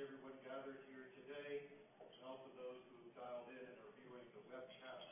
Okay. I want to thank everyone gathered here today, and also those who have dialed in and are viewing the webcast.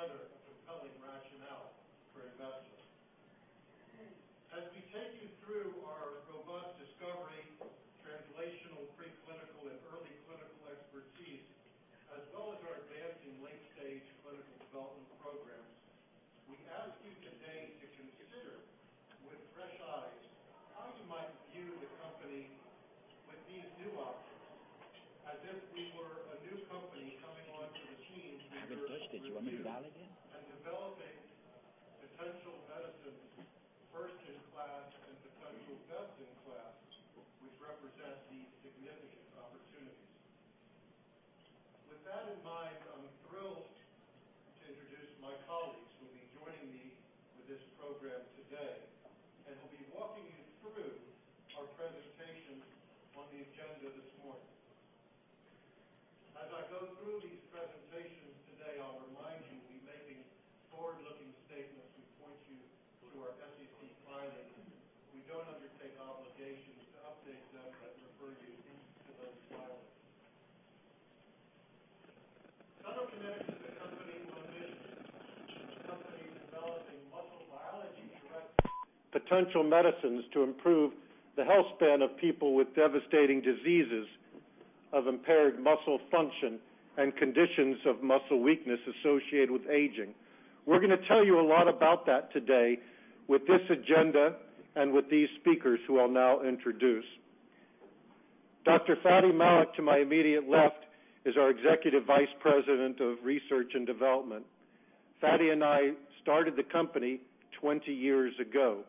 rights, responsibilities, I'm thrilled to introduce my colleagues who will be joining me for this program today and who'll be walking you through our presentations on the agenda this morning. As I go through these presentations today, I'll remind you we'll be making forward-looking statements. We point you to our SEC filings. We don't undertake obligations to update them and refer you to those filings. Cytokinetics is a company with a mission. It's a company developing muscle biology-directed potential medicines to improve the health span of people with devastating diseases of impaired muscle function and conditions of muscle weakness associated with aging. We're going to tell you a lot about that today with this agenda and with these speakers who I'll now introduce. Dr. Fady Malik to my immediate left is our Executive Vice President of Research and Development. Fady and I started the company 20 years ago.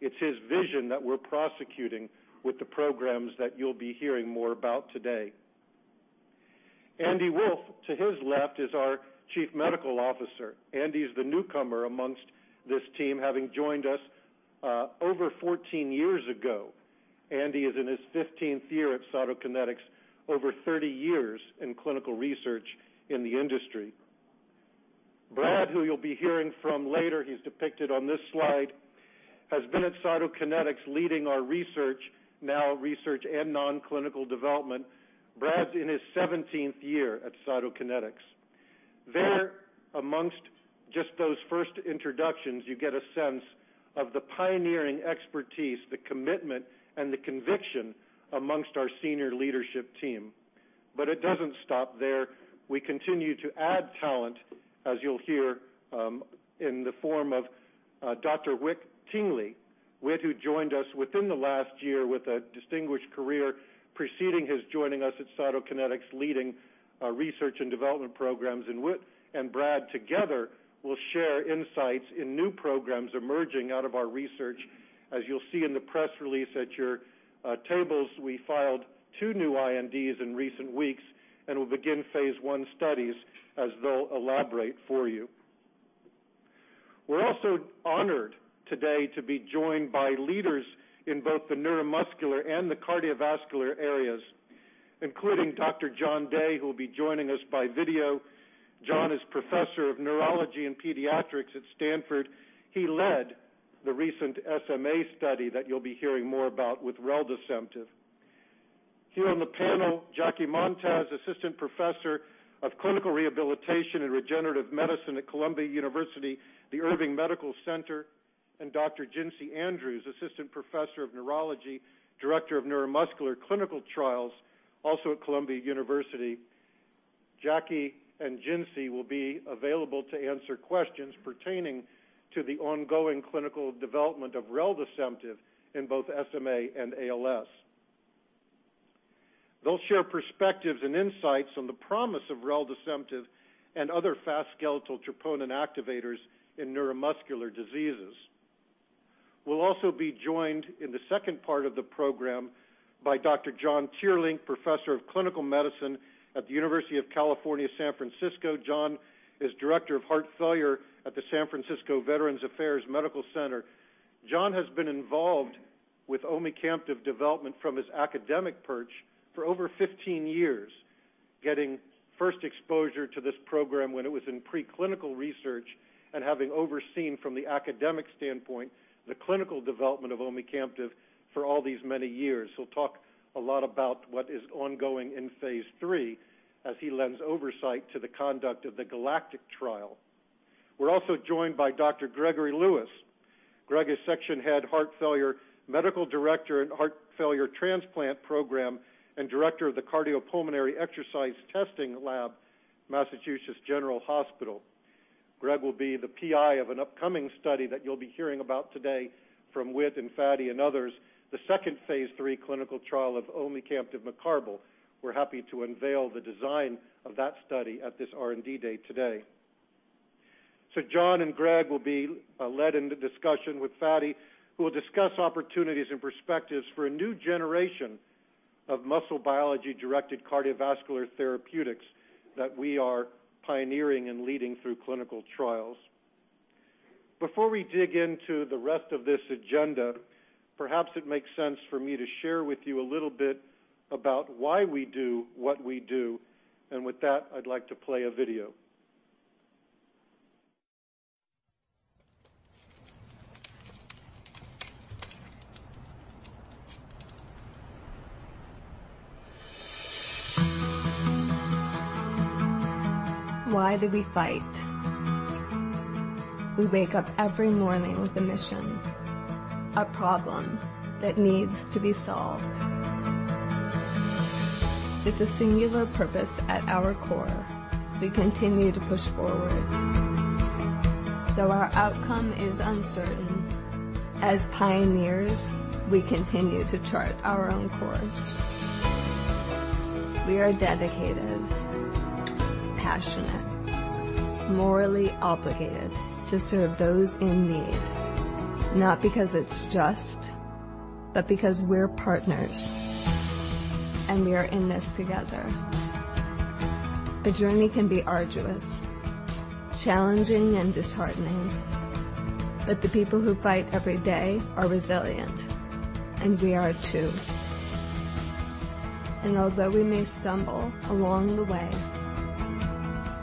It's his vision that we're prosecuting with the programs that you'll be hearing more about today. Andy Wolff, to his left is our Chief Medical Officer. Andy's the newcomer amongst this team, having joined us over 14 years ago. Andy is in his 15th year at Cytokinetics, over 30 years in clinical research in the industry. Brad, who you'll be hearing from later, he's depicted on this slide, has been at Cytokinetics leading our research, now research and non-clinical development. Brad's in his 17th year at Cytokinetics. There amongst just those first introductions, you get a sense of the pioneering expertise, the commitment, and the conviction amongst our senior leadership team. It doesn't stop there. We continue to add talent, as you'll hear, in the form of Dr. Whit Tingley. Whit, who joined us within the last year with a distinguished career preceding his joining us at Cytokinetics, leading our research and development programs. Whit and Brad together will share insights in new programs emerging out of our research. As you'll see in the press release at your tables, we filed two new INDs in recent weeks, we'll begin phase I studies, as they'll elaborate for you. We're also honored today to be joined by leaders in both the neuromuscular and the cardiovascular areas, including Dr. John Day, who will be joining us by video. John is Professor of Neurology and Pediatrics at Stanford. He led the recent SMA study that you'll be hearing more about with reldesemtiv. Here on the panel, Jackie Montes, Assistant Professor of Clinical Rehabilitation and Regenerative Medicine at Columbia University Irving Medical Center, and Dr. Jinsy Andrews, Assistant Professor of Neurology, Director of Neuromuscular Clinical Trials, also at Columbia University. Jackie and Jinsy will be available to answer questions pertaining to the ongoing clinical development of reldesemtiv in both SMA and ALS. They'll share perspectives and insights on the promise of reldesemtiv and other fast skeletal troponin activators in neuromuscular diseases. We'll also be joined in the 2nd part of the program by Dr. John Teerlink, Professor of Clinical Medicine at the University of California, San Francisco. John is Director of Heart Failure at the San Francisco VA Medical Center. John has been involved with omecamtiv development from his academic perch for over 15 years, getting first exposure to this program when it was in pre-clinical research, and having overseen from the academic standpoint, the clinical development of omecamtiv for all these many years. He'll talk a lot about what is ongoing in phase III as he lends oversight to the conduct of the GALACTIC trial. We're also joined by Dr. Gregory Lewis. Greg is Section Head Heart Failure, Medical Director in Heart Failure Transplant Program, and Director of the Cardiopulmonary Exercise Testing Lab, Massachusetts General Hospital. Greg will be the PI of an upcoming study that you'll be hearing about today from Whit and Fady and others, the 2nd phase III clinical trial of omecamtiv mecarbil. We're happy to unveil the design of that study at this R&D day today. John and Greg will be led into discussion with Fady, who will discuss opportunities and perspectives for a new generation of muscle biology-directed cardiovascular therapeutics that we are pioneering and leading through clinical trials. Before we dig into the rest of this agenda, perhaps it makes sense for me to share with you a little bit about why we do what we do, and with that, I'd like to play a video. Why do we fight? We wake up every morning with a mission, a problem that needs to be solved. With a singular purpose at our core, we continue to push forward. Though our outcome is uncertain, as pioneers, we continue to chart our own course. We are dedicated, passionate, morally obligated to serve those in need, not because it's just, but because we're partners, and we are in this together. A journey can be arduous, challenging, and disheartening, but the people who fight every day are resilient, and we are, too. Although we may stumble along the way,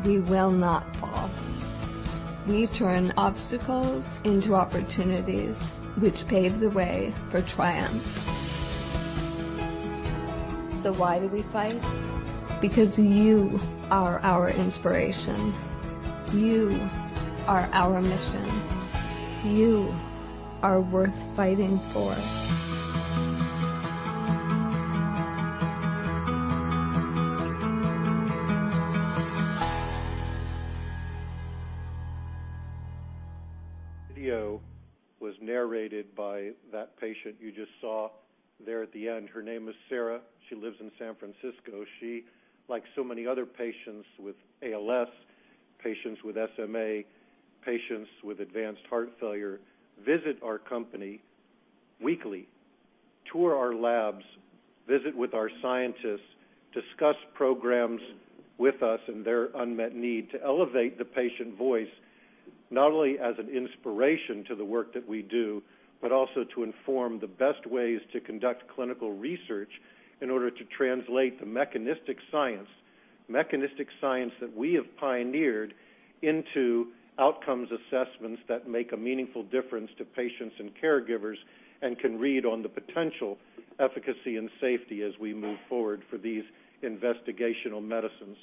we will not fall. We turn obstacles into opportunities, which paves the way for triumph. Why do we fight? Because you are our inspiration. You are our mission. You are worth fighting for. Video was narrated by that patient you just saw there at the end. Her name is Sarah. She lives in San Francisco. She, like so many other patients with ALS, patients with SMA, patients with advanced heart failure, visit our company weekly, tour our labs, visit with our scientists, discuss programs with us, and their unmet need to elevate the patient voice, not only as an inspiration to the work that we do, but also to inform the best ways to conduct clinical research in order to translate the mechanistic science that we have pioneered into outcomes assessments that make a meaningful difference to patients and caregivers, and can read on the potential efficacy and safety as we move forward for these investigational medicines.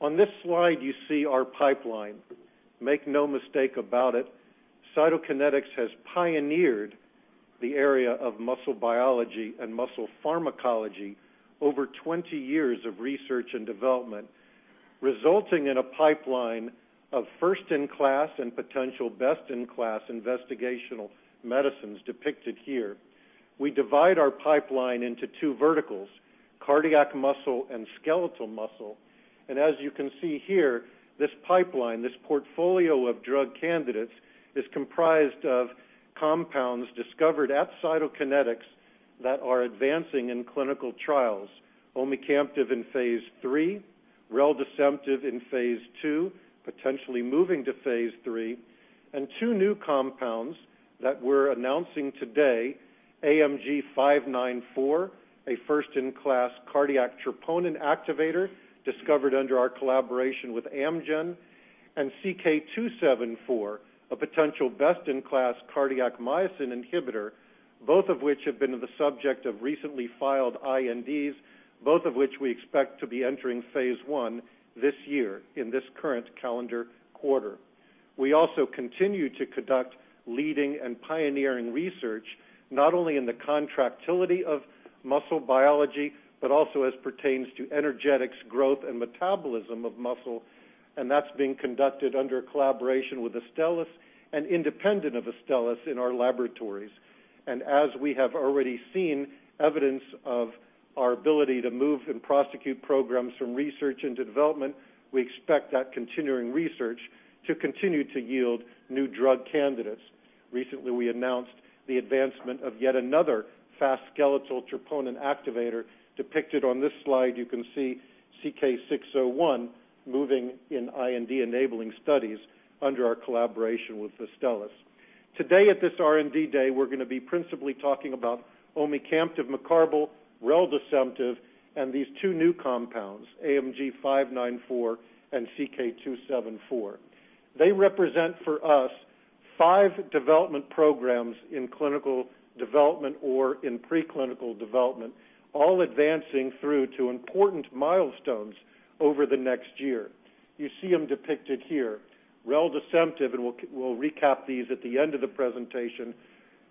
On this slide, you see our pipeline. Make no mistake about it, Cytokinetics has pioneered the area of muscle biology and muscle pharmacology over 20 years of research and development, resulting in a pipeline of first-in-class and potential best-in-class investigational medicines depicted here. We divide our pipeline into two verticals, cardiac muscle and skeletal muscle. As you can see here, this pipeline, this portfolio of drug candidates, is comprised of compounds discovered at Cytokinetics that are advancing in clinical trials. Omecamtiv in phase III, reldesemtiv in phase II, potentially moving to phase III. Two new compounds that we're announcing today, AMG 594, a first-in-class cardiac troponin activator discovered under our collaboration with Amgen, and CK-274, a potential best-in-class cardiac myosin inhibitor, both of which have been the subject of recently filed INDs, both of which we expect to be entering phase I this year, in this current calendar quarter. We also continue to conduct leading and pioneering research, not only in the contractility of muscle biology, but also as pertains to energetics growth and metabolism of muscle. That's being conducted under a collaboration with Astellas and independent of Astellas in our laboratories. As we have already seen evidence of our ability to move and prosecute programs from research into development, we expect that continuing research to continue to yield new drug candidates. Recently, we announced the advancement of yet another fast skeletal troponin activator depicted on this slide. You can see CK-601 moving in IND-enabling studies under our collaboration with Astellas. Today at this R&D day, we're going to be principally talking about omecamtiv mecarbil, reldesemtiv, and these two new compounds, AMG 594 and CK-274. They represent for us five development programs in clinical development or in pre-clinical development, all advancing through to important milestones over the next year. You see them depicted here. Reldesemtiv, we'll recap these at the end of the presentation,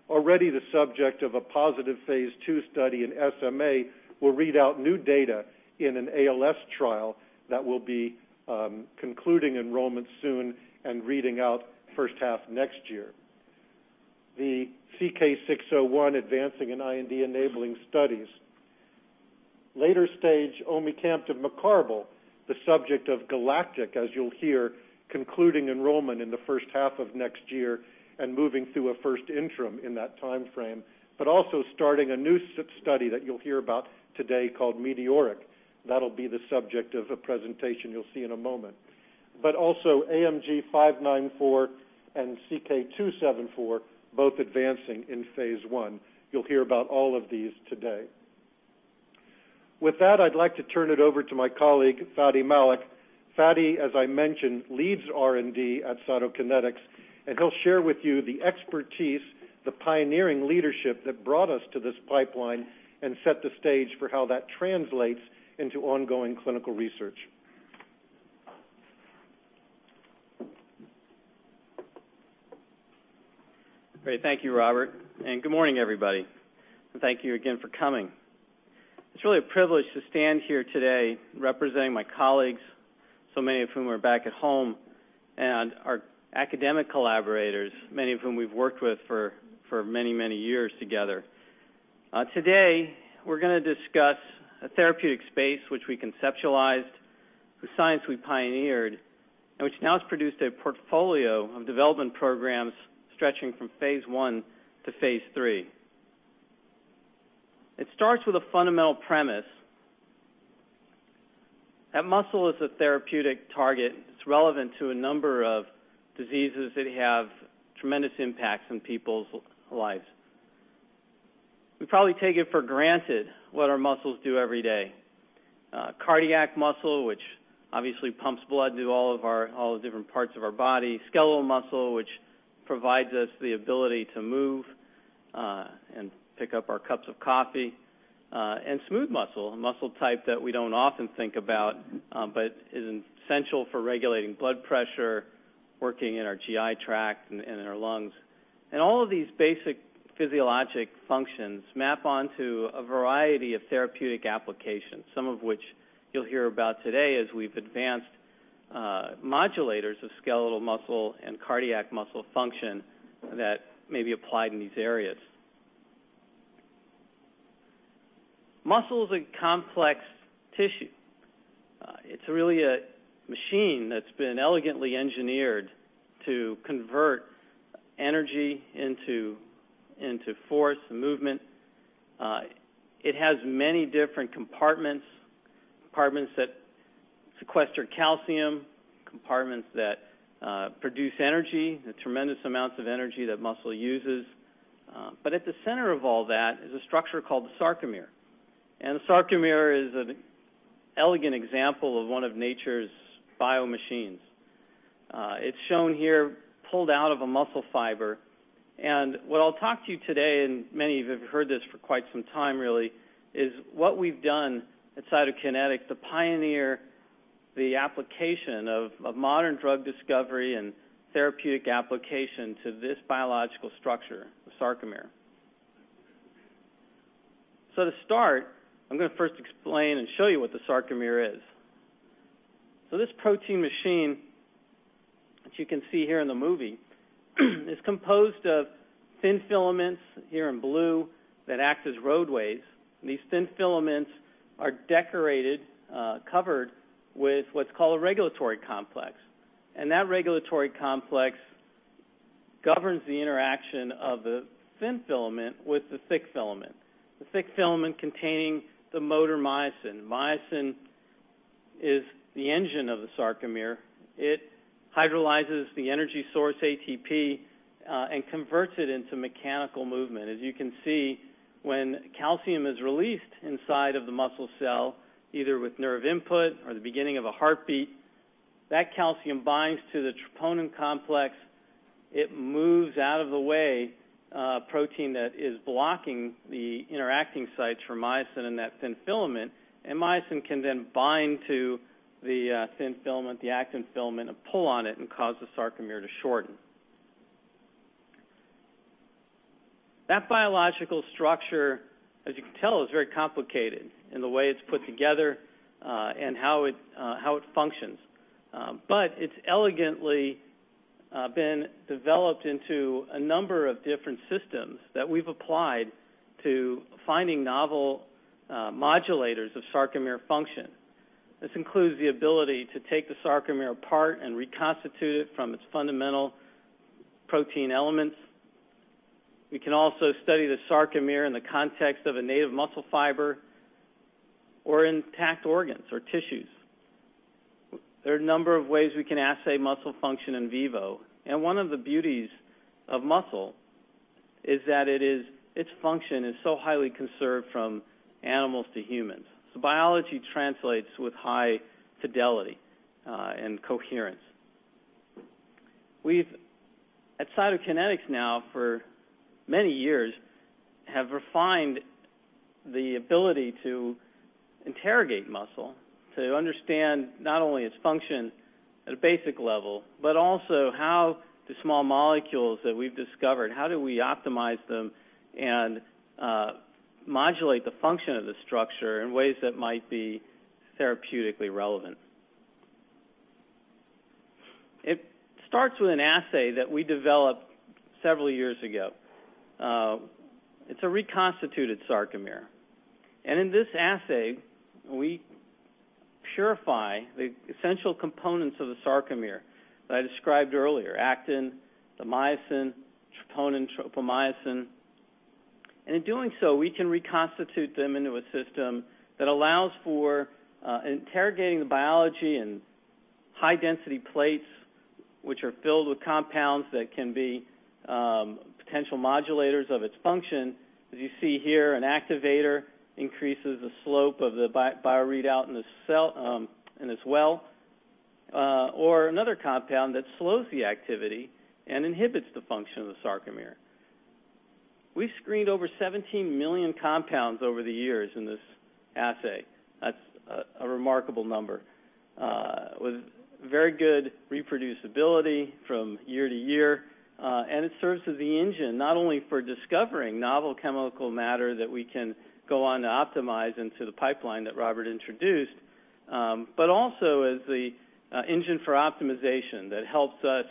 already the subject of a positive phase II study in SMA, will read out new data in an ALS trial that will be concluding enrollment soon and reading out first half next year. The CK-601 advancing in IND-enabling studies. Later stage omecamtiv mecarbil, the subject of GALACTIC, as you'll hear, concluding enrollment in the first half of next year and moving through a first interim in that timeframe. Also starting a new study that you'll hear about today called METEORIC. That'll be the subject of a presentation you'll see in a moment. Also AMG 594 and CK-274, both advancing in phase I. You'll hear about all of these today. With that, I'd like to turn it over to my colleague, Fady Malik. Fady, as I mentioned, leads R&D at Cytokinetics, he'll share with you the expertise, the pioneering leadership that brought us to this pipeline and set the stage for how that translates into ongoing clinical research. Great. Thank you, Robert, good morning, everybody. Thank you again for coming. It's really a privilege to stand here today representing my colleagues, so many of whom are back at home, and our academic collaborators, many of whom we've worked with for many, many years together. Today, we're going to discuss a therapeutic space which we conceptualized, the science we pioneered, and which now has produced a portfolio of development programs stretching from phase I to phase III. It starts with a fundamental premise that muscle is a therapeutic target. It's relevant to a number of diseases that have tremendous impacts on people's lives. We probably take it for granted what our muscles do every day. Cardiac muscle, which obviously pumps blood to all the different parts of our body, skeletal muscle, which provides us the ability to move and pick up our cups of coffee, and smooth muscle, a muscle type that we don't often think about but is essential for regulating blood pressure, working in our GI tract and in our lungs. All of these basic physiologic functions map onto a variety of therapeutic applications, some of which you'll hear about today as we've advanced modulators of skeletal muscle and cardiac muscle function that may be applied in these areas. Muscle is a complex tissue. It's really a machine that's been elegantly engineered to convert energy into force and movement. It has many different compartments that sequester calcium, compartments that produce energy, the tremendous amounts of energy that muscle uses. At the center of all that is a structure called the sarcomere. The sarcomere is an elegant example of one of nature's bio-machines. It's shown here pulled out of a muscle fiber. What I'll talk to you today, and many of you have heard this for quite some time really, is what we've done at Cytokinetics to pioneer the application of modern drug discovery and therapeutic application to this biological structure, the sarcomere. To start, I'm going to first explain and show you what the sarcomere is. This protein machine that you can see here in the movie is composed of thin filaments, here in blue, that act as roadways. These thin filaments are decorated, covered with what's called a regulatory complex. That regulatory complex governs the interaction of the thin filament with the thick filament. The thick filament containing the motor myosin. Myosin is the engine of the sarcomere. It hydrolyzes the energy source ATP and converts it into mechanical movement. As you can see, when calcium is released inside of the muscle cell, either with nerve input or the beginning of a heartbeat, that calcium binds to the troponin complex. It moves out of the way a protein that is blocking the interacting sites for myosin and that thin filament, and myosin can then bind to the thin filament, the actin filament, and pull on it and cause the sarcomere to shorten. That biological structure, as you can tell, is very complicated in the way it's put together and how it functions. It's elegantly been developed into a number of different systems that we've applied to finding novel modulators of sarcomere function. This includes the ability to take the sarcomere apart and reconstitute it from its fundamental protein elements. We can also study the sarcomere in the context of a native muscle fiber or intact organs or tissues. There are a number of ways we can assay muscle function in vivo. One of the beauties of muscle is that its function is so highly conserved from animals to humans. Biology translates with high fidelity and coherence. We've, at Cytokinetics now for many years, have refined the ability to interrogate muscle to understand not only its function at a basic level, but also how the small molecules that we've discovered, how do we optimize them and modulate the function of the structure in ways that might be therapeutically relevant. It starts with an assay that we developed several years ago. It's a reconstituted sarcomere. In this assay, we purify the essential components of the sarcomere that I described earlier, actin, the myosin, troponin, tropomyosin. In doing so, we can reconstitute them into a system that allows for interrogating the biology and high density plates, which are filled with compounds that can be potential modulators of its function. As you see here, an activator increases the slope of the bio readout in this well, or another compound that slows the activity and inhibits the function of the sarcomere. We've screened over 17 million compounds over the years in this assay. That's a remarkable number. With very good reproducibility from year to year, and it serves as the engine, not only for discovering novel chemical matter that we can go on to optimize into the pipeline that Robert introduced, but also as the engine for optimization that helps us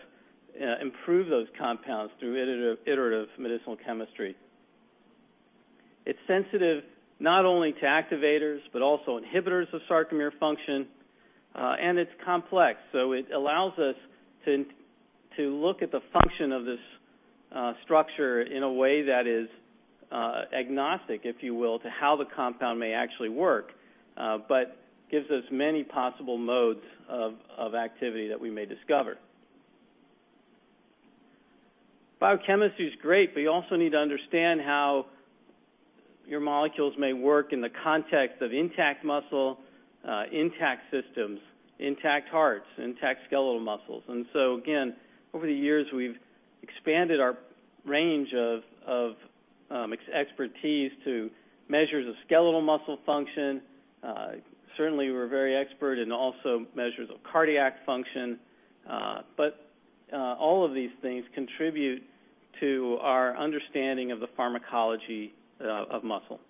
improve those compounds through iterative medicinal chemistry. It's sensitive not only to activators, but also inhibitors of sarcomere function, and it's complex. It allows us to look at the function of this structure in a way that is agnostic, if you will, to how the compound may actually work, but gives us many possible modes of activity that we may discover. Biochemistry is great, but you also need to understand how your molecules may work in the context of intact muscle, intact systems, intact hearts, intact skeletal muscles. Again, over the years, we've expanded our range of expertise to measures of skeletal muscle function. Certainly, we're very expert in also measures of cardiac function. All of these things contribute to our understanding of the pharmacology of muscle.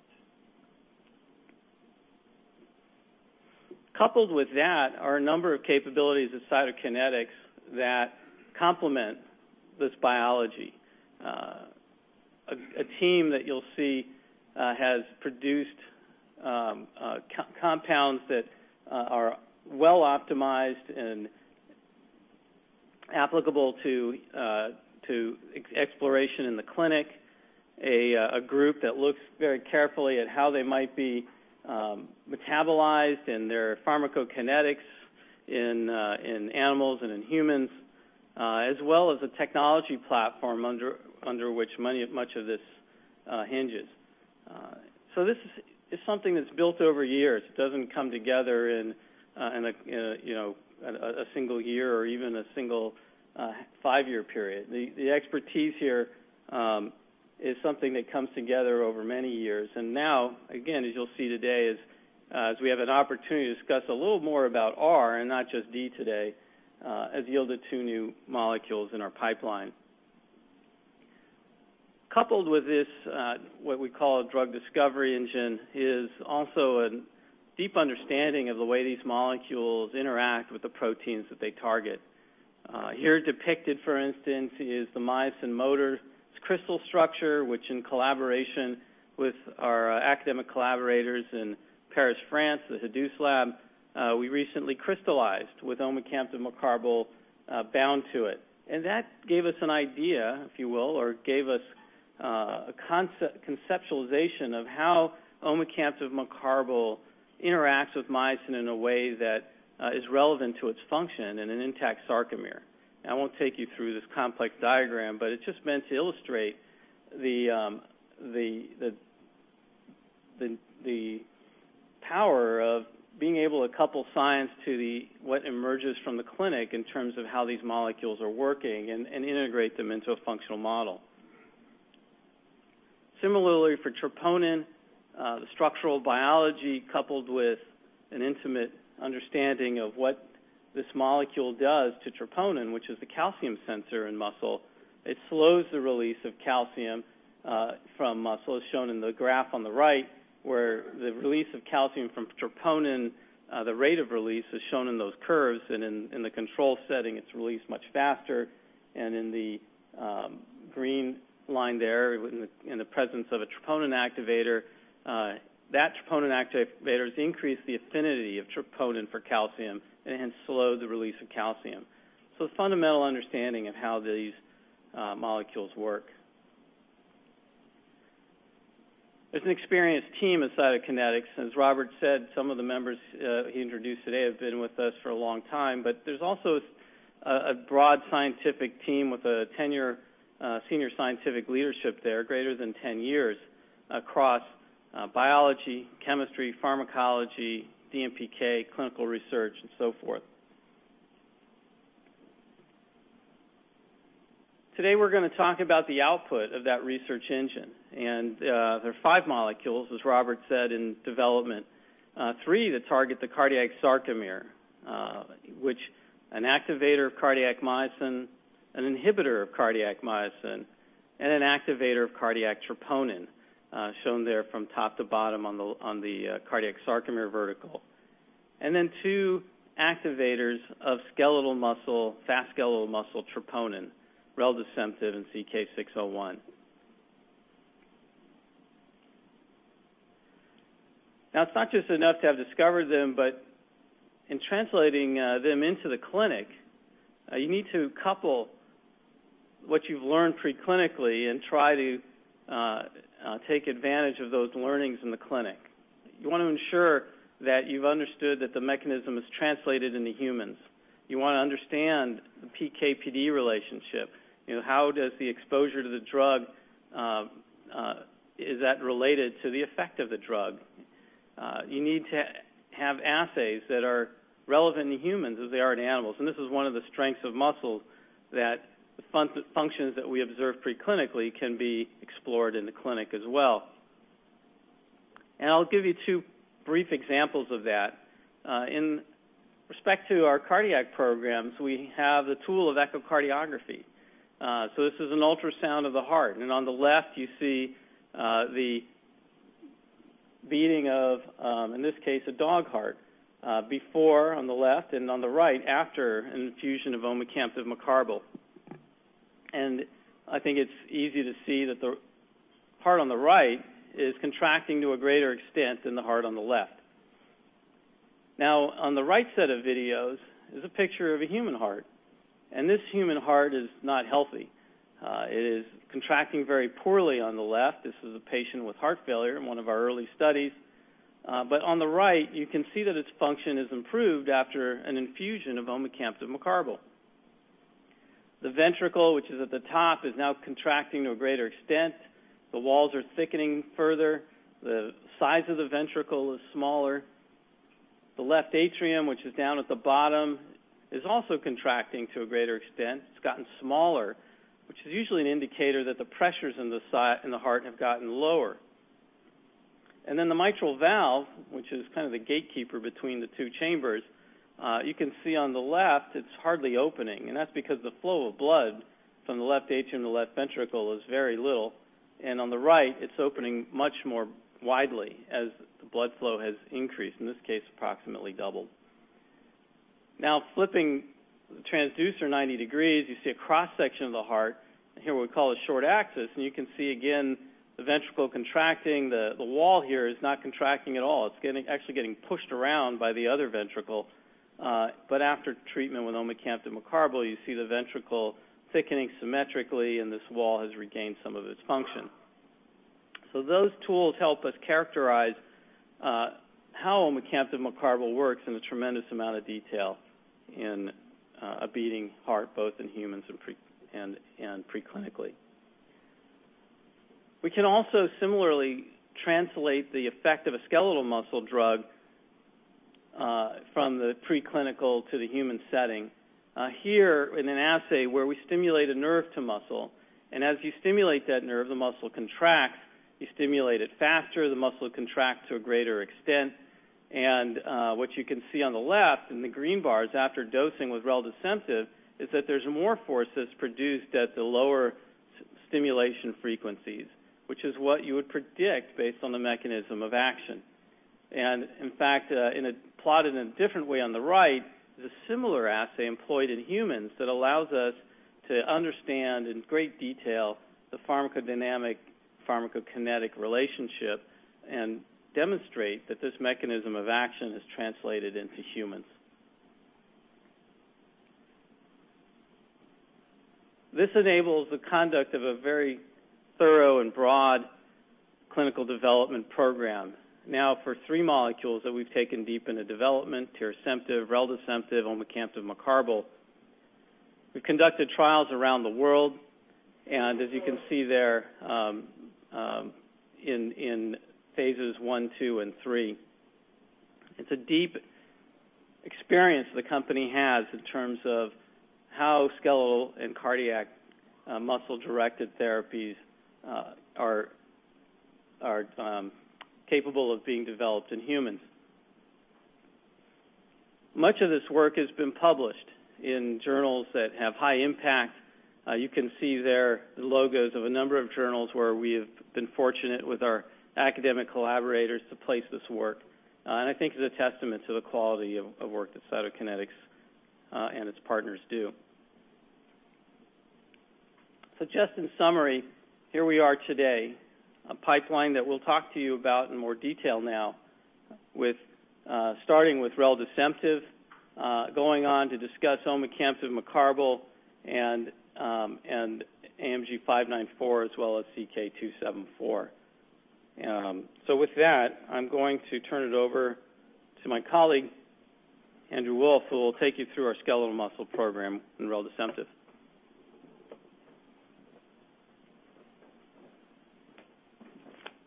Coupled with that are a number of capabilities at Cytokinetics that complement this biology. A team that you'll see has produced compounds that are well optimized and applicable to exploration in the clinic, a group that looks very carefully at how they might be metabolized in their pharmacokinetics in animals and in humans, as well as a technology platform under which much of this hinges. This is something that's built over years. It doesn't come together in a single year or even a single five-year period. The expertise here is something that comes together over many years. Now, again, as you'll see today, as we have an opportunity to discuss a little more about R and not just D today, has yielded two new molecules in our pipeline. Coupled with this, what we call a drug discovery engine, is also a deep understanding of the way these molecules interact with the proteins that they target. Here depicted, for instance, is the myosin motor. Its crystal structure, which in collaboration with our academic collaborators in Paris, France, the Houdusse Lab, we recently crystallized with omecamtiv mecarbil bound to it. That gave us an idea, if you will, or gave us a conceptualization of how omecamtiv mecarbil interacts with myosin in a way that is relevant to its function in an intact sarcomere. I won't take you through this complex diagram, but it's just meant to illustrate the power of being able to couple science to what emerges from the clinic in terms of how these molecules are working and integrate them into a functional model. Similarly, for troponin, the structural biology coupled with an intimate understanding of what this molecule does to troponin, which is the calcium sensor in muscle. It slows the release of calcium from muscle, as shown in the graph on the right, where the release of calcium from troponin, the rate of release, is shown in those curves. In the control setting, it's released much faster. In the green line there, in the presence of a troponin activator, that troponin activator has increased the affinity of troponin for calcium and hence slowed the release of calcium. A fundamental understanding of how these molecules work. There's an experienced team inside of Cytokinetics. As Robert said, some of the members he introduced today have been with us for a long time. There's also a broad scientific team with a tenure, senior scientific leadership there, greater than 10 years, across biology, chemistry, pharmacology, DMPK, clinical research, and so forth. Today, we're going to talk about the output of that research engine. There are five molecules, as Robert said, in development. Three that target the cardiac sarcomere which an activator of cardiac myosin, an inhibitor of cardiac myosin, and an activator of cardiac troponin, shown there from top to bottom on the cardiac sarcomere vertical. Then two activators of fast skeletal muscle troponin, reldesemtiv and CK-601. It's not just enough to have discovered them, but in translating them into the clinic, you need to couple what you've learned preclinically and try to take advantage of those learnings in the clinic. You want to ensure that you've understood that the mechanism is translated into humans. You want to understand the PK/PD relationship. How does the exposure to the drug, is that related to the effect of the drug? You need to have assays that are relevant in humans as they are in animals. This is one of the strengths of muscle, that the functions that we observe preclinically can be explored in the clinic as well. I'll give you two brief examples of that. In respect to our cardiac programs, we have the tool of echocardiography. This is an ultrasound of the heart. On the left, you see the beating of, in this case, a dog heart before, on the left, and on the right, after an infusion of omecamtiv mecarbil. I think it's easy to see that the heart on the right is contracting to a greater extent than the heart on the left. On the right set of videos is a picture of a human heart, and this human heart is not healthy. It is contracting very poorly on the left. This is a patient with heart failure in one of our early studies. On the right, you can see that its function is improved after an infusion of omecamtiv mecarbil. The ventricle, which is at the top, is now contracting to a greater extent. The walls are thickening further. The size of the ventricle is smaller. The left atrium, which is down at the bottom, is also contracting to a greater extent. It's gotten smaller, which is usually an indicator that the pressures in the heart have gotten lower. Then the mitral valve, which is the gatekeeper between the two chambers, you can see on the left, it's hardly opening. That's because the flow of blood from the left atrium to the left ventricle is very little. On the right, it's opening much more widely as the blood flow has increased, in this case, approximately doubled. Flipping the transducer 90 degrees, you see a cross-section of the heart in what we call a short axis. You can see, again, the ventricle contracting. The wall here is not contracting at all. It's actually getting pushed around by the other ventricle. After treatment with omecamtiv mecarbil, you see the ventricle thickening symmetrically, and this wall has regained some of its function. Those tools help us characterize how omecamtiv mecarbil works in a tremendous amount of detail in a beating heart, both in humans and preclinically. We can also similarly translate the effect of a skeletal muscle drug from the preclinical to the human setting. Here, in an assay where we stimulate a nerve to muscle, as you stimulate that nerve, the muscle contracts. You stimulate it faster, the muscle contracts to a greater extent. What you can see on the left in the green bars after dosing with reldesemtiv is that there's more force that's produced at the lower stimulation frequencies, which is what you would predict based on the mechanism of action. In fact, plotted in a different way on the right, is a similar assay employed in humans that allows us to understand in great detail the pharmacodynamic/pharmacokinetic relationship and demonstrate that this mechanism of action has translated into humans. This enables the conduct of a very thorough and broad clinical development program. For three molecules that we've taken deep into development, tirasemtiv, reldesemtiv, omecamtiv mecarbil. We've conducted trials around the world, as you can see there, in phases I, II, and III. It's a deep experience the company has in terms of how skeletal and cardiac muscle-directed therapies are capable of being developed in humans. Much of this work has been published in journals that have high impact. You can see there the logos of a number of journals where we have been fortunate with our academic collaborators to place this work, and I think it's a testament to the quality of work that Cytokinetics and its partners do. Just in summary, here we are today, a pipeline that we'll talk to you about in more detail now starting with reldesemtiv, going on to discuss omecamtiv mecarbil, and AMG 594, as well as CK-274. With that, I'm going to turn it over to my colleague, Andrew Wolff, who will take you through our skeletal muscle program in reldesemtiv.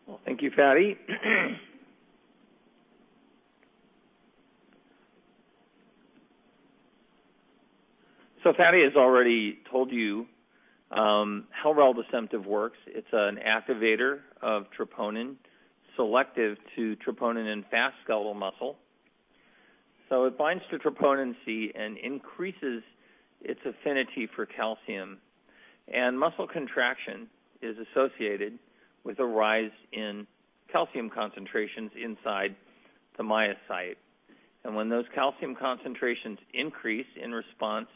Well, thank you, Fady. Fady has already told you how reldesemtiv works. It's an activator of troponin selective to troponin in fast skeletal muscle. It binds to troponin C and increases its affinity for calcium, and muscle contraction is associated with a rise in calcium concentrations inside the myocyte. When those calcium concentrations increase in response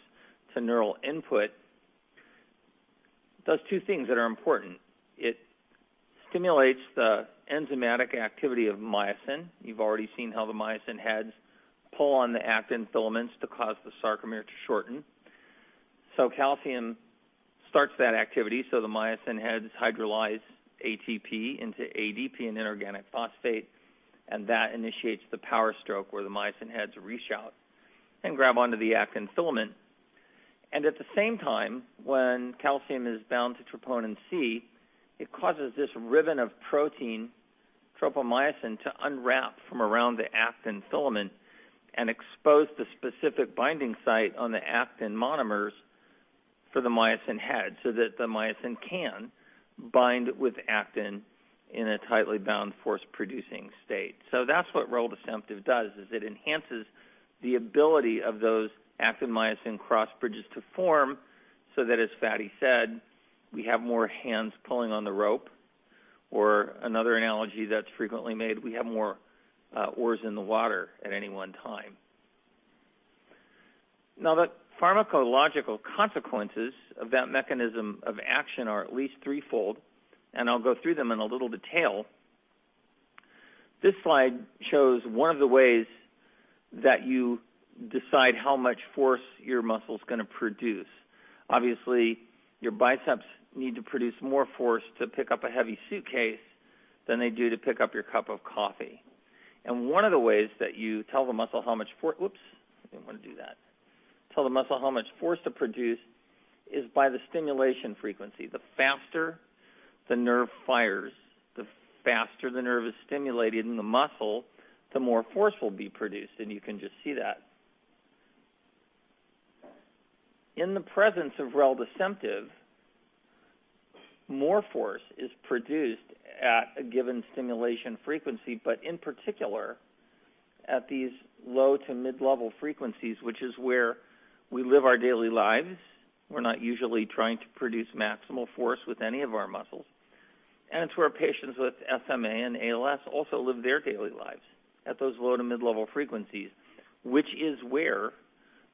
to neural input, it does two things that are important. It stimulates the enzymatic activity of myosin. You've already seen how the myosin heads pull on the actin filaments to cause the sarcomere to shorten. Calcium starts that activity, the myosin heads hydrolyze ATP into ADP and inorganic phosphate, and that initiates the power stroke, where the myosin heads reach out and grab onto the actin filament. At the same time, when calcium is bound to troponin C, it causes this ribbon of protein tropomyosin to unwrap from around the actin filament and expose the specific binding site on the actin monomers for the myosin head so that the myosin can bind with actin in a tightly bound force-producing state. That's what reldesemtiv does is it enhances the ability of those actin-myosin cross bridges to form so that, as Fady said, we have more hands pulling on the rope, or another analogy that's frequently made, we have more oars in the water at any one time. The pharmacological consequences of that mechanism of action are at least threefold, and I'll go through them in a little detail. This slide shows one of the ways that you decide how much force your muscle's going to produce. Obviously, your biceps need to produce more force to pick up a heavy suitcase than they do to pick up your cup of coffee. One of the ways that you tell the muscle how much force to produce is by the stimulation frequency. The faster the nerve fires, the faster the nerve is stimulated in the muscle, the more force will be produced, and you can just see that. In the presence of reldesemtiv, more force is produced at a given stimulation frequency, but in particular, at these low to mid-level frequencies, which is where we live our daily lives. We're not usually trying to produce maximal force with any of our muscles, it's where patients with SMA and ALS also live their daily lives, at those low to mid-level frequencies, which is where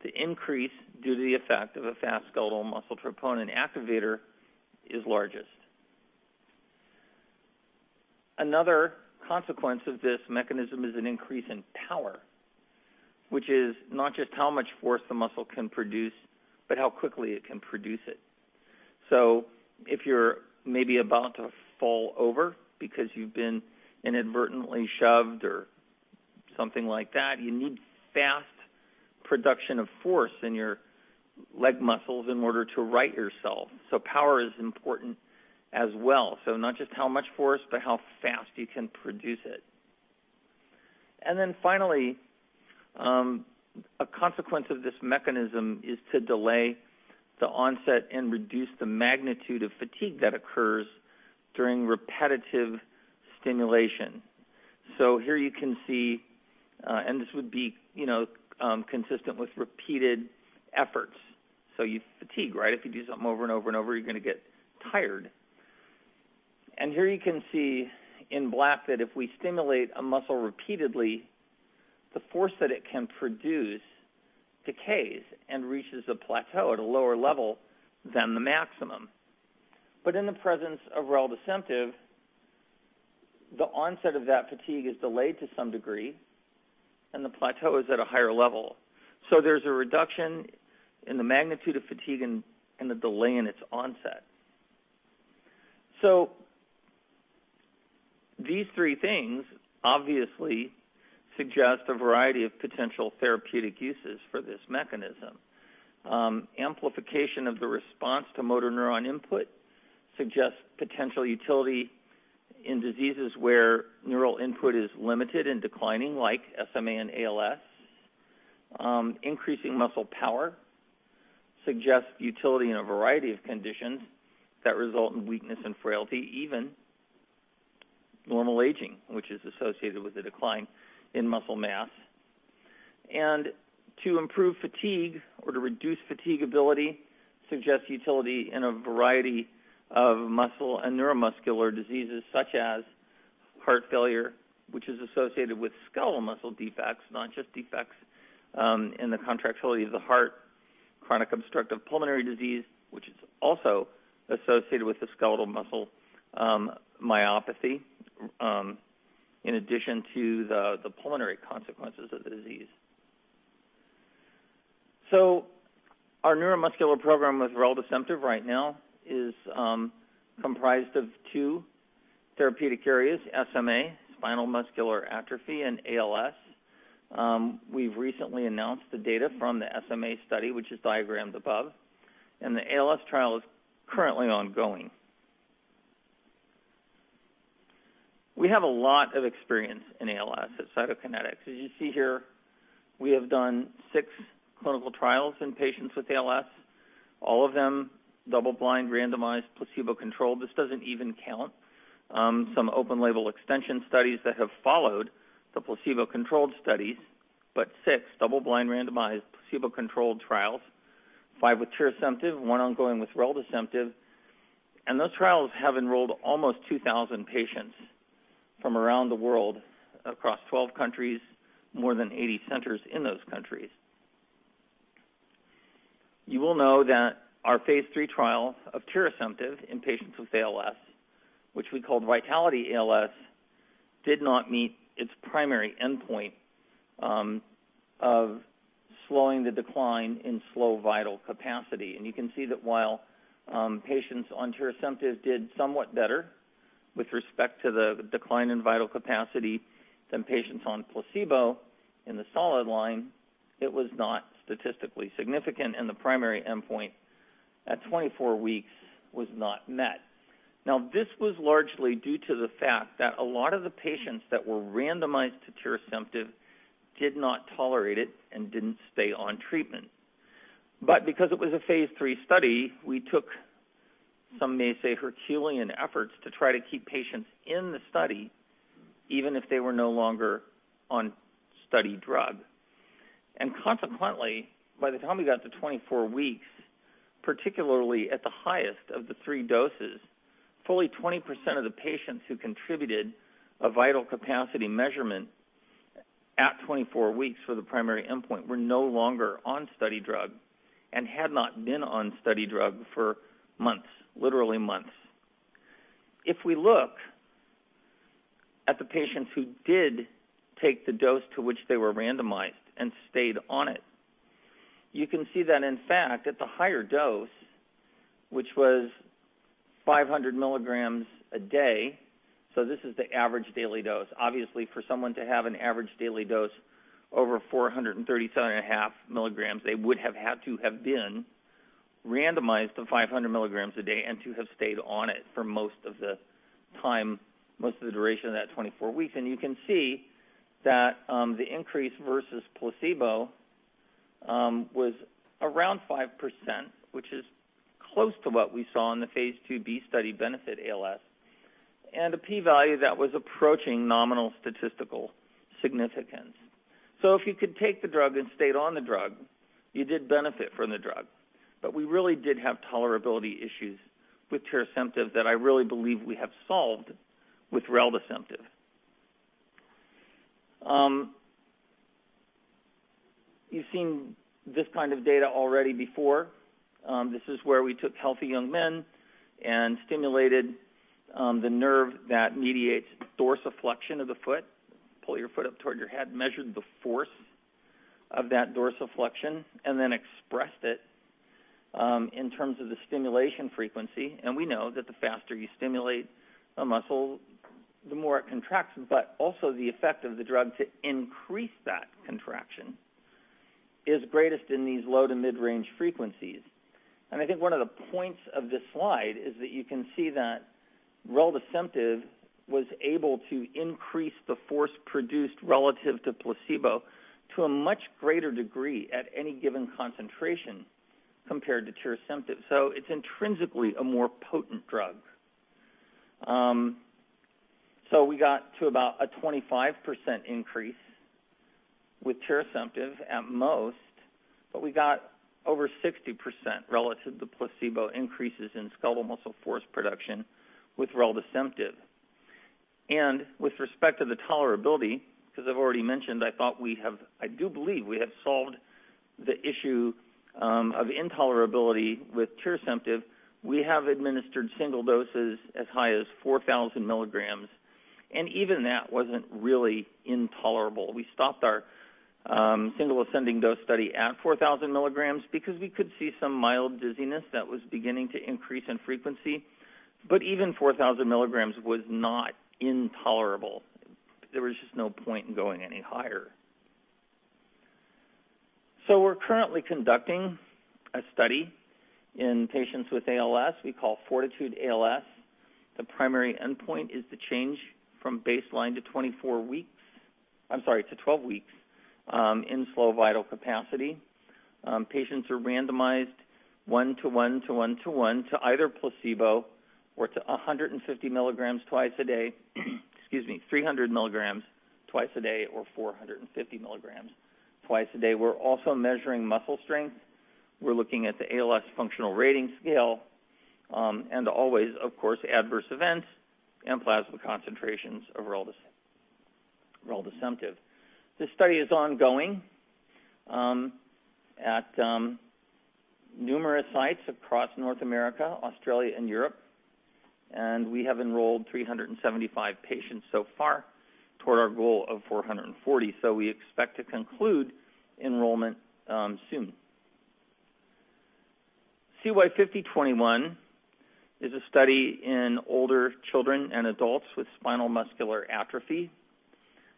the increase due to the effect of a fast skeletal muscle troponin activator is largest. Another consequence of this mechanism is an increase in power, which is not just how much force the muscle can produce, but how quickly it can produce it. If you're maybe about to fall over because you've been inadvertently shoved or something like that, you need fast production of force in your leg muscles in order to right yourself. Power is important as well. Not just how much force, but how fast you can produce it. Finally, a consequence of this mechanism is to delay the onset and reduce the magnitude of fatigue that occurs during repetitive stimulation. Here you can see, and this would be consistent with repeated efforts. You fatigue, right? If you do something over and over and over, you're going to get tired. Here you can see in black that if we stimulate a muscle repeatedly, the force that it can produce decays and reaches a plateau at a lower level than the maximum. In the presence of reldesemtiv, the onset of that fatigue is delayed to some degree, and the plateau is at a higher level. There's a reduction in the magnitude of fatigue and a delay in its onset. These three things obviously suggest a variety of potential therapeutic uses for this mechanism. Amplification of the response to motor neuron input suggests potential utility in diseases where neural input is limited and declining, like SMA and ALS. Increasing muscle power suggests utility in a variety of conditions that result in weakness and frailty, even normal aging, which is associated with a decline in muscle mass. To improve fatigue or to reduce fatiguability suggests utility in a variety of muscle and neuromuscular diseases, such as heart failure, which is associated with skeletal muscle defects, not just defects in the contractility of the heart. Chronic obstructive pulmonary disease, which is also associated with the skeletal muscle myopathy, in addition to the pulmonary consequences of the disease. Our neuromuscular program with reldesemtiv right now is comprised of two therapeutic areas, SMA, spinal muscular atrophy, and ALS. We've recently announced the data from the SMA study, which is diagrammed above. The ALS trial is currently ongoing. We have a lot of experience in ALS at Cytokinetics. As you see here, we have done six clinical trials in patients with ALS, all of them double-blind, randomized, placebo-controlled. This doesn't even count some open label extension studies that have followed the placebo-controlled studies. Six double-blind, randomized, placebo-controlled trials, five with tirasemtiv, one ongoing with reldesemtiv. Those trials have enrolled almost 2,000 patients from around the world across 12 countries, more than 80 centers in those countries. You will know that our phase III trial of tirasemtiv in patients with ALS, which we called VITALITY-ALS, did not meet its primary endpoint of slowing the decline in slow vital capacity. You can see that while patients on tirasemtiv did somewhat better with respect to the decline in vital capacity than patients on placebo in the solid line, it was not statistically significant, and the primary endpoint at 24 weeks was not met. This was largely due to the fact that a lot of the patients that were randomized to tirasemtiv did not tolerate it and didn't stay on treatment. Because it was a phase III study, we took, some may say, Herculean efforts to try to keep patients in the study, even if they were no longer on study drug. Consequently, by the time we got to 24 weeks, particularly at the highest of the three doses, fully 20% of the patients who contributed a vital capacity measurement at 24 weeks for the primary endpoint were no longer on study drug and had not been on study drug for months. Literally months. If we look at the patients who did take the dose to which they were randomized and stayed on it, you can see that in fact, at the higher dose, which was 500 milligrams a day, so this is the average daily dose. Obviously, for someone to have an average daily dose over 437.5 milligrams, they would have had to have been randomized to 500 milligrams a day and to have stayed on it for most of the time, most of the duration of that 24 weeks. You can see that the increase versus placebo was around 5%, which is close to what we saw in the phase II-B study BENEFIT-ALS, and a P value that was approaching nominal statistical significance. So if you could take the drug and stayed on the drug, you did benefit from the drug. But we really did have tolerability issues with tirasemtiv that I really believe we have solved with reldesemtiv. You've seen this kind of data already before. This is where we took healthy young men and stimulated the nerve that mediates dorsiflexion of the foot. Pull your foot up toward your head, measured the force of that dorsiflexion, and then expressed it in terms of the stimulation frequency. We know that the faster you stimulate a muscle, the more it contracts, but also the effect of the drug to increase that contraction is greatest in these low to mid-range frequencies. I think one of the points of this slide is that you can see that reldesemtiv was able to increase the force produced relative to placebo to a much greater degree at any given concentration compared to tirasemtiv. So it's intrinsically a more potent drug. We got to about a 25% increase with tirasemtiv at most, but we got over 60% relative to placebo increases in skeletal muscle force production with reldesemtiv. With respect to the tolerability, because I've already mentioned I do believe we have solved the issue of intolerability with tirasemtiv. We have administered single doses as high as 4,000 milligrams, and even that wasn't really intolerable. We stopped our single ascending dose study at 4,000 milligrams because we could see some mild dizziness that was beginning to increase in frequency. Even 4,000 milligrams was not intolerable. There was just no point in going any higher. We're currently conducting a study in patients with ALS we call FORTITUDE-ALS. The primary endpoint is the change from baseline to 24 weeks, I'm sorry, to 12 weeks, in slow vital capacity. Patients are randomized one to one, to one to one, to either placebo or to 150 milligrams twice a day, excuse me, 300 milligrams twice a day, or 450 milligrams twice a day. We're also measuring muscle strength. We're looking at the ALS Functional Rating Scale, and always, of course, adverse events and plasma concentrations of reldesemtiv. This study is ongoing at numerous sites across North America, Australia, and Europe. We have enrolled 375 patients so far toward our goal of 440. We expect to conclude enrollment soon. CY5021 is a study in older children and adults with spinal muscular atrophy.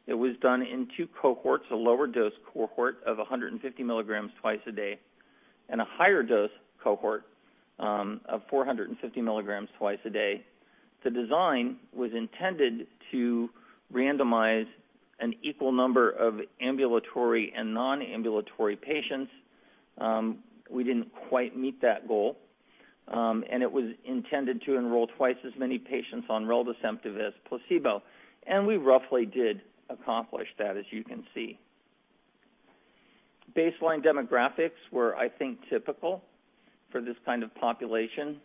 It was done in two cohorts, a lower dose cohort of 150 milligrams twice a day, and a higher dose cohort of 450 milligrams twice a day. The design was intended to randomize an equal number of ambulatory and non-ambulatory patients. We didn't quite meet that goal. It was intended to enroll twice as many patients on reldesemtiv as placebo. We roughly did accomplish that, as you can see. Baseline demographics were, I think, typical for this kind of population.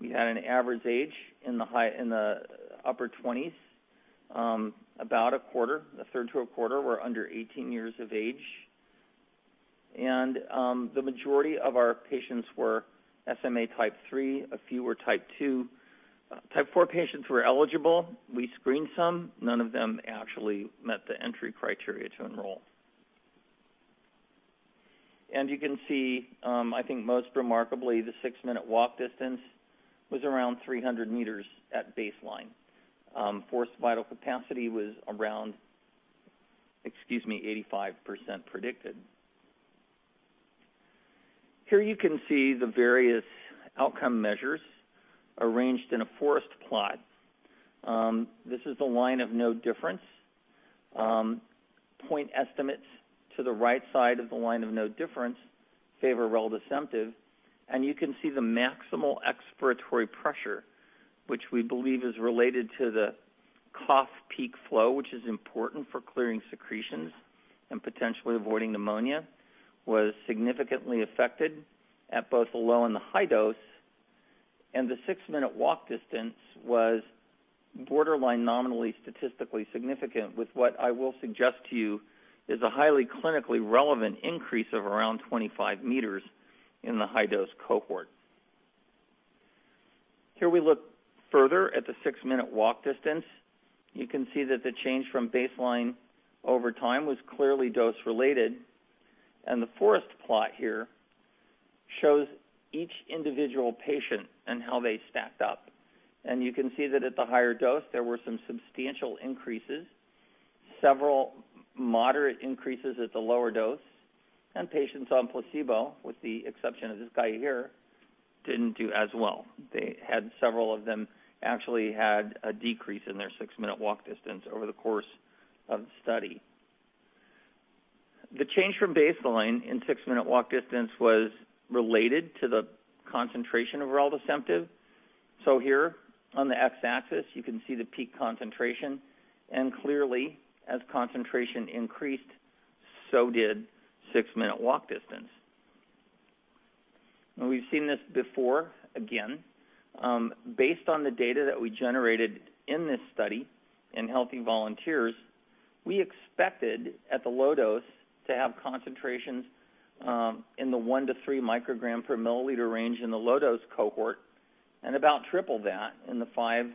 We had an average age in the upper 20s. About a third to a quarter were under 18 years of age. The majority of our patients were SMA Type 3. A few were Type 2. Type 4 patients were eligible. We screened some. None of them actually met the entry criteria to enroll. You can see, I think most remarkably, the six-minute walk distance was around 300 meters at baseline. Forced vital capacity was around 85% predicted. Here you can see the various outcome measures arranged in a forest plot. This is the line of no difference. Point estimates to the right side of the line of no difference favor reldesemtiv. You can see the maximal expiratory pressure, which we believe is related to the cough peak flow, which is important for clearing secretions and potentially avoiding pneumonia, was significantly affected at both the low and the high dose. The six-minute walk distance was borderline nominally statistically significant with what I will suggest to you is a highly clinically relevant increase of around 25 meters in the high-dose cohort. Here we look further at the six-minute walk distance. You can see that the change from baseline over time was clearly dose-related. The forest plot here shows each individual patient and how they stacked up. You can see that at the higher dose, there were some substantial increases, several moderate increases at the lower dose, and patients on placebo, with the exception of this guy here, didn't do as well. Several of them actually had a decrease in their six-minute walk distance over the course of the study. The change from baseline in six-minute walk distance was related to the concentration of reldesemtiv. Here on the x-axis, you can see the peak concentration. Clearly, as concentration increased, so did six-minute walk distance. We've seen this before, again. Based on the data that we generated in this study in healthy volunteers, we expected at the low dose to have concentrations in the 1-3 microgram per milliliter range in the low-dose cohort and about triple that in the 5-7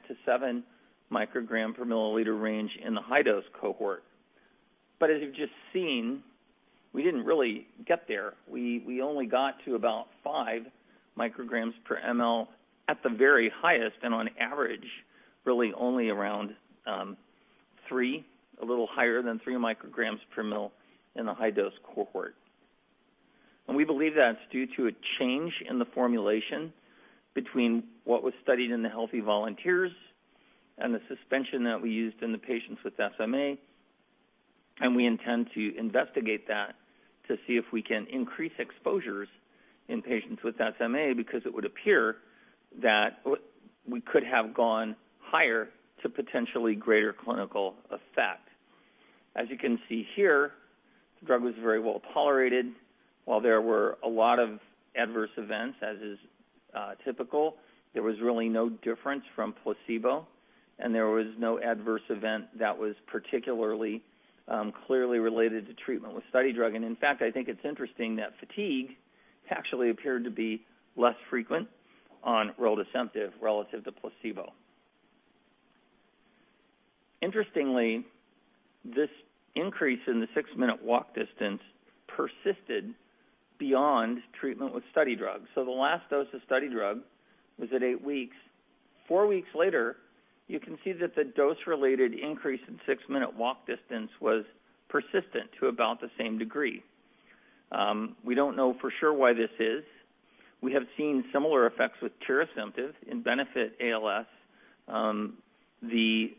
microgram per milliliter range in the high-dose cohort. But as you've just seen, we didn't really get there. We only got to about 5 micrograms per ML at the very highest and on average, really only around 3, a little higher than 3 micrograms per ML in the high-dose cohort. We believe that's due to a change in the formulation between what was studied in the healthy volunteers and the suspension that we used in the patients with SMA, and we intend to investigate that to see if we can increase exposures in patients with SMA because it would appear that we could have gone higher to potentially greater clinical effect. As you can see here, the drug was very well-tolerated. While there were a lot of adverse events, as is typical, there was really no difference from placebo, and there was no adverse event that was particularly clearly related to treatment with study drug. In fact, I think it's interesting that fatigue actually appeared to be less frequent on reldesemtiv relative to placebo. Interestingly, this increase in the six-minute walk distance persisted Beyond treatment with study drugs. The last dose of study drug was at 8 weeks. 4 weeks later, you can see that the dose-related increase in six-minute walk distance was persistent to about the same degree. We don't know for sure why this is. We have seen similar effects with risdiplam in BENEFIT-ALS. The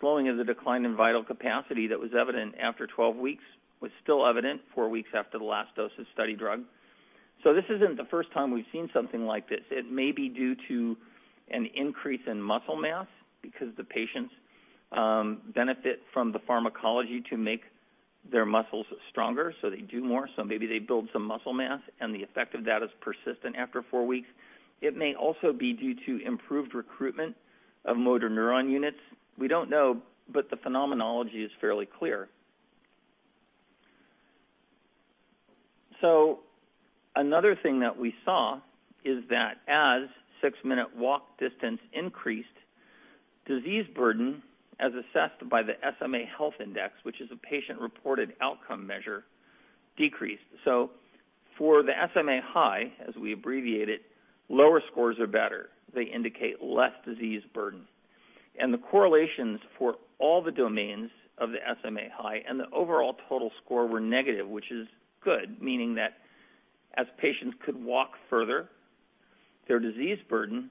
slowing of the decline in vital capacity that was evident after 12 weeks was still evident 4 weeks after the last dose of study drug. This isn't the first time we've seen something like this. It may be due to an increase in muscle mass because the patients benefit from the pharmacology to make their muscles stronger, so they do more. So maybe they build some muscle mass, and the effect of that is persistent after 4 weeks. It may also be due to improved recruitment of motor neuron units. We don't know, but the phenomenology is fairly clear. Another thing that we saw is that as six-minute walk distance increased, disease burden as assessed by the SMA Health Index, which is a patient-reported outcome measure, decreased. For the SMA HI, as we abbreviate it, lower scores are better. They indicate less disease burden. The correlations for all the domains of the SMA HI and the overall total score were negative, which is good, meaning that as patients could walk further, their disease burden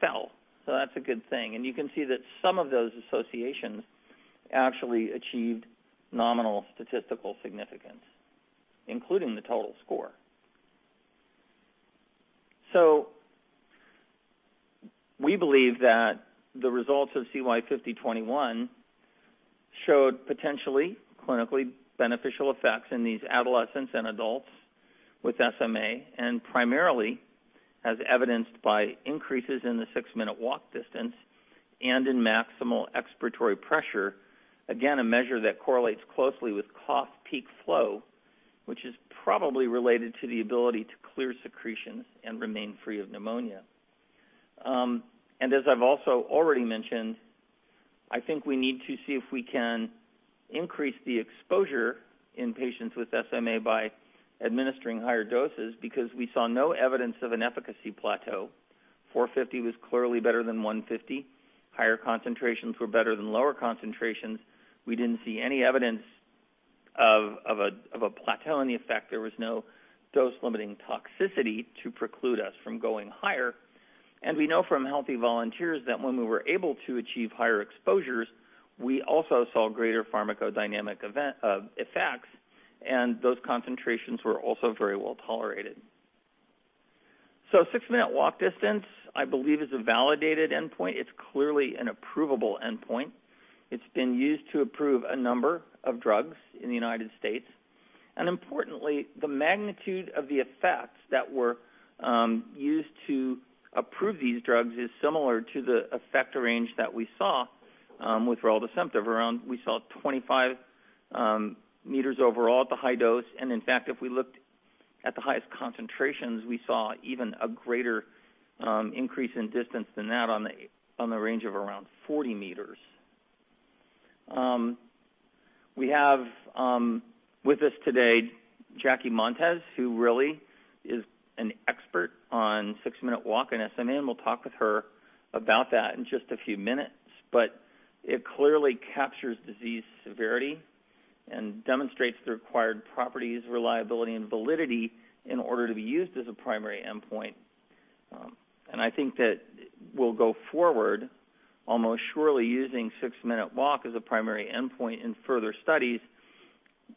fell. That's a good thing. You can see that some of those associations actually achieved nominal statistical significance, including the total score. We believe that the results of CY5021 showed potentially clinically beneficial effects in these adolescents and adults with SMA, and primarily as evidenced by increases in the six-minute walk distance and in maximal expiratory pressure. A measure that correlates closely with cough peak flow, which is probably related to the ability to clear secretions and remain free of pneumonia. As I've also already mentioned, I think we need to see if we can increase the exposure in patients with SMA by administering higher doses because we saw no evidence of an efficacy plateau. 450 was clearly better than 150. Higher concentrations were better than lower concentrations. We didn't see any evidence of a plateauing effect. There was no dose-limiting toxicity to preclude us from going higher. We know from healthy volunteers that when we were able to achieve higher exposures, we also saw greater pharmacodynamic effects, and those concentrations were also very well tolerated. Six-minute walk distance, I believe, is a validated endpoint. It's clearly an approvable endpoint. It's been used to approve a number of drugs in the U.S. Importantly, the magnitude of the effects that were used to approve these drugs is similar to the effect range that we saw with risdiplam. We saw 25 meters overall at the high dose, and in fact, if we looked at the highest concentrations, we saw even a greater increase in distance than that on the range of around 40 meters. We have with us today Jackie Montes, who really is an expert on six-minute walk in SMA, and we'll talk with her about that in just a few minutes. It clearly captures disease severity and demonstrates the required properties, reliability, and validity in order to be used as a primary endpoint. I think that we'll go forward almost surely using six-minute walk as a primary endpoint in further studies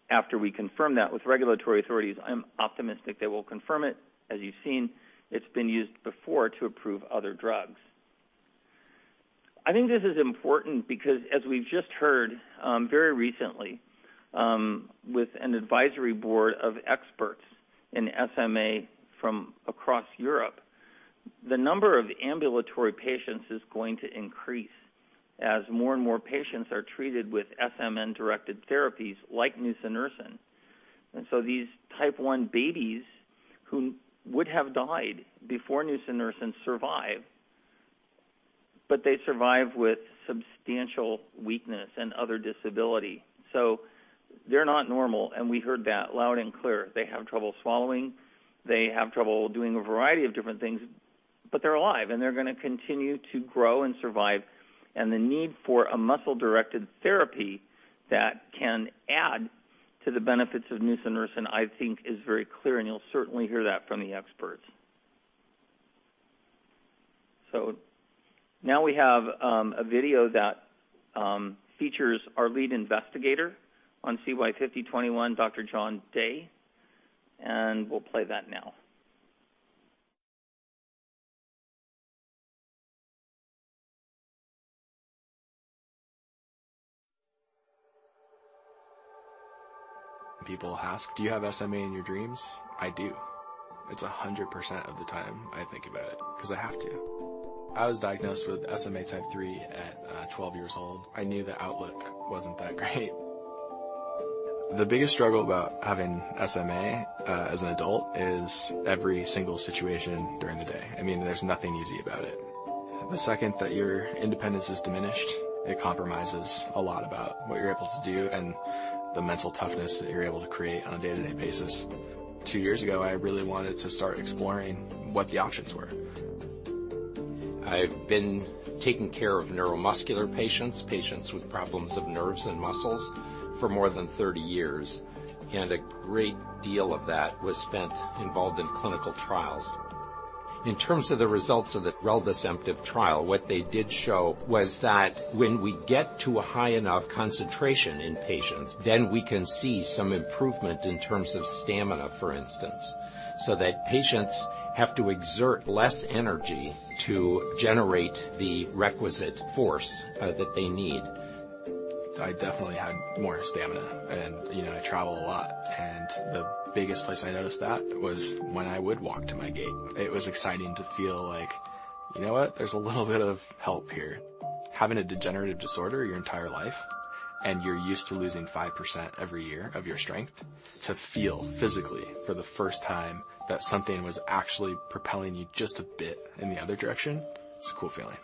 after we confirm that with regulatory authorities. I'm optimistic they will confirm it. As you've seen, it's been used before to approve other drugs. I think this is important because, as we've just heard very recently with an advisory board of experts in SMA from across Europe, the number of ambulatory patients is going to increase as more and more patients are treated with SMN-directed therapies like nusinersen. These type 1 babies who would have died before nusinersen survive, but they survive with substantial weakness and other disability. They're not normal, and we heard that loud and clear. They have trouble swallowing. They have trouble doing a variety of different things, but they're alive, and they're going to continue to grow and survive. The need for a muscle-directed therapy that can add to the benefits of nusinersen, I think, is very clear, and you'll certainly hear that from the experts. Now we have a video that features our lead investigator on CY5021, Dr. John Day, and we'll play that now. People ask, "Do you have SMA in your dreams?" I do. It is 100% of the time I think about it because I have to. I was diagnosed with SMA type 3 at 12 years old. I knew the outlook wasn't that great. The biggest struggle about having SMA as an adult is every single situation during the day. There is nothing easy about it. The second that your independence is diminished, it compromises a lot about what you are able to do and the mental toughness that you are able to create on a day-to-day basis. Two years ago, I really wanted to start exploring what the options were. I have been taking care of neuromuscular patients with problems of nerves and muscles, for more than 30 years. A great deal of that was spent involved in clinical trials. In terms of the results of the reldesemtiv trial, what they did show was that when we get to a high enough concentration in patients, we can see some improvement in terms of stamina, for instance, so that patients have to exert less energy to generate the requisite force that they need. I definitely had more stamina. I travel a lot, and the biggest place I noticed that was when I would walk to my gate. It was exciting to feel like, you know what? There is a little bit of help here. Having a degenerative disorder your entire life, and you are used to losing 5% every year of your strength, to feel physically for the first time that something was actually propelling you just a bit in the other direction, it is a cool feeling.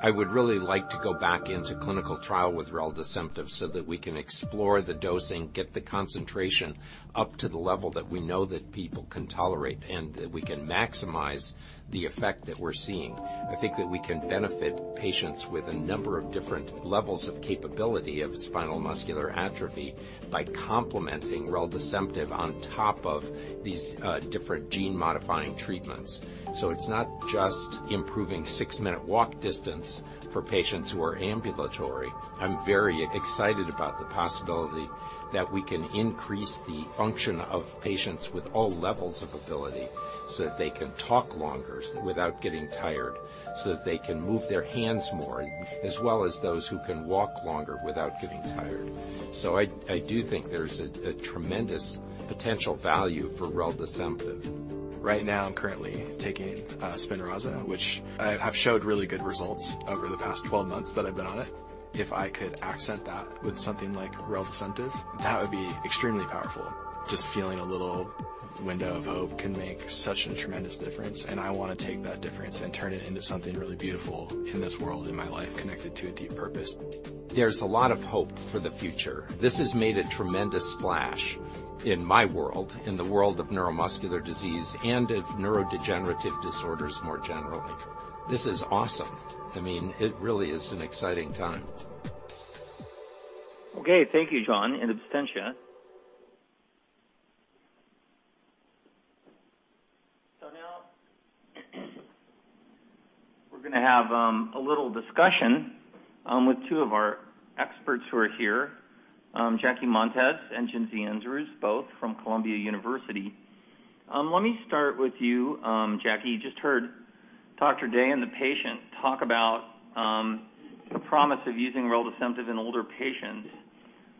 I would really like to go back into clinical trial with reldesemtiv so that we can explore the dosing, get the concentration up to the level that we know that people can tolerate, and that we can maximize the effect that we are seeing. I think that we can benefit patients with a number of different levels of capability of spinal muscular atrophy by complementing reldesemtiv on top of these different gene-modifying treatments. It is not just improving six-minute walk distance for patients who are ambulatory. I am very excited about the possibility that we can increase the function of patients with all levels of ability, so that they can talk longer without getting tired, so that they can move their hands more, as well as those who can walk longer without getting tired. I do think there is a tremendous potential value for reldesemtiv. Right now, I'm currently taking SPINRAZA, which I have showed really good results over the past 12 months that I've been on it. If I could accent that with something like reldesemtiv, that would be extremely powerful. Just feeling a little window of hope can make such a tremendous difference, and I want to take that difference and turn it into something really beautiful in this world, in my life, connected to a deep purpose. There's a lot of hope for the future. This has made a tremendous splash in my world, in the world of neuromuscular disease, and of neurodegenerative disorders more generally. This is awesome. It really is an exciting time. Thank you, John, in absentia. Now we're going to have a little discussion with two of our experts who are here, Jackie Montes and Jinsy Andrews, both from Columbia University. Let me start with you, Jackie. You just heard Dr. Day and the patient talk about the promise of using reldesemtiv in older patients.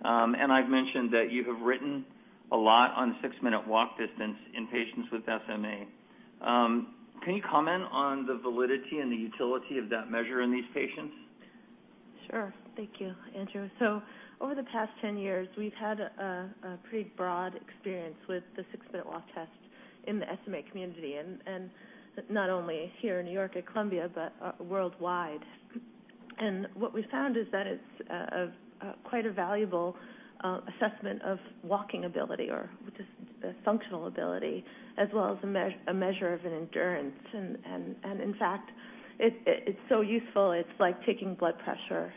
I've mentioned that you have written a lot on six-minute walk distance in patients with SMA. Can you comment on the validity and the utility of that measure in these patients? Sure. Thank you, Andrew. Over the past 10 years, we've had a pretty broad experience with the six-minute walk test in the SMA community, and not only here in New York at Columbia, but worldwide. What we found is that it's quite a valuable assessment of walking ability or just functional ability, as well as a measure of an endurance. In fact, it's so useful it's like taking blood pressure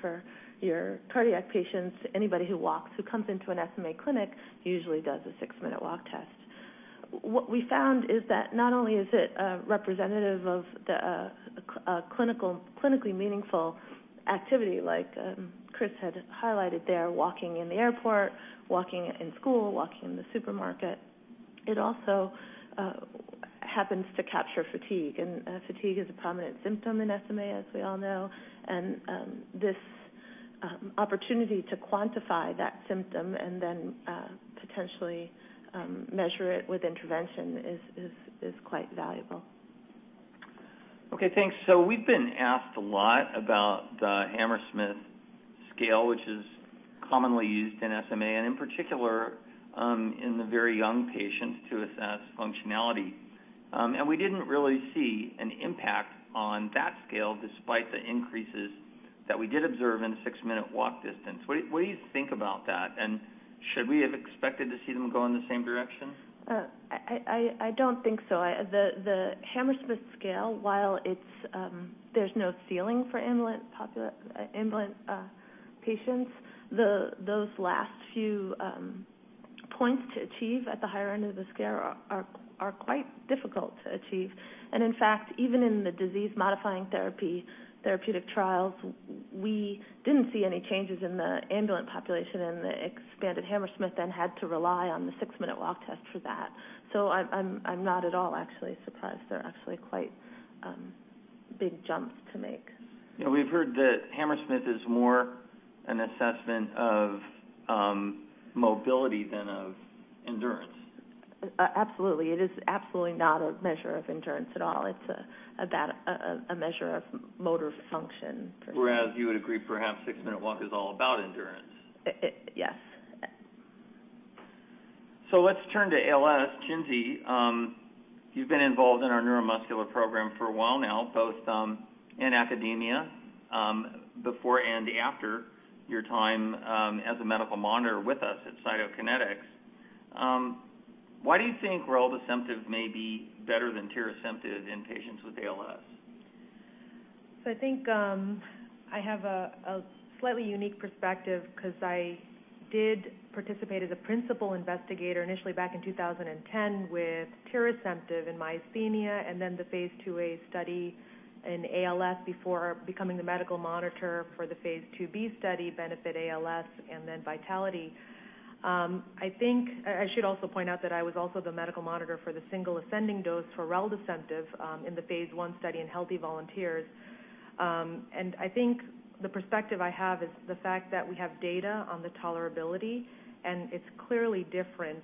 for your cardiac patients. Anybody who walks who comes into an SMA clinic usually does a six-minute walk test. What we found is that not only is it representative of a clinically meaningful activity like Chris had highlighted there, walking in the airport, walking in school, walking in the supermarket. It also happens to capture fatigue, and fatigue is a prominent symptom in SMA, as we all know. This opportunity to quantify that symptom and then potentially measure it with intervention is quite valuable. Okay, thanks. We've been asked a lot about the Hammersmith scale, which is commonly used in SMA, and in particular, in the very young patients to assess functionality. We didn't really see an impact on that scale despite the increases that we did observe in six-minute walk distance. What do you think about that? Should we have expected to see them go in the same direction? I don't think so. The Hammersmith scale, while there's no ceiling for ambulant patients, those last few points to achieve at the higher end of the scale are quite difficult to achieve. In fact, even in the disease-modifying therapeutic trials, we didn't see any changes in the ambulant population, and the expanded Hammersmith then had to rely on the six-minute walk test for that. I'm not at all actually surprised. They're actually quite big jumps to make. We've heard that Hammersmith is more an assessment of mobility than of endurance. Absolutely. It is absolutely not a measure of endurance at all. It's a measure of motor function, per se. You would agree, perhaps six-minute walk is all about endurance. Yes. Let's turn to ALS. Jinsy, you've been involved in our neuromuscular program for a while now, both in academia before and after your time as a medical monitor with us at Cytokinetics. Why do you think reldesemtiv may be better than tirasemtiv in patients with ALS? I think I have a slightly unique perspective because I did participate as a principal investigator initially back in 2010 with tirasemtiv in myasthenia and then the phase IIa study in ALS before becoming the medical monitor for the phase IIb study, BENEFIT-ALS, and then VITALITY. I should also point out that I was also the medical monitor for the single ascending dose for reldesemtiv in the phase I study in healthy volunteers. I think the perspective I have is the fact that we have data on the tolerability, and it's clearly different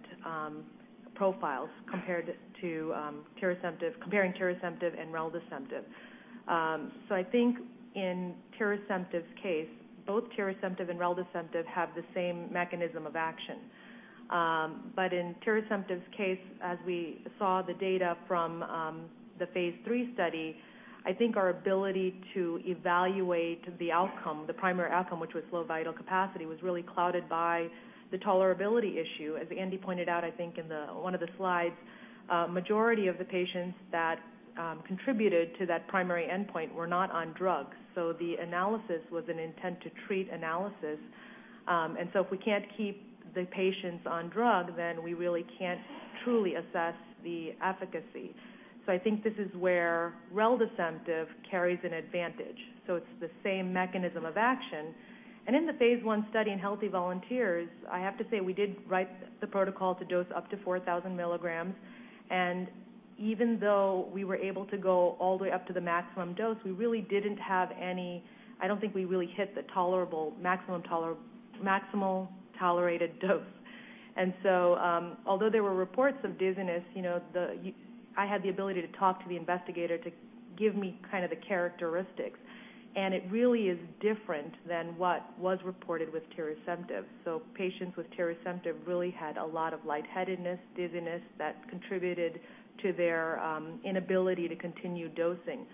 profiles comparing tirasemtiv and reldesemtiv. I think in tirasemtiv's case, both tirasemtiv and reldesemtiv have the same mechanism of action. In tirasemtiv's case, as we saw the data from the phase III study, I think our ability to evaluate the primary outcome, which was slow vital capacity, was really clouded by the tolerability issue. As Andy pointed out, I think in one of the slides, a majority of the patients that contributed to that primary endpoint were not on drugs. The analysis was an intent to treat analysis. If we can't keep the patients on drug, then we really can't truly assess the efficacy. I think this is where reldesemtiv carries an advantage. It's the same mechanism of action. In the phase I study in healthy volunteers, I have to say we did write the protocol to dose up to 4,000 milligrams. Even though we were able to go all the way up to the maximum dose, I don't think we really hit the maximal tolerated dose. Although there were reports of dizziness, I had the ability to talk to the investigator to give me the characteristics. It really is different than what was reported with tirasemtiv. Patients with tirasemtiv really had a lot of lightheadedness, dizziness that contributed to their inability to continue dosing.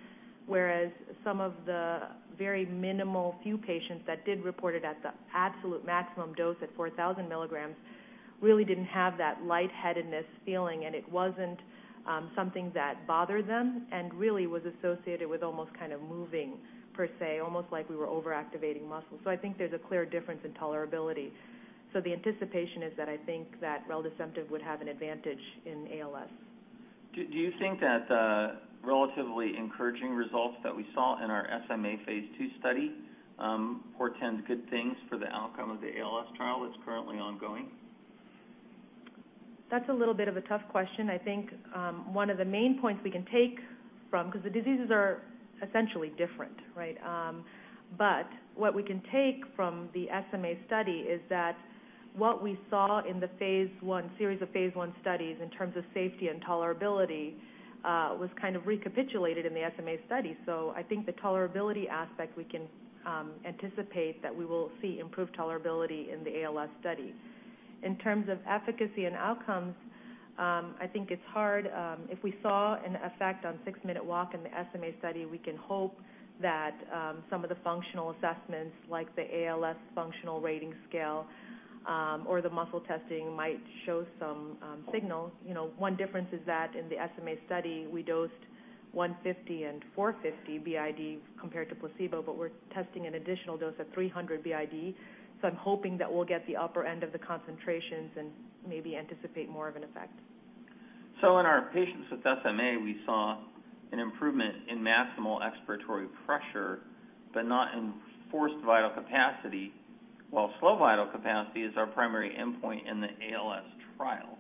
Whereas some of the very minimal few patients that did report it at the absolute maximum dose at 4,000 milligrams really didn't have that lightheadedness feeling, and it wasn't something that bothered them and really was associated with almost moving per se, almost like we were over-activating muscles. I think there's a clear difference in tolerability. The anticipation is that I think that reldesemtiv would have an advantage in ALS. Do you think that the relatively encouraging results that we saw in our SMA phase II study portends good things for the outcome of the ALS trial that's currently ongoing? That's a little bit of a tough question. I think one of the main points we can take from, because the diseases are essentially different. What we can take from the SMA study is that what we saw in the series of phase I studies in terms of safety and tolerability was kind of recapitulated in the SMA study. I think the tolerability aspect we can anticipate that we will see improved tolerability in the ALS study. In terms of efficacy and outcomes, I think it's hard. If we saw an effect on six-minute walk in the SMA study, we can hope that some of the functional assessments like the ALS Functional Rating Scale or the muscle testing might show some signals. One difference is that in the SMA study, we dosed 150 and 450 b.i.d. compared to placebo, but we're testing an additional dose of 300 b.i.d. I'm hoping that we'll get the upper end of the concentrations and maybe anticipate more of an effect. In our patients with SMA, we saw an improvement in maximal expiratory pressure, but not in forced vital capacity, while slow vital capacity is our primary endpoint in the ALS trial.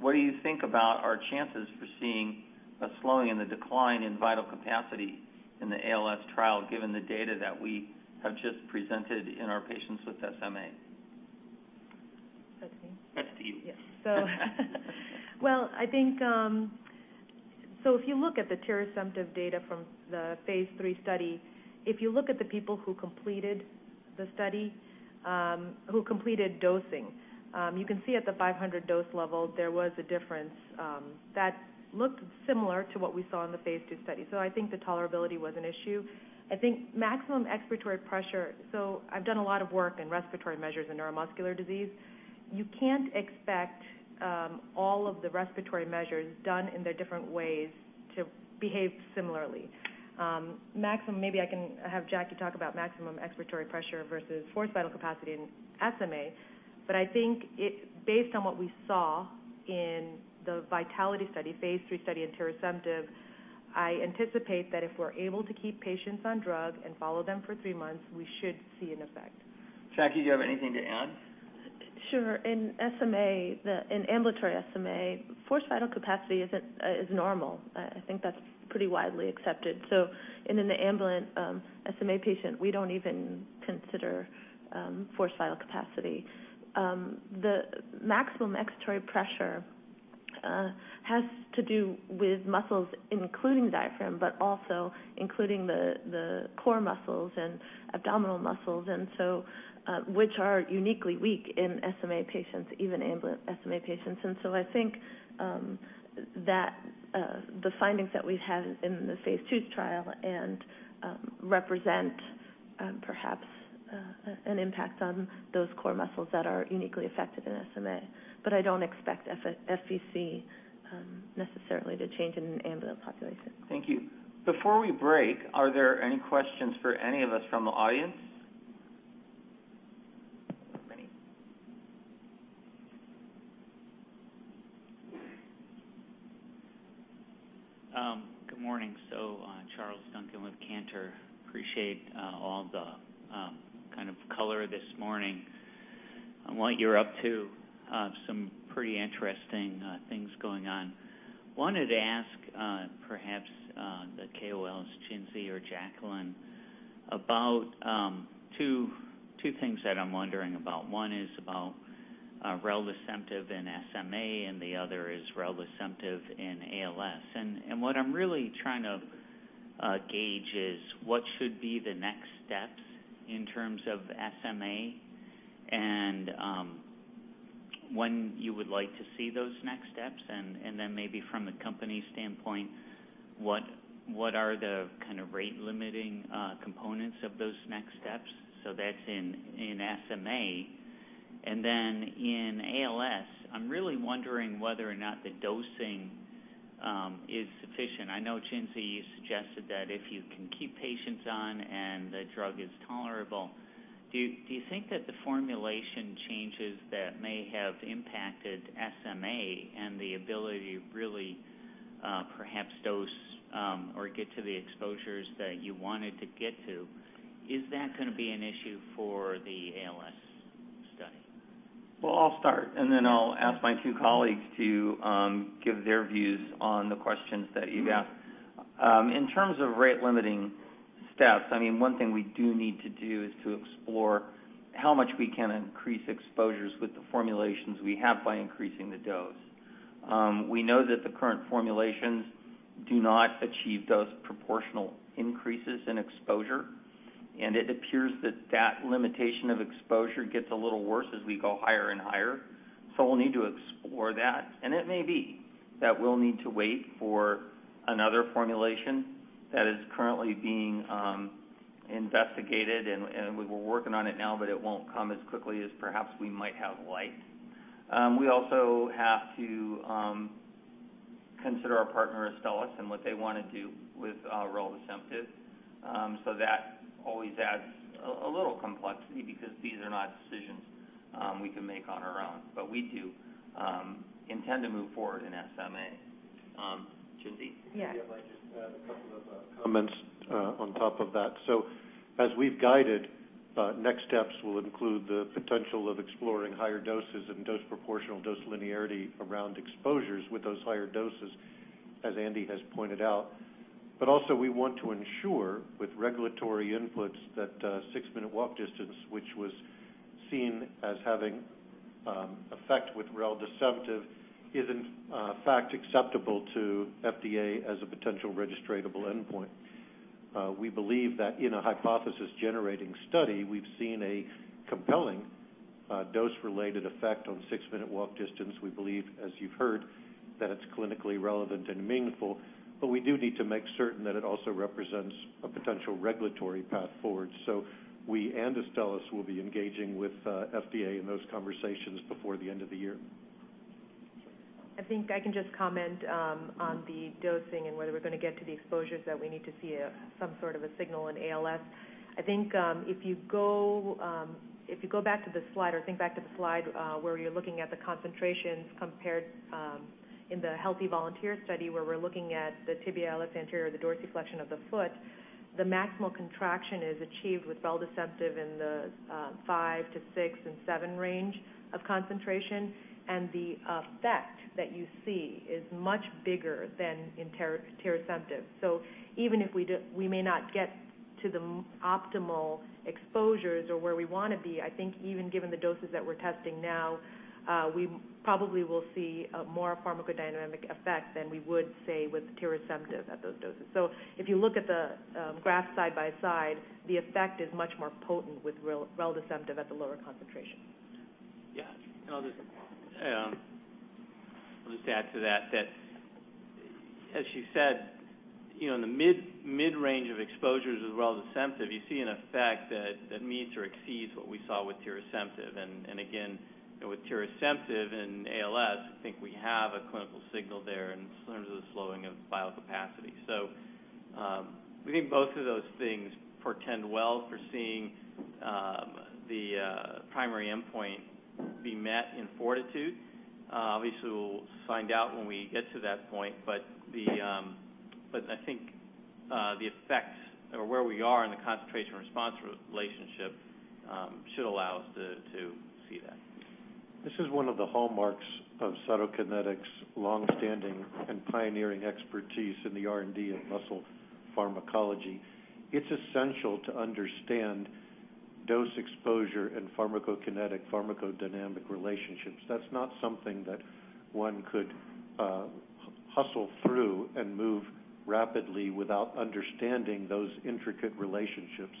What do you think about our chances for seeing a slowing in the decline in vital capacity in the ALS trial, given the data that we have just presented in our patients with SMA? That's me? That's you. If you look at the tirasemtiv data from the phase III study, if you look at the people who completed dosing, you can see at the 500 dose level, there was a difference that looked similar to what we saw in the phase II study. I think the tolerability was an issue. I think maximal expiratory pressure, I've done a lot of work in respiratory measures in neuromuscular disease. You can't expect all of the respiratory measures done in their different ways to behave similarly. Maybe I can have Jackie talk about maximal expiratory pressure versus forced vital capacity in SMA, but I think based on what we saw in the VITALITY study, phase III study in tirasemtiv, I anticipate that if we're able to keep patients on drug and follow them for 3 months, we should see an effect. Jackie, do you have anything to add? Sure. In ambulatory SMA, forced vital capacity is normal. I think that's pretty widely accepted. In an ambulant SMA patient, we don't even consider forced vital capacity. The maximal expiratory pressure has to do with muscles, including diaphragm, but also including the core muscles and abdominal muscles, which are uniquely weak in SMA patients, even ambulant SMA patients. I think that the findings that we've had in the phase II trial represent perhaps an impact on those core muscles that are uniquely affected in SMA, but I don't expect FVC necessarily to change in an ambulant population. Thank you. Before we break, are there any questions for any of us from the audience? Good morning. Charles Duncan with Cantor. Appreciate all the kind of color this morning on what you're up to. Some pretty interesting things going on. Wanted to ask perhaps the KOLs, Jinsy or Jacqueline, about two things that I'm wondering about. One is about reldesemtiv in SMA, and the other is reldesemtiv in ALS. What I'm really trying to gauge is what should be the next steps in terms of SMA and when you would like to see those next steps. Maybe from a company standpoint, what are the kind of rate-limiting components of those next steps? That's in SMA. In ALS, I'm really wondering whether or not the dosing is sufficient. I know, Jinsy, you suggested that if you can keep patients on and the drug is tolerable. Do you think that the formulation changes that may have impacted SMA and the ability to really perhaps dose or get to the exposures that you wanted to get to, is that going to be an issue for the ALS study? Well, I'll start, and then I'll ask my two colleagues to give their views on the questions that you've asked. In terms of rate-limiting steps, one thing we do need to do is to explore how much we can increase exposures with the formulations we have by increasing the dose. We know that the current formulations do not achieve dose proportional increases in exposure, and it appears that limitation of exposure gets a little worse as we go higher and higher. We'll need to explore that. It may be that we'll need to wait for another formulation that is currently being investigated, and we're working on it now, but it won't come as quickly as perhaps we might have liked. We also have to consider our partner, Astellas, and what they want to do with reldesemtiv. That always adds a little complexity because these are not decisions we can make on our own. We do intend to move forward in SMA. Jinsy? Yeah. If I might just add a couple of comments on top of that. As we've guided, next steps will include the potential of exploring higher doses and dose proportionality, dose linearity around exposures with those higher doses, as Andy has pointed out. Also we want to ensure with regulatory inputs that six-minute walk distance, which was seen as having effect with reldesemtiv, is in fact acceptable to FDA as a potential registratable endpoint. We believe that in a hypothesis-generating study, we've seen a compelling dose-related effect on six-minute walk distance. We believe, as you've heard, that it's clinically relevant and meaningful, but we do need to make certain that it also represents a potential regulatory path forward. We and Astellas will be engaging with FDA in those conversations before the end of the year. I think I can just comment on the dosing and whether we're going to get to the exposures that we need to see some sort of a signal in ALS. I think if you go back to the slide or think back to the slide where you're looking at the concentrations compared in the healthy volunteer study, where we're looking at the tibialis anterior, the dorsiflexion of the foot, the maximal contraction is achieved with reldesemtiv in the five to six and seven range of concentration. The effect that you see is much bigger than in tirasemtiv. Even if we may not get to the optimal exposures or where we want to be, I think even given the doses that we're testing now, we probably will see more pharmacodynamic effect than we would, say, with tirasemtiv at those doses. If you look at the graph side by side, the effect is much more potent with reldesemtiv at the lower concentration. I'll just add on. I'll just add to that, as she said, in the mid-range of exposures with reldesemtiv, you see an effect that meets or exceeds what we saw with tirasemtiv. Again, with tirasemtiv in ALS, I think we have a clinical signal there in terms of the slowing of vital capacity. We think both of those things portend well for seeing the primary endpoint be met in FORTITUDE. Obviously, we'll find out when we get to that point. I think the effects or where we are in the concentration response relationship should allow us to see that. This is one of the hallmarks of Cytokinetics' longstanding and pioneering expertise in the R&D of muscle pharmacology. It's essential to understand dose exposure and pharmacokinetic pharmacodynamic relationships. That's not something that one could hustle through and move rapidly without understanding those intricate relationships.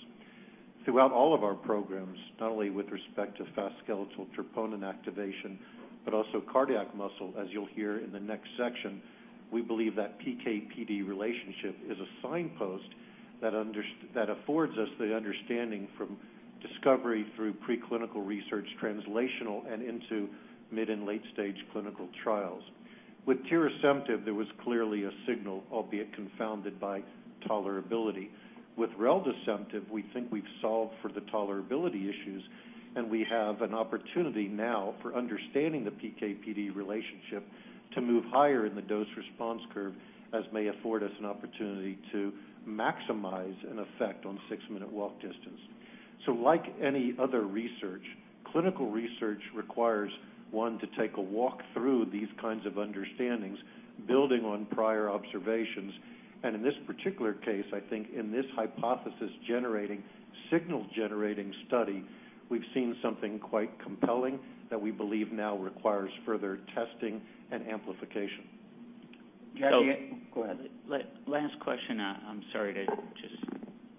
Throughout all of our programs, not only with respect to fast skeletal troponin activation, but also cardiac muscle, as you'll hear in the next section, we believe that PK/PD relationship is a signpost that affords us the understanding from discovery through preclinical research, translational, and into mid and late-stage clinical trials. With tirasemtiv, there was clearly a signal, albeit confounded by tolerability. With reldesemtiv, we think we've solved for the tolerability issues, and we have an opportunity now for understanding the PK/PD relationship to move higher in the dose response curve, as may afford us an opportunity to maximize an effect on six-minute walk distance. Like any other research, clinical research requires one to take a walk through these kinds of understandings, building on prior observations. In this particular case, I think in this hypothesis-generating, signal-generating study, we've seen something quite compelling that we believe now requires further testing and amplification. Jackie, go ahead. Last question. I'm sorry to just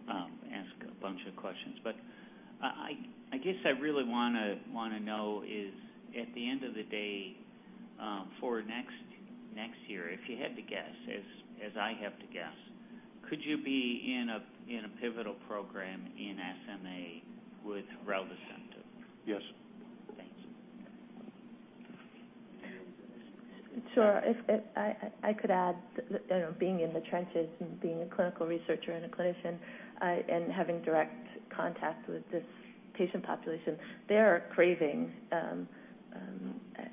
ask a bunch of questions, I guess I really want to know is, at the end of the day, for next year, if you had to guess, as I have to guess, could you be in a pivotal program in SMA with reldesemtiv? Yes. Thank you. Sure. If I could add, being in the trenches and being a clinical researcher and a clinician, and having direct contact with this patient population, they are craving this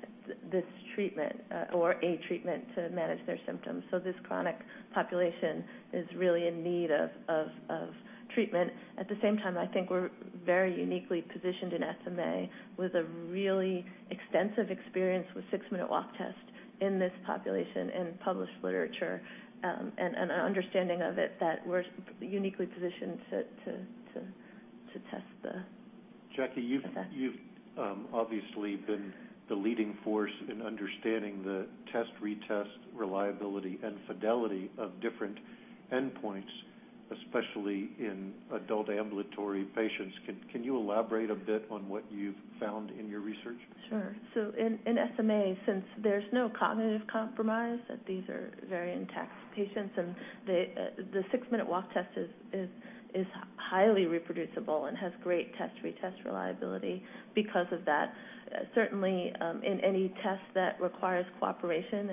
treatment or a treatment to manage their symptoms. This chronic population is really in need of treatment. At the same time, I think we're very uniquely positioned in SMA with a really extensive experience with six-minute walk test in this population and published literature, and an understanding of it that we're uniquely positioned to test the effect. Jackie, you've obviously been the leading force in understanding the test-retest reliability and fidelity of different endpoints, especially in adult ambulatory patients. Can you elaborate a bit on what you've found in your research? Sure. In SMA, since there's no cognitive compromise, these are very intact patients, and the six-minute walk test is highly reproducible and has great test-retest reliability because of that. Certainly, in any test that requires cooperation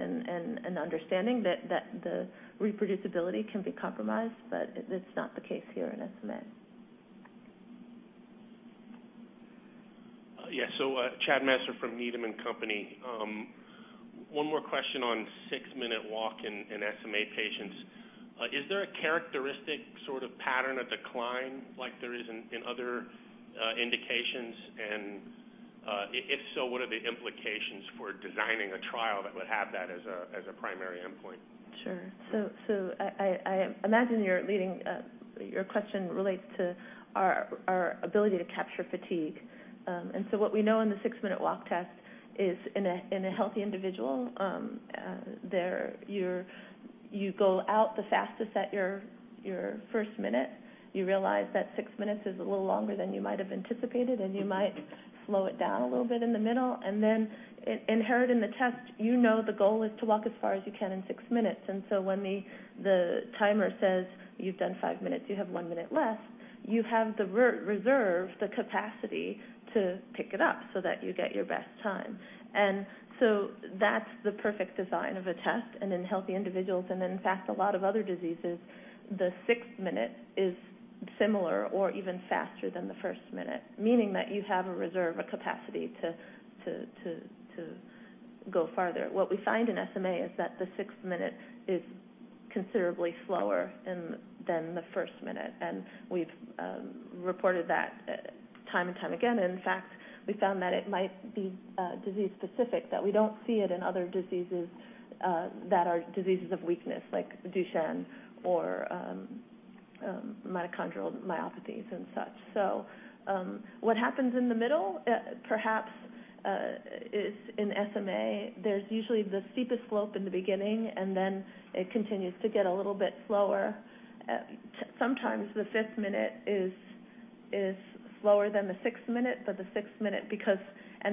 and understanding, the reproducibility can be compromised, but it's not the case here in SMA. Yeah. Chad Messer from Needham & Company. One more question on six-minute walk in SMA patients. Is there a characteristic sort of pattern of decline like there is in other indications? If so, what are the implications for designing a trial that would have that as a primary endpoint? Sure. I imagine your question relates to our ability to capture fatigue. What we know in the six-minute walk test is in a healthy individual, you go out the fastest at your first minute. You realize that six minutes is a little longer than you might have anticipated, and you might slow it down a little bit in the middle. Then inherent in the test, you know the goal is to walk as far as you can in six minutes. When the timer says, "You've done five minutes, you have one minute left," you have the reserve, the capacity to pick it up so that you get your best time. That's the perfect design of a test. In healthy individuals, and in fact a lot of other diseases, the sixth minute is similar or even faster than the first minute, meaning that you have a reserve, a capacity to go farther. What we find in SMA is that the sixth minute is considerably slower than the first minute. We've reported that time and time again. In fact, we found that it might be disease specific, that we don't see it in other diseases that are diseases of weakness like Duchenne or mitochondrial myopathies and such. What happens in the middle, perhaps is in SMA, there's usually the steepest slope in the beginning, then it continues to get a little bit slower. Sometimes the fifth minute is slower than the sixth minute, but the sixth minute.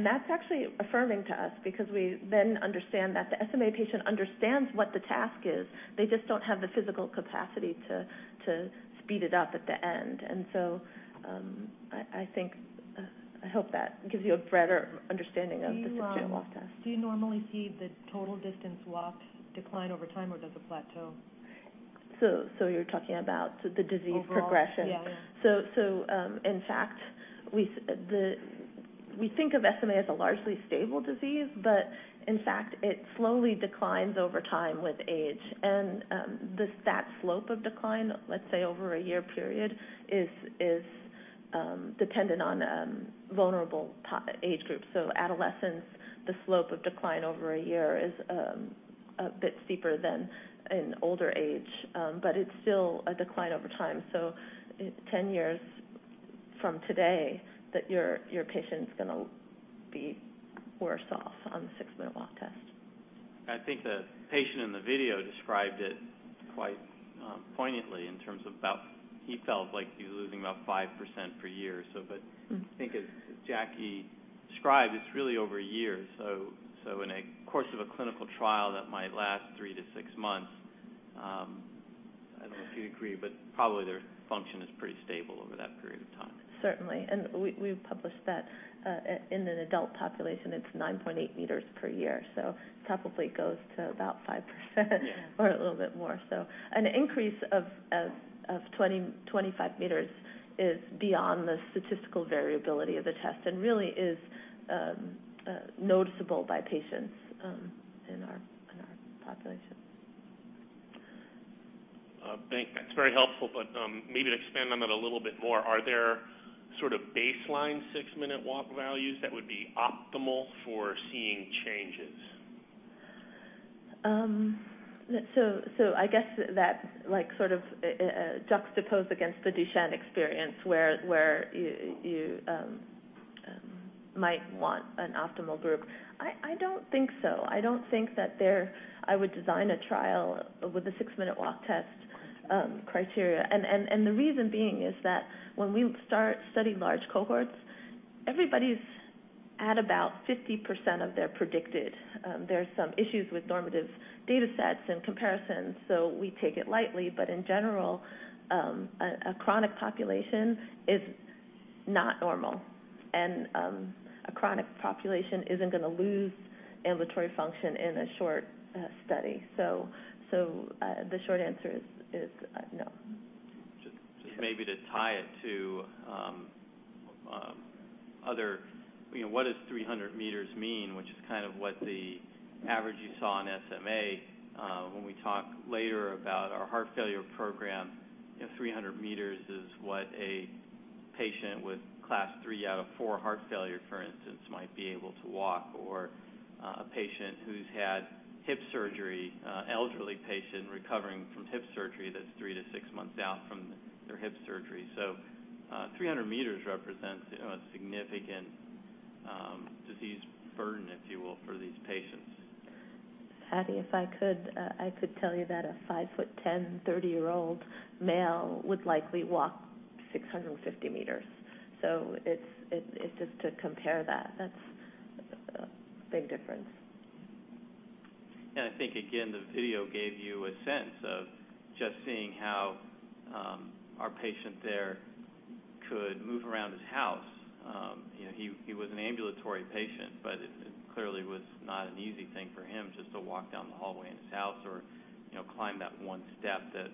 That's actually affirming to us because we then understand that the SMA patient understands what the task is. They just don't have the physical capacity to speed it up at the end. I hope that gives you a broader understanding of the six-minute walk test. Do you normally see the total distance walked decline over time, or does it plateau? You're talking about the disease progression? Overall. Yeah. In fact, we think of SMA as a largely stable disease, but in fact, it slowly declines over time with age. That slope of decline, let's say, over a year period, is dependent on vulnerable age groups. Adolescents, the slope of decline over a year is a bit steeper than in older age. It's still a decline over time. 10 years from today that your patient's going to be worse off on the six-minute walk test. I think the patient in the video described it quite poignantly in terms of about, he felt like he was losing about 5% per year. I think as Jackie described, it's really over a year. In a course of a clinical trial that might last three to six months, I don't know if you'd agree, but probably their function is pretty stable over that period of time. Certainly. We've published that in an adult population, it's 9.8 meters per year. Probably goes to about 5% Yeah. A little bit more. An increase of 25 meters is beyond the statistical variability of the test and really is noticeable by patients in our population. I think that's very helpful, but maybe to expand on that a little bit more, are there sort of baseline six-minute walk values that would be optimal for seeing changes? I guess that sort of juxtaposed against the Duchenne experience, where you might want an optimal group. I don't think so. I don't think that there I would design a trial with a six-minute walk test criteria. The reason being is that when we start studying large cohorts, everybody's at about 50% of their predicted. There's some issues with normative data sets and comparisons, we take it lightly. In general, a chronic population is not normal, and a chronic population isn't going to lose ambulatory function in a short study. The short answer is no. Just maybe to tie it to other, what does 300 meters mean? Which is kind of what the average you saw in SMA. When we talk later about our heart failure program, 300 meters is what a patient with Class 3 out of 4 heart failure, for instance, might be able to walk. Or a patient who's had hip surgery, elderly patient recovering from hip surgery, that's three to six months out from their hip surgery. 300 meters represents a significant disease burden, if you will, for these patients. Fady, if I could tell you that a 5'10", 30-year-old male would likely walk 650 meters. It's just to compare that's a big difference. I think, again, the video gave you a sense of just seeing how our patient there could move around his house. He was an ambulatory patient, but it clearly was not an easy thing for him just to walk down the hallway in his house or climb that one step that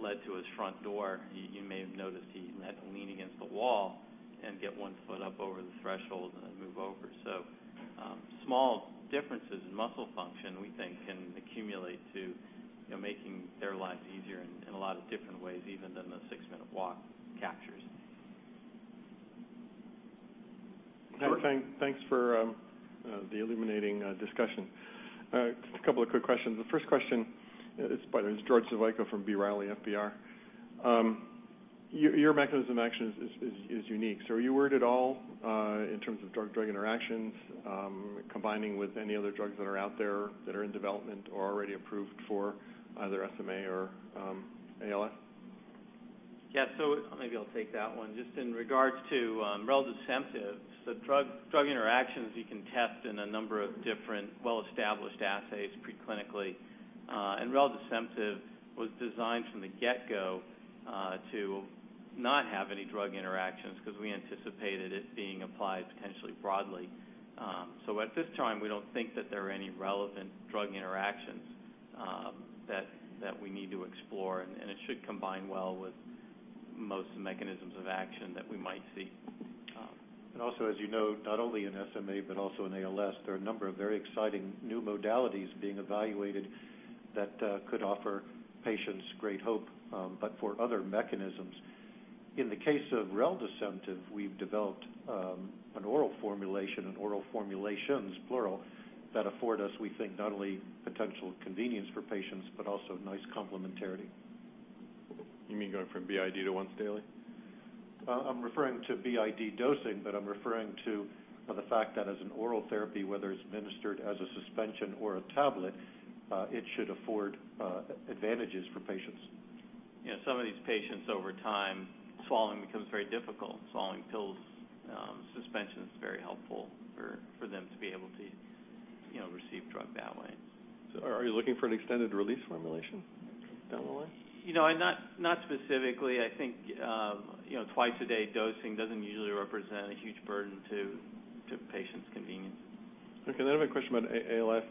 led to his front door. You may have noticed he had to lean against the wall and get one foot up over the threshold and then move over. Small differences in muscle function, we think can accumulate to making their lives easier in a lot of different ways, even than the six-minute walk captures. Thanks for the illuminating discussion. Just a couple of quick questions. The first question is by George Zvaifler from B. Riley FBR. Your mechanism of action is unique. Are you worried at all in terms of drug interactions combining with any other drugs that are out there that are in development or already approved for either SMA or ALS? Maybe I'll take that one. Just in regards to reldesemtiv, the drug interactions you can test in a number of different well-established assays preclinically. Reldesemtiv was designed from the get-go to not have any drug interactions because we anticipated it being applied potentially broadly. At this time, we don't think that there are any relevant drug interactions that we need to explore, and it should combine well with most mechanisms of action that we might see. Also, as you know, not only in SMA, but also in ALS, there are a number of very exciting new modalities being evaluated that could offer patients great hope but for other mechanisms. In the case of reldesemtiv, we've developed an oral formulation and oral formulations plural, that afford us, we think, not only potential convenience for patients but also nice complementarity. You mean going from BID to once daily? I'm referring to BID dosing, I'm referring to the fact that as an oral therapy, whether it's administered as a suspension or a tablet, it should afford advantages for patients. Some of these patients, over time, swallowing becomes very difficult. Swallowing pills, suspension is very helpful for them to be able to receive drug that way. Are you looking for an extended release formulation down the line? Not specifically. I think twice-a-day dosing doesn't usually represent a huge burden to patients' convenience. I have a question about ALS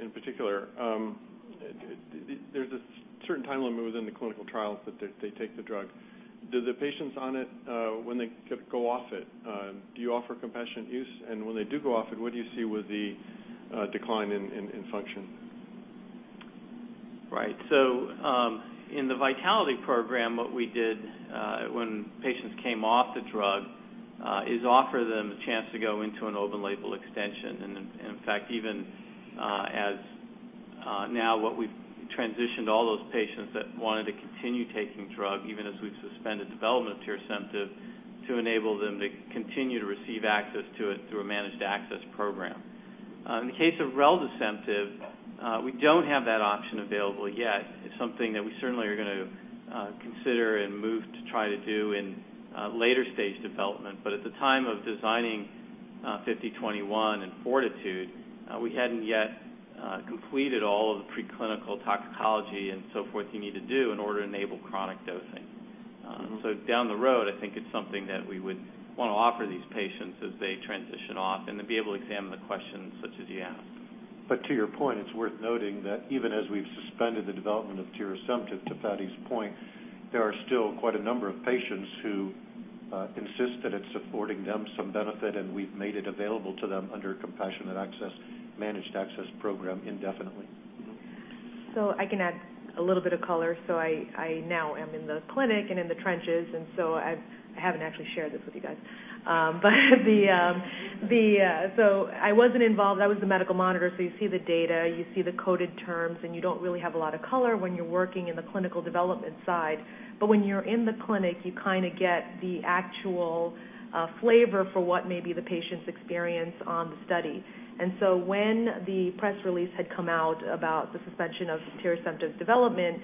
in particular. There's a certain time limit within the clinical trials that they take the drug. Do the patients on it when they go off it, do you offer compassionate use? When they do go off it, what do you see with the decline in function? In the VITALITY program, what we did when patients came off the drug is offer them a chance to go into an open label extension. In fact, even as now what we've transitioned all those patients that wanted to continue taking drug, even as we've suspended development tirasemtiv to enable them to continue to receive access to it through a managed access program. In the case of reldesemtiv, we don't have that option available yet. It's something that we certainly are going to consider and move to try to do in later stage development. At the time of designing 5021 and FORTITUDE, we hadn't yet completed all of the preclinical toxicology and so forth you need to do in order to enable chronic dosing. Down the road, I think it's something that we would want to offer these patients as they transition off and to be able to examine the questions such as you asked. To your point, it's worth noting that even as we've suspended the development of tirasemtiv to Fady's point, there are still quite a number of patients who insisted it's affording them some benefit, and we've made it available to them under Compassionate Access managed access program indefinitely. I can add a little bit of color. I now am in the clinic and in the trenches, and so I haven't actually shared this with you guys. I wasn't involved. I was the medical monitor. You see the data, you see the coded terms, and you don't really have a lot of color when you're working in the clinical development side. When you're in the clinic, you get the actual flavor for what may be the patient's experience on the study. When the press release had come out about the suspension of tirasemtiv's development,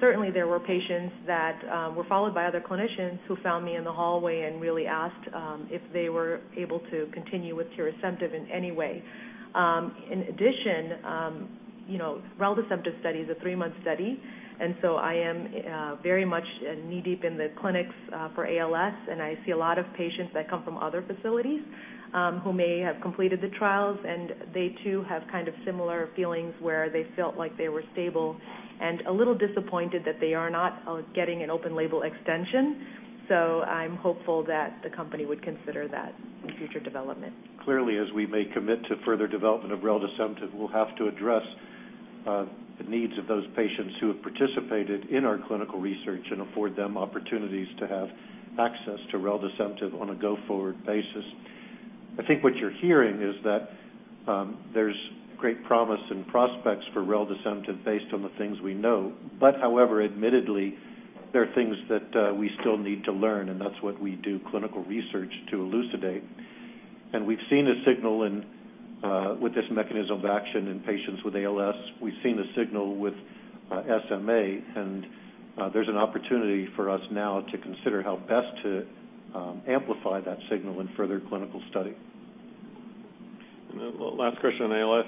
certainly there were patients that were followed by other clinicians who found me in the hallway and really asked if they were able to continue with tirasemtiv in any way. In addition, reldesemtiv study is a three-month study, and so I am very much knee-deep in the clinics for ALS, and I see a lot of patients that come from other facilities who may have completed the trials, and they too have similar feelings where they felt like they were stable and a little disappointed that they are not getting an open label extension. I'm hopeful that the company would consider that in future development. Clearly, as we will commit to further development of reldesemtiv, we will have to address the needs of those patients who have participated in our clinical research and afford them opportunities to have access to reldesemtiv on a go-forward basis. I think what you are hearing is that there is great promise and prospects for reldesemtiv based on the things we know. However, admittedly, there are things that we still need to learn, and that is what we do clinical research to elucidate. We have seen a signal with this mechanism of action in patients with ALS. We have seen a signal with SMA, and there is an opportunity for us now to consider how best to amplify that signal in further clinical study. Then last question on ALS.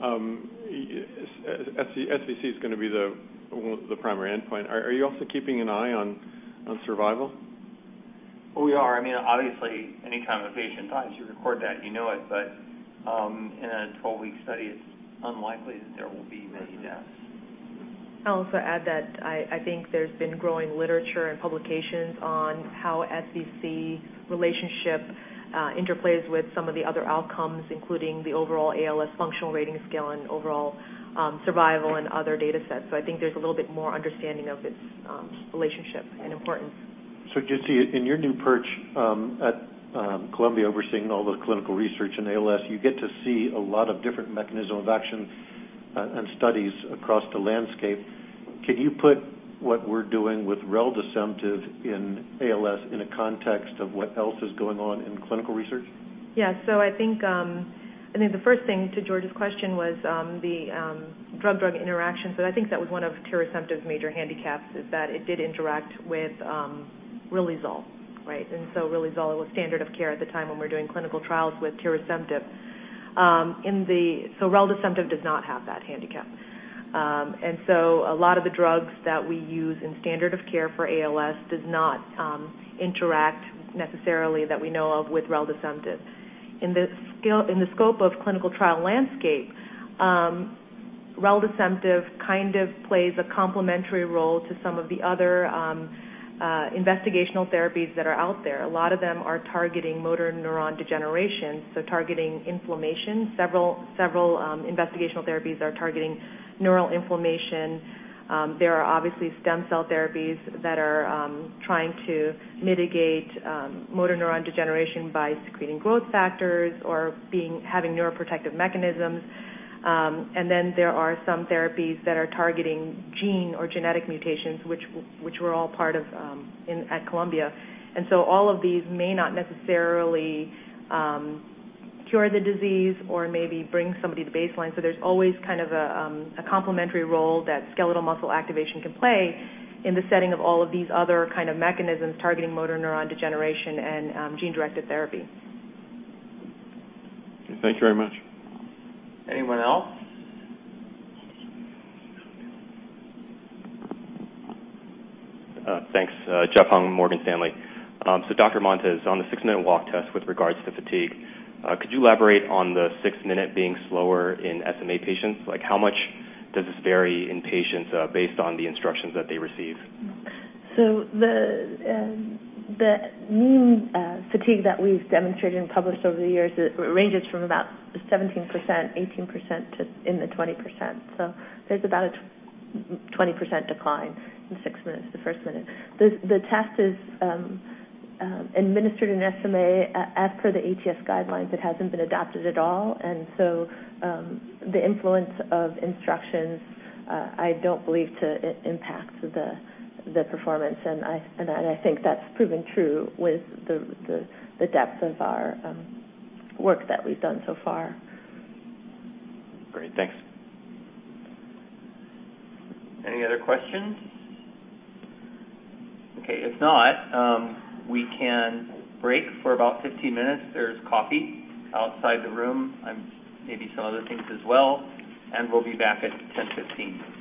SVC is going to be the primary endpoint. Are you also keeping an eye on survival? We are. Obviously, anytime a patient dies, you record that, you know it. In a 12-week study, it is unlikely that there will be many deaths. I will also add that I think there has been growing literature and publications on how SVC relationship interplays with some of the other outcomes, including the overall ALS Functional Rating Scale and overall survival and other data sets. I think there is a little bit more understanding of its relationship and importance. Jinsy, in your new perch at Columbia, overseeing all the clinical research in ALS, you get to see a lot of different mechanism of action and studies across the landscape. Can you put what we're doing with reldesemtiv in ALS in a context of what else is going on in clinical research? Yeah. I think the first thing to George's question was the drug-drug interactions. I think that was one of tirasemtiv's major handicaps is that it did interact with riluzole, right? Riluzole was standard of care at the time when we were doing clinical trials with tirasemtiv. Reldesemtiv does not have that handicap. A lot of the drugs that we use in standard of care for ALS does not interact necessarily that we know of with reldesemtiv. In the scope of clinical trial landscape, reldesemtiv plays a complementary role to some of the other investigational therapies that are out there. A lot of them are targeting motor neuron degeneration, targeting inflammation. Several investigational therapies are targeting neural inflammation. There are obviously stem cell therapies that are trying to mitigate motor neuron degeneration by secreting growth factors or having neuroprotective mechanisms. There are some therapies that are targeting gene or genetic mutations, which we're all part of at Columbia. All of these may not necessarily cure the disease or maybe bring somebody to baseline. There's always a complementary role that skeletal muscle activation can play in the setting of all of these other mechanisms targeting motor neuron degeneration and gene-directed therapy. Thank you very much. Anyone else? Thanks. Jeff Hong, Morgan Stanley. Dr. Montes, on the six-minute walk test with regards to fatigue, could you elaborate on the six minute being slower in SMA patients? How much does this vary in patients based on the instructions that they receive? The mean fatigue that we've demonstrated and published over the years ranges from about 17%, 18% to 20%. There's about a 20% decline in six minutes, the first minute. The test is administered in SMA as per the ATS guidelines. It hasn't been adapted at all, the influence of instructions, I don't believe it impacts the performance. I think that's proven true with the depth of our work that we've done so far. Great. Thanks. Any other questions? If not, we can break for about 15 minutes. There's coffee outside the room, maybe some other things as well, we'll be back at 10:15. Could we ask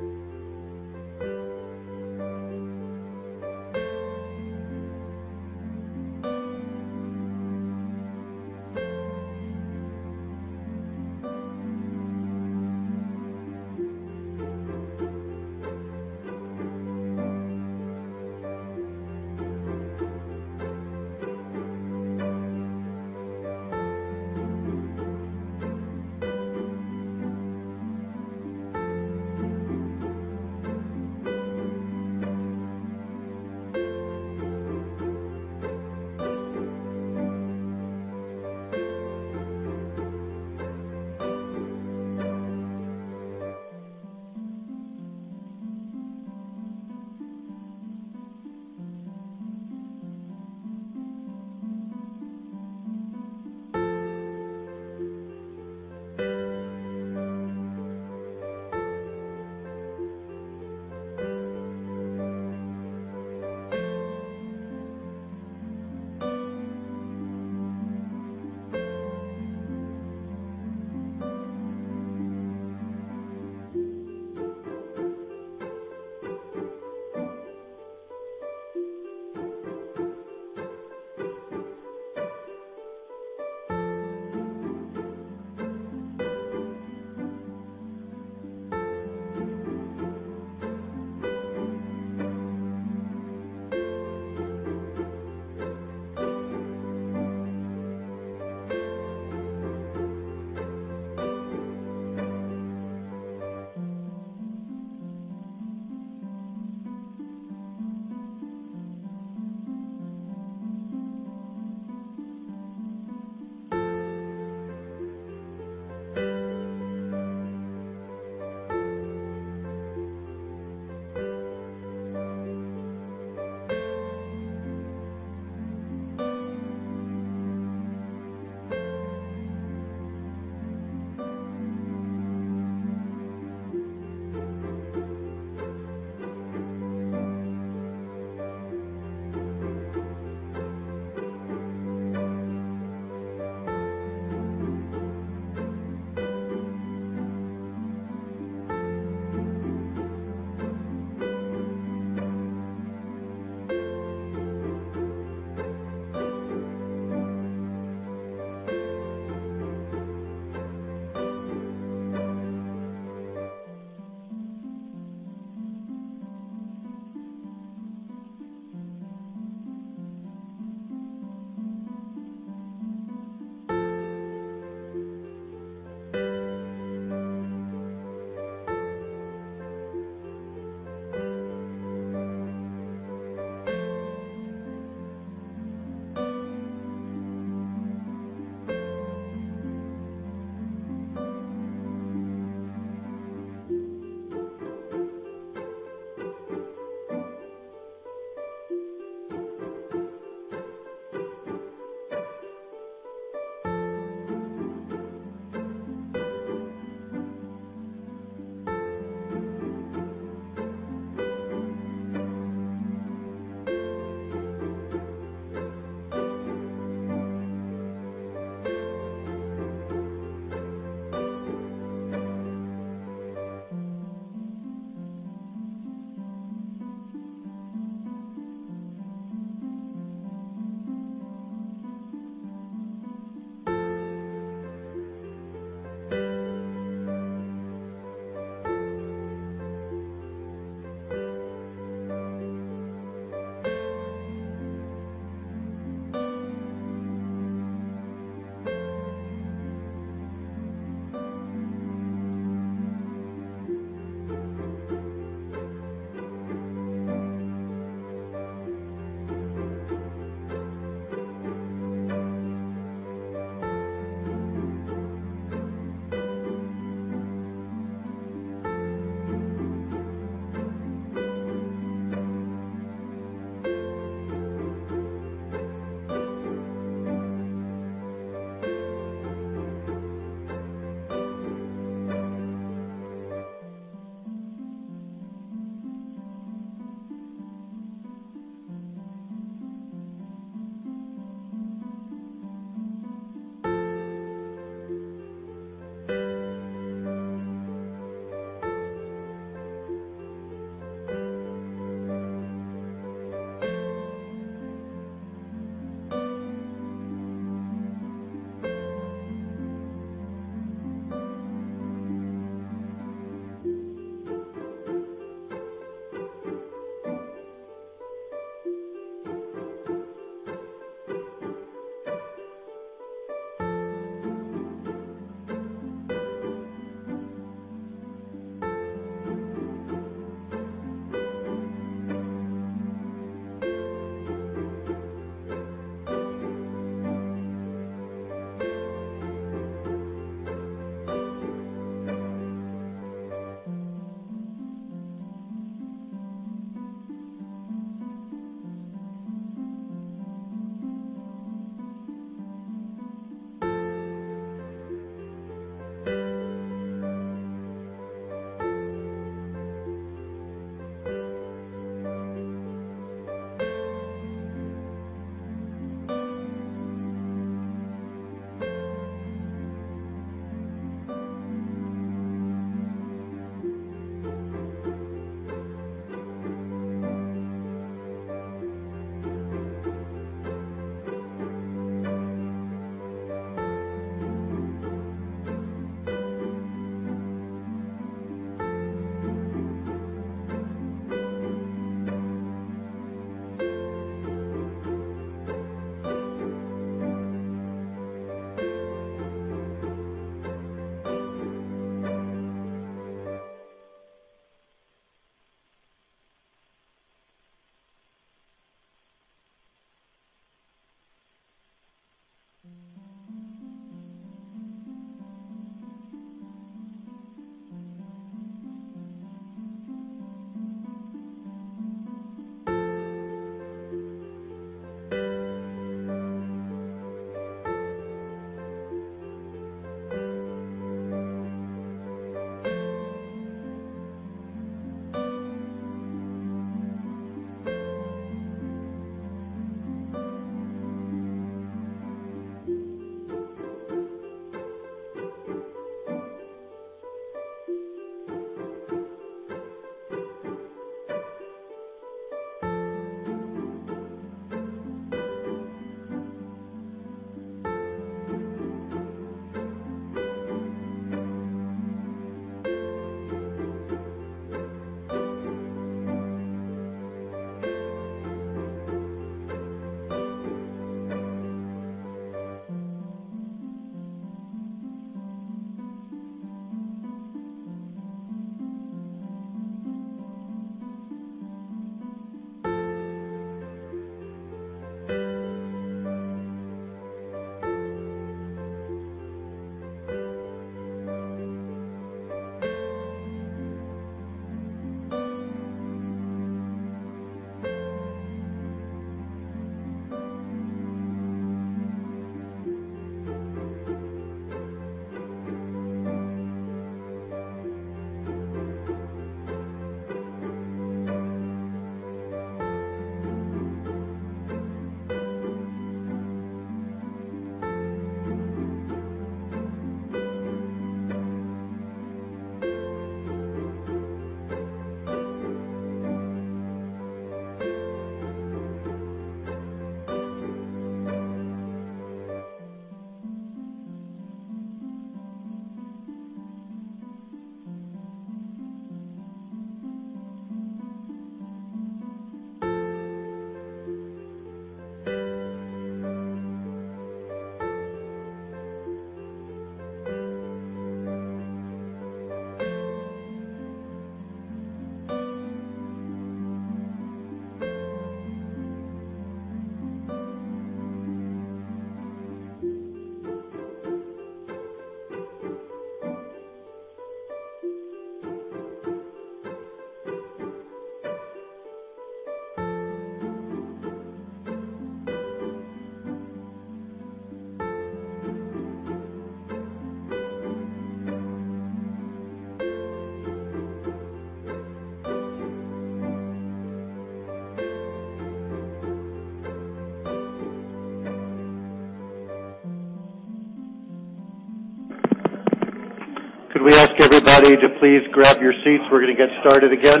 everybody to please grab your seats? We're going to get started again.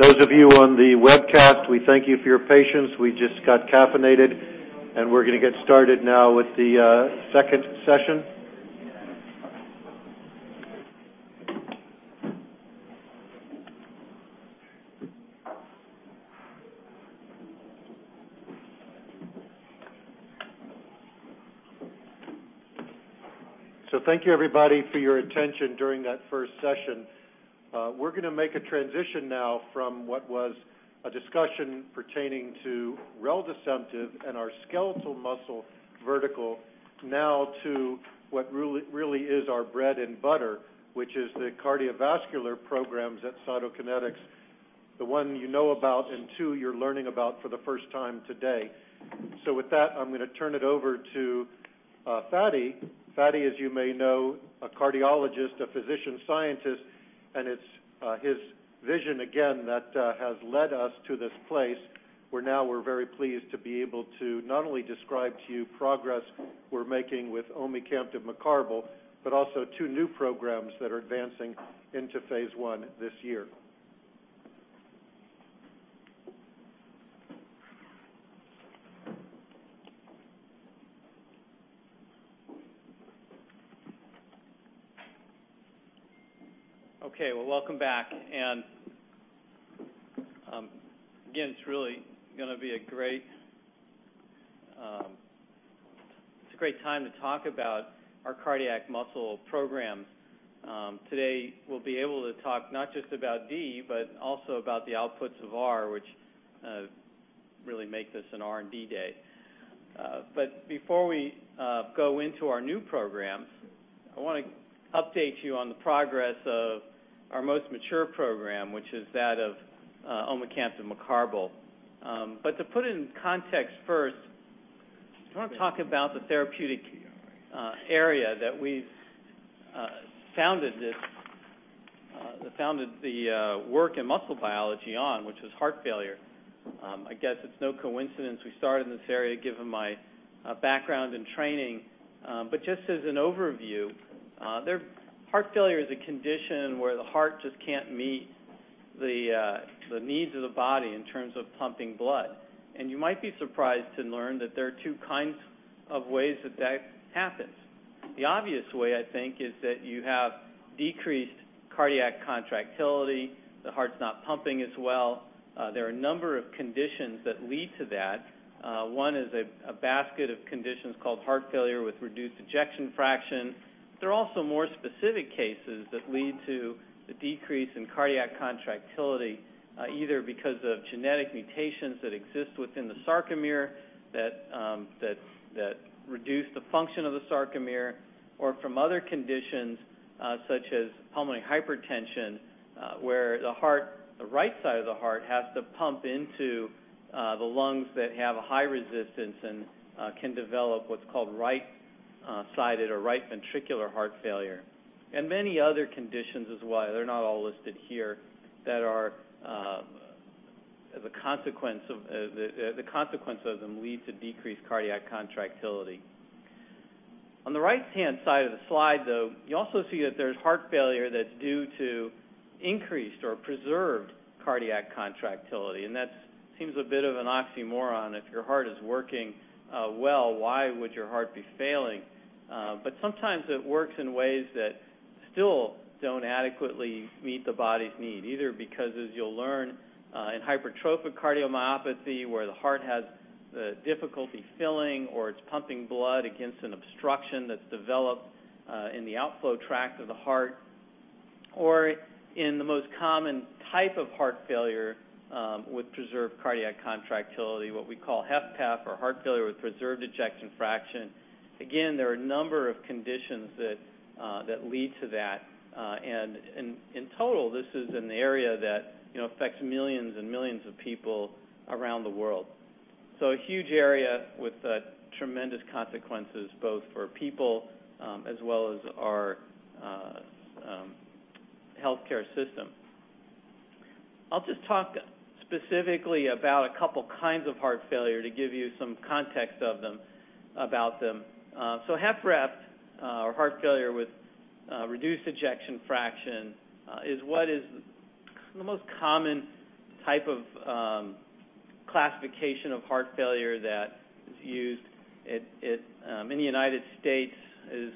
Those of you on the webcast, we thank you for your patience. We just got caffeinated, and we're going to get started now with the second session. Thank you everybody for your attention during that first session. We're going to make a transition now from what was a discussion pertaining to reldesemtiv and our skeletal muscle vertical, now to what really is our bread and butter, which is the cardiovascular programs at Cytokinetics. The one you know about, and two, you're learning about for the first time today. With that, I'm going to turn it over to Fady. Fady, as you may know, a cardiologist, a physician scientist, and it's his vision again that has led us to this place where now we're very pleased to be able to not only describe to you progress we're making with omecamtiv mecarbil, but also two new programs that are advancing into phase I this year. Okay, well, welcome back. Again, it's a great time to talk about our cardiac muscle program. Today we'll be able to talk not just about D, but also about the outputs of R, which really make this an R&D day. Before we go into our new programs, I want to update you on the progress of our most mature program, which is that of omecamtiv mecarbil. To put it in context first, I want to talk about the therapeutic area that we've founded the work and muscle biology on, which is heart failure. I guess it's no coincidence we started in this area given my background and training. Just as an overview, heart failure is a condition where the heart just can't meet the needs of the body in terms of pumping blood. You might be surprised to learn that there are two kinds of ways that happens. The obvious way, I think is that you have decreased cardiac contractility. The heart's not pumping as well. There are a number of conditions that lead to that. One is a basket of conditions called heart failure with reduced ejection fraction. There are also more specific cases that lead to the decrease in cardiac contractility, either because of genetic mutations that exist within the sarcomere that reduce the function of the sarcomere, or from other conditions such as pulmonary hypertension where the right side of the heart has to pump into the lungs that have a high resistance and can develop what's called right-sided or right ventricular heart failure. Many other conditions as well, they're not all listed here, that the consequence of them lead to decreased cardiac contractility. On the right-hand side of the slide, you also see that there's heart failure that seems a bit of an oxymoron. If your heart is working well, why would your heart be failing? Sometimes it works in ways that still don't adequately meet the body's need, either because as you'll learn, in hypertrophic cardiomyopathy, where the heart has the difficulty filling or it's pumping blood against an obstruction that's developed in the outflow tract of the heart, or in the most common type of heart failure, with preserved cardiac contractility, what we call HFpEF or heart failure with preserved ejection fraction. Again, there are a number of conditions that lead to that. In total, this is an area that affects millions and millions of people around the world. A huge area with tremendous consequences both for people as well as our healthcare system. I'll just talk specifically about a couple kinds of heart failure to give you some context about them. HFrEF, or heart failure with reduced ejection fraction, is what is the most common type of classification of heart failure that is used. In the U.S. is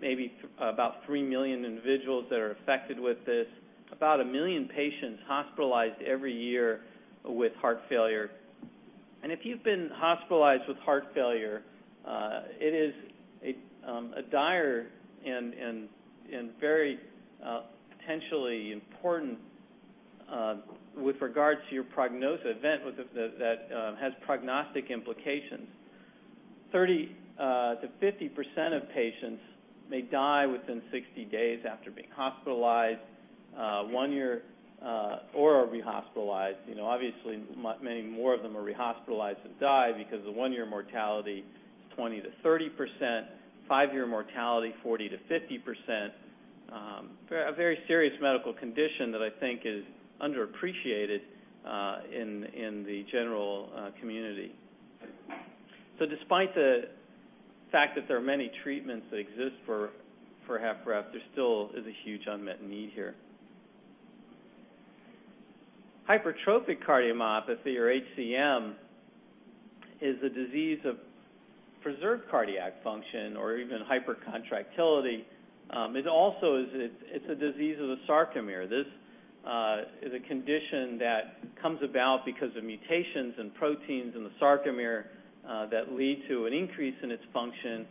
maybe about 3 million individuals that are affected with this. About 1 million patients hospitalized every year with heart failure. If you've been hospitalized with heart failure, it is a dire and very potentially important with regards to your prognostic event that has prognostic implications. 30%-50% of patients may die within 60 days after being hospitalized or are re-hospitalized. Obviously, many more of them are re-hospitalized than die because the 1-year mortality is 20%-30%, 5-year mortality 40%-50%. A very serious medical condition that I think is underappreciated in the general community. Despite the fact that there are many treatments that exist for HFrEF, there still is a huge unmet need here. Hypertrophic cardiomyopathy, or HCM, is a disease of preserved cardiac function or even hypercontractility. It's a disease of the sarcomere. This is a condition that comes about because of mutations in proteins in the sarcomere that lead to an increase in its function,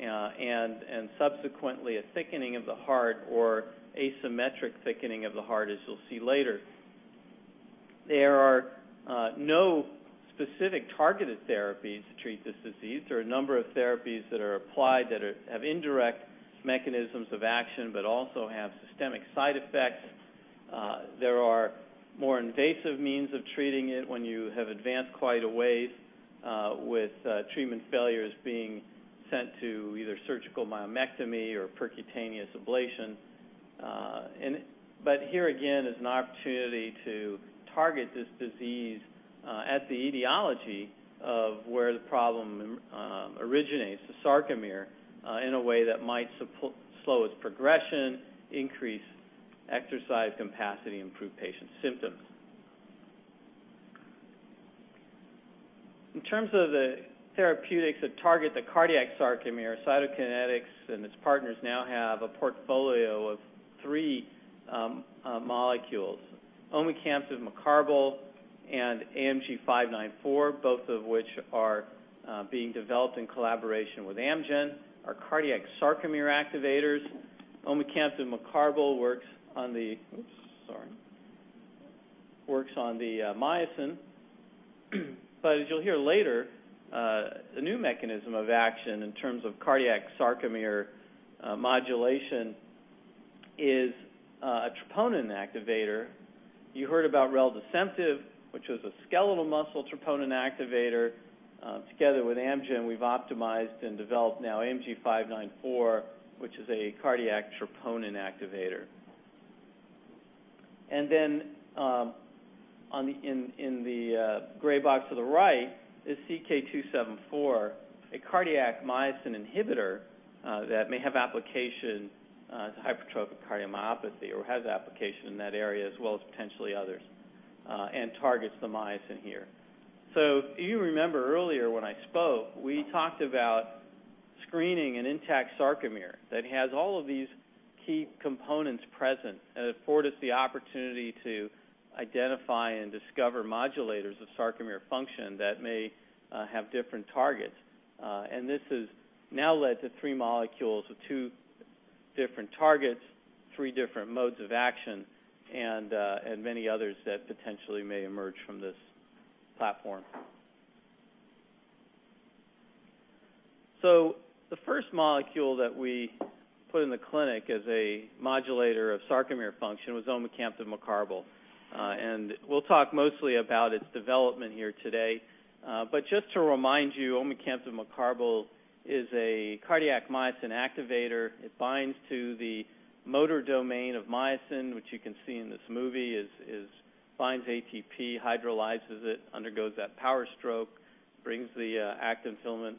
and subsequently a thickening of the heart or asymmetric thickening of the heart, as you'll see later. There are no specific targeted therapies to treat this disease. There are a number of therapies that are applied that have indirect mechanisms of action, but also have systemic side effects. There are more invasive means of treating it when you have advanced quite a ways with treatment failures being sent to either surgical myectomy or percutaneous ablation. Here again is an opportunity to target this disease at the etiology of where the problem originates, the sarcomere, in a way that might slow its progression, increase exercise capacity, and improve patients' symptoms. In terms of the therapeutics that target the cardiac sarcomere, Cytokinetics and its partners now have a portfolio of 3 molecules. omecamtiv mecarbil and AMG 594, both of which are being developed in collaboration with Amgen, are cardiac sarcomere activators. omecamtiv mecarbil works on the myosin. As you'll hear later, the new mechanism of action in terms of cardiac sarcomere modulation is a troponin activator. You heard about reldesemtiv, which was a skeletal muscle troponin activator. Together with Amgen, we've optimized and developed now AMG 594, which is a cardiac troponin activator. In the gray box to the right is CK-274, a cardiac myosin inhibitor that may have application to hypertrophic cardiomyopathy or has application in that area as well as potentially others, and targets the myosin here. If you remember earlier when I spoke, we talked about screening an intact sarcomere that has all of these key components present and affords us the opportunity to identify and discover modulators of sarcomere function that may have different targets. This has now led to three molecules with two different targets, three different modes of action, and many others that potentially may emerge from this platform. The first molecule that we put in the clinic as a modulator of sarcomere function was omecamtiv mecarbil. We'll talk mostly about its development here today. Just to remind you, omecamtiv mecarbil is a cardiac myosin activator. It binds to the motor domain of myosin, which you can see in this movie, binds ATP, hydrolyzes it, undergoes that power stroke, brings the actin filament,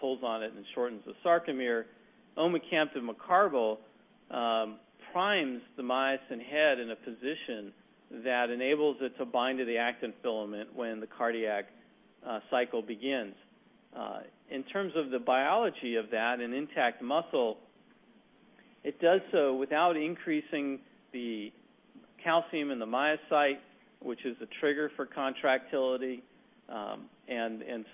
pulls on it, and shortens the sarcomere. Omecamtiv mecarbil primes the myosin head in a position that enables it to bind to the actin filament when the cardiac cycle begins. In terms of the biology of that, an intact muscle, it does so without increasing the calcium in the myocyte, which is a trigger for contractility.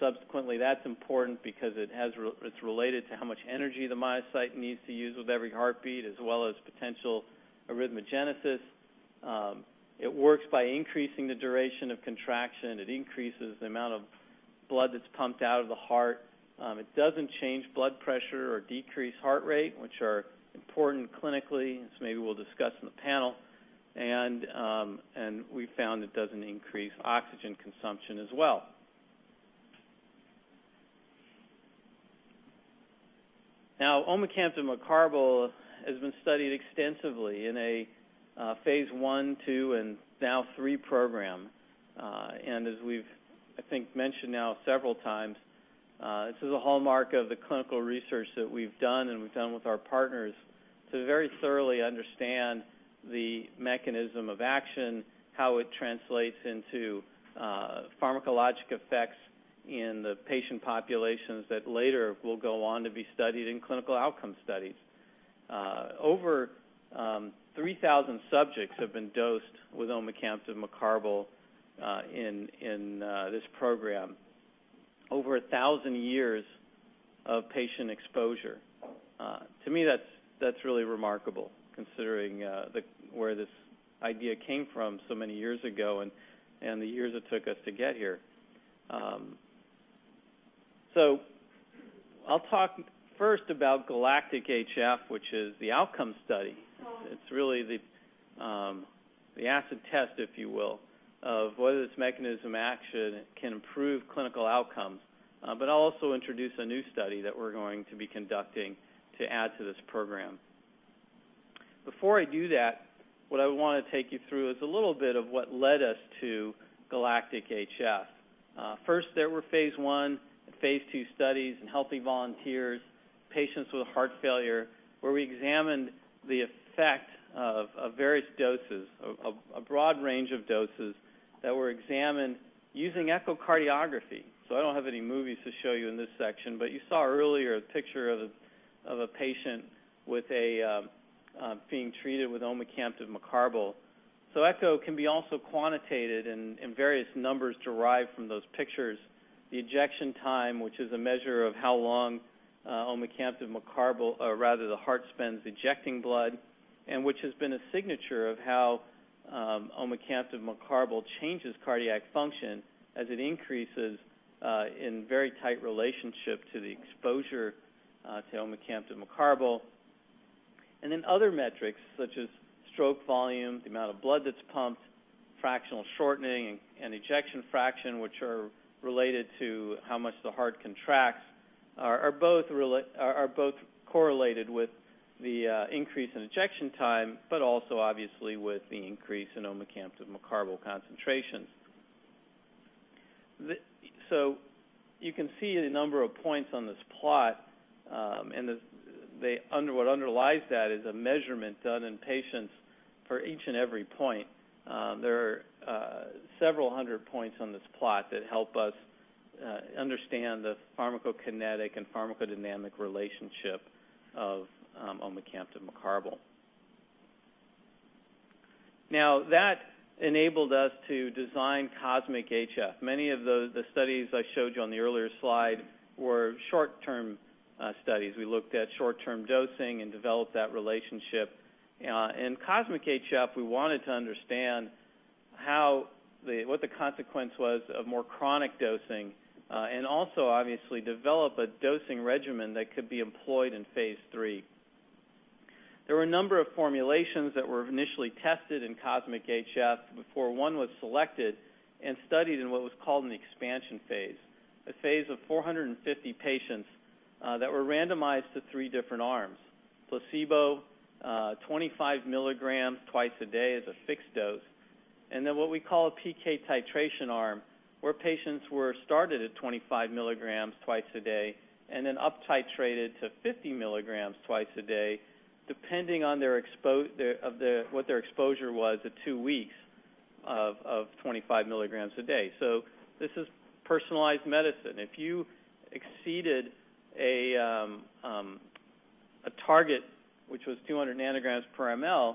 Subsequently, that's important because it's related to how much energy the myocyte needs to use with every heartbeat, as well as potential arrhythmogenesis. It works by increasing the duration of contraction. It increases the amount of blood that's pumped out of the heart. It doesn't change blood pressure or decrease heart rate, which are important clinically. Maybe we'll discuss in the panel. We've found it doesn't increase oxygen consumption as well. Omecamtiv mecarbil has been studied extensively in a phase I, II, and now III program. As we've, I think, mentioned now several times, this is a hallmark of the clinical research that we've done and we've done with our partners to very thoroughly understand the mechanism of action, how it translates into pharmacologic effects in the patient populations that later will go on to be studied in clinical outcome studies. Over 3,000 subjects have been dosed with omecamtiv mecarbil in this program. Over 1,000 years of patient exposure. To me, that's really remarkable considering where this idea came from so many years ago and the years it took us to get here. I'll talk first about GALACTIC-HF, which is the outcome study. It's really the acid test, if you will, of whether this mechanism action can improve clinical outcomes. I'll also introduce a new study that we're going to be conducting to add to this program. Before I do that, what I want to take you through is a little bit of what led us to GALACTIC-HF. There were phase I and phase II studies in healthy volunteers, patients with heart failure, where we examined the effect of various doses, of a broad range of doses that were examined using echocardiography. I don't have any movies to show you in this section, but you saw earlier a picture of a patient being treated with omecamtiv mecarbil. Echocardiography can be also quantitated, and various numbers derived from those pictures. The ejection time, which is a measure of how long omecamtiv mecarbil, or rather the heart spends ejecting blood, and which has been a signature of how omecamtiv mecarbil changes cardiac function as it increases in very tight relationship to the exposure to omecamtiv mecarbil. Other metrics such as stroke volume, the amount of blood that's pumped, fractional shortening, and ejection fraction, which are related to how much the heart contracts, are both correlated with the increase in ejection time, but also obviously with the increase in omecamtiv mecarbil concentrations. You can see the number of points on this plot, and what underlies that is a measurement done in patients for each and every point. There are several hundred points on this plot that help us understand the pharmacokinetic and pharmacodynamic relationship of omecamtiv mecarbil. That enabled us to design COSMIC-HF. Many of the studies I showed you on the earlier slide were short-term studies. We looked at short-term dosing and developed that relationship. In COSMIC-HF, we wanted to understand what the consequence was of more chronic dosing, and also obviously develop a dosing regimen that could be employed in phase III. There were a number of formulations that were initially tested in COSMIC-HF before one was selected and studied in what was called an expansion phase. A phase of 450 patients that were randomized to 3 different arms, placebo, 25 milligrams b.i.d. as a fixed dose, and what we call a PK titration arm, where patients were started at 25 milligrams b.i.d. and then uptitrated to 50 milligrams b.i.d., depending on what their exposure was at two weeks of 25 milligrams a day. This is personalized medicine. If you exceeded a target which was 200 nanograms per mL,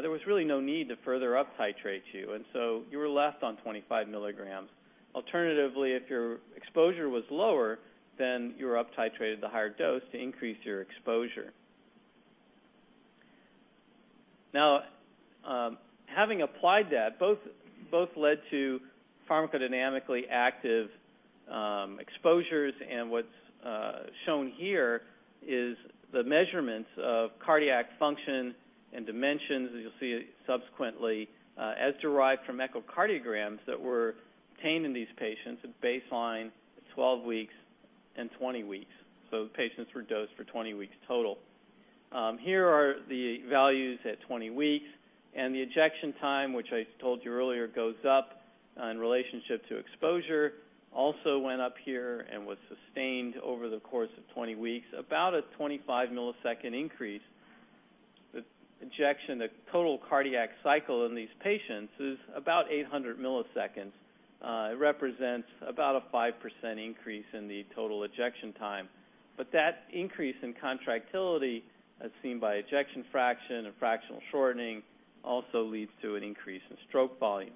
there was really no need to further uptitrate you were left on 25 milligrams. Alternatively, if your exposure was lower, you were uptitrated to higher dose to increase your exposure. Having applied that, both led to pharmacodynamically active exposures, and what's shown here is the measurements of cardiac function and dimensions, as you'll see subsequently, as derived from echocardiograms that were obtained in these patients at baseline 12 weeks and 20 weeks. The patients were dosed for 20 weeks total. Here are the values at 20 weeks and the ejection time, which I told you earlier, goes up in relationship to exposure, also went up here and was sustained over the course of 20 weeks, about a 25-millisecond increase. The total cardiac cycle in these patients is about 800 milliseconds. It represents about a 5% increase in the total ejection time. That increase in contractility, as seen by ejection fraction and fractional shortening, also leads to an increase in stroke volume.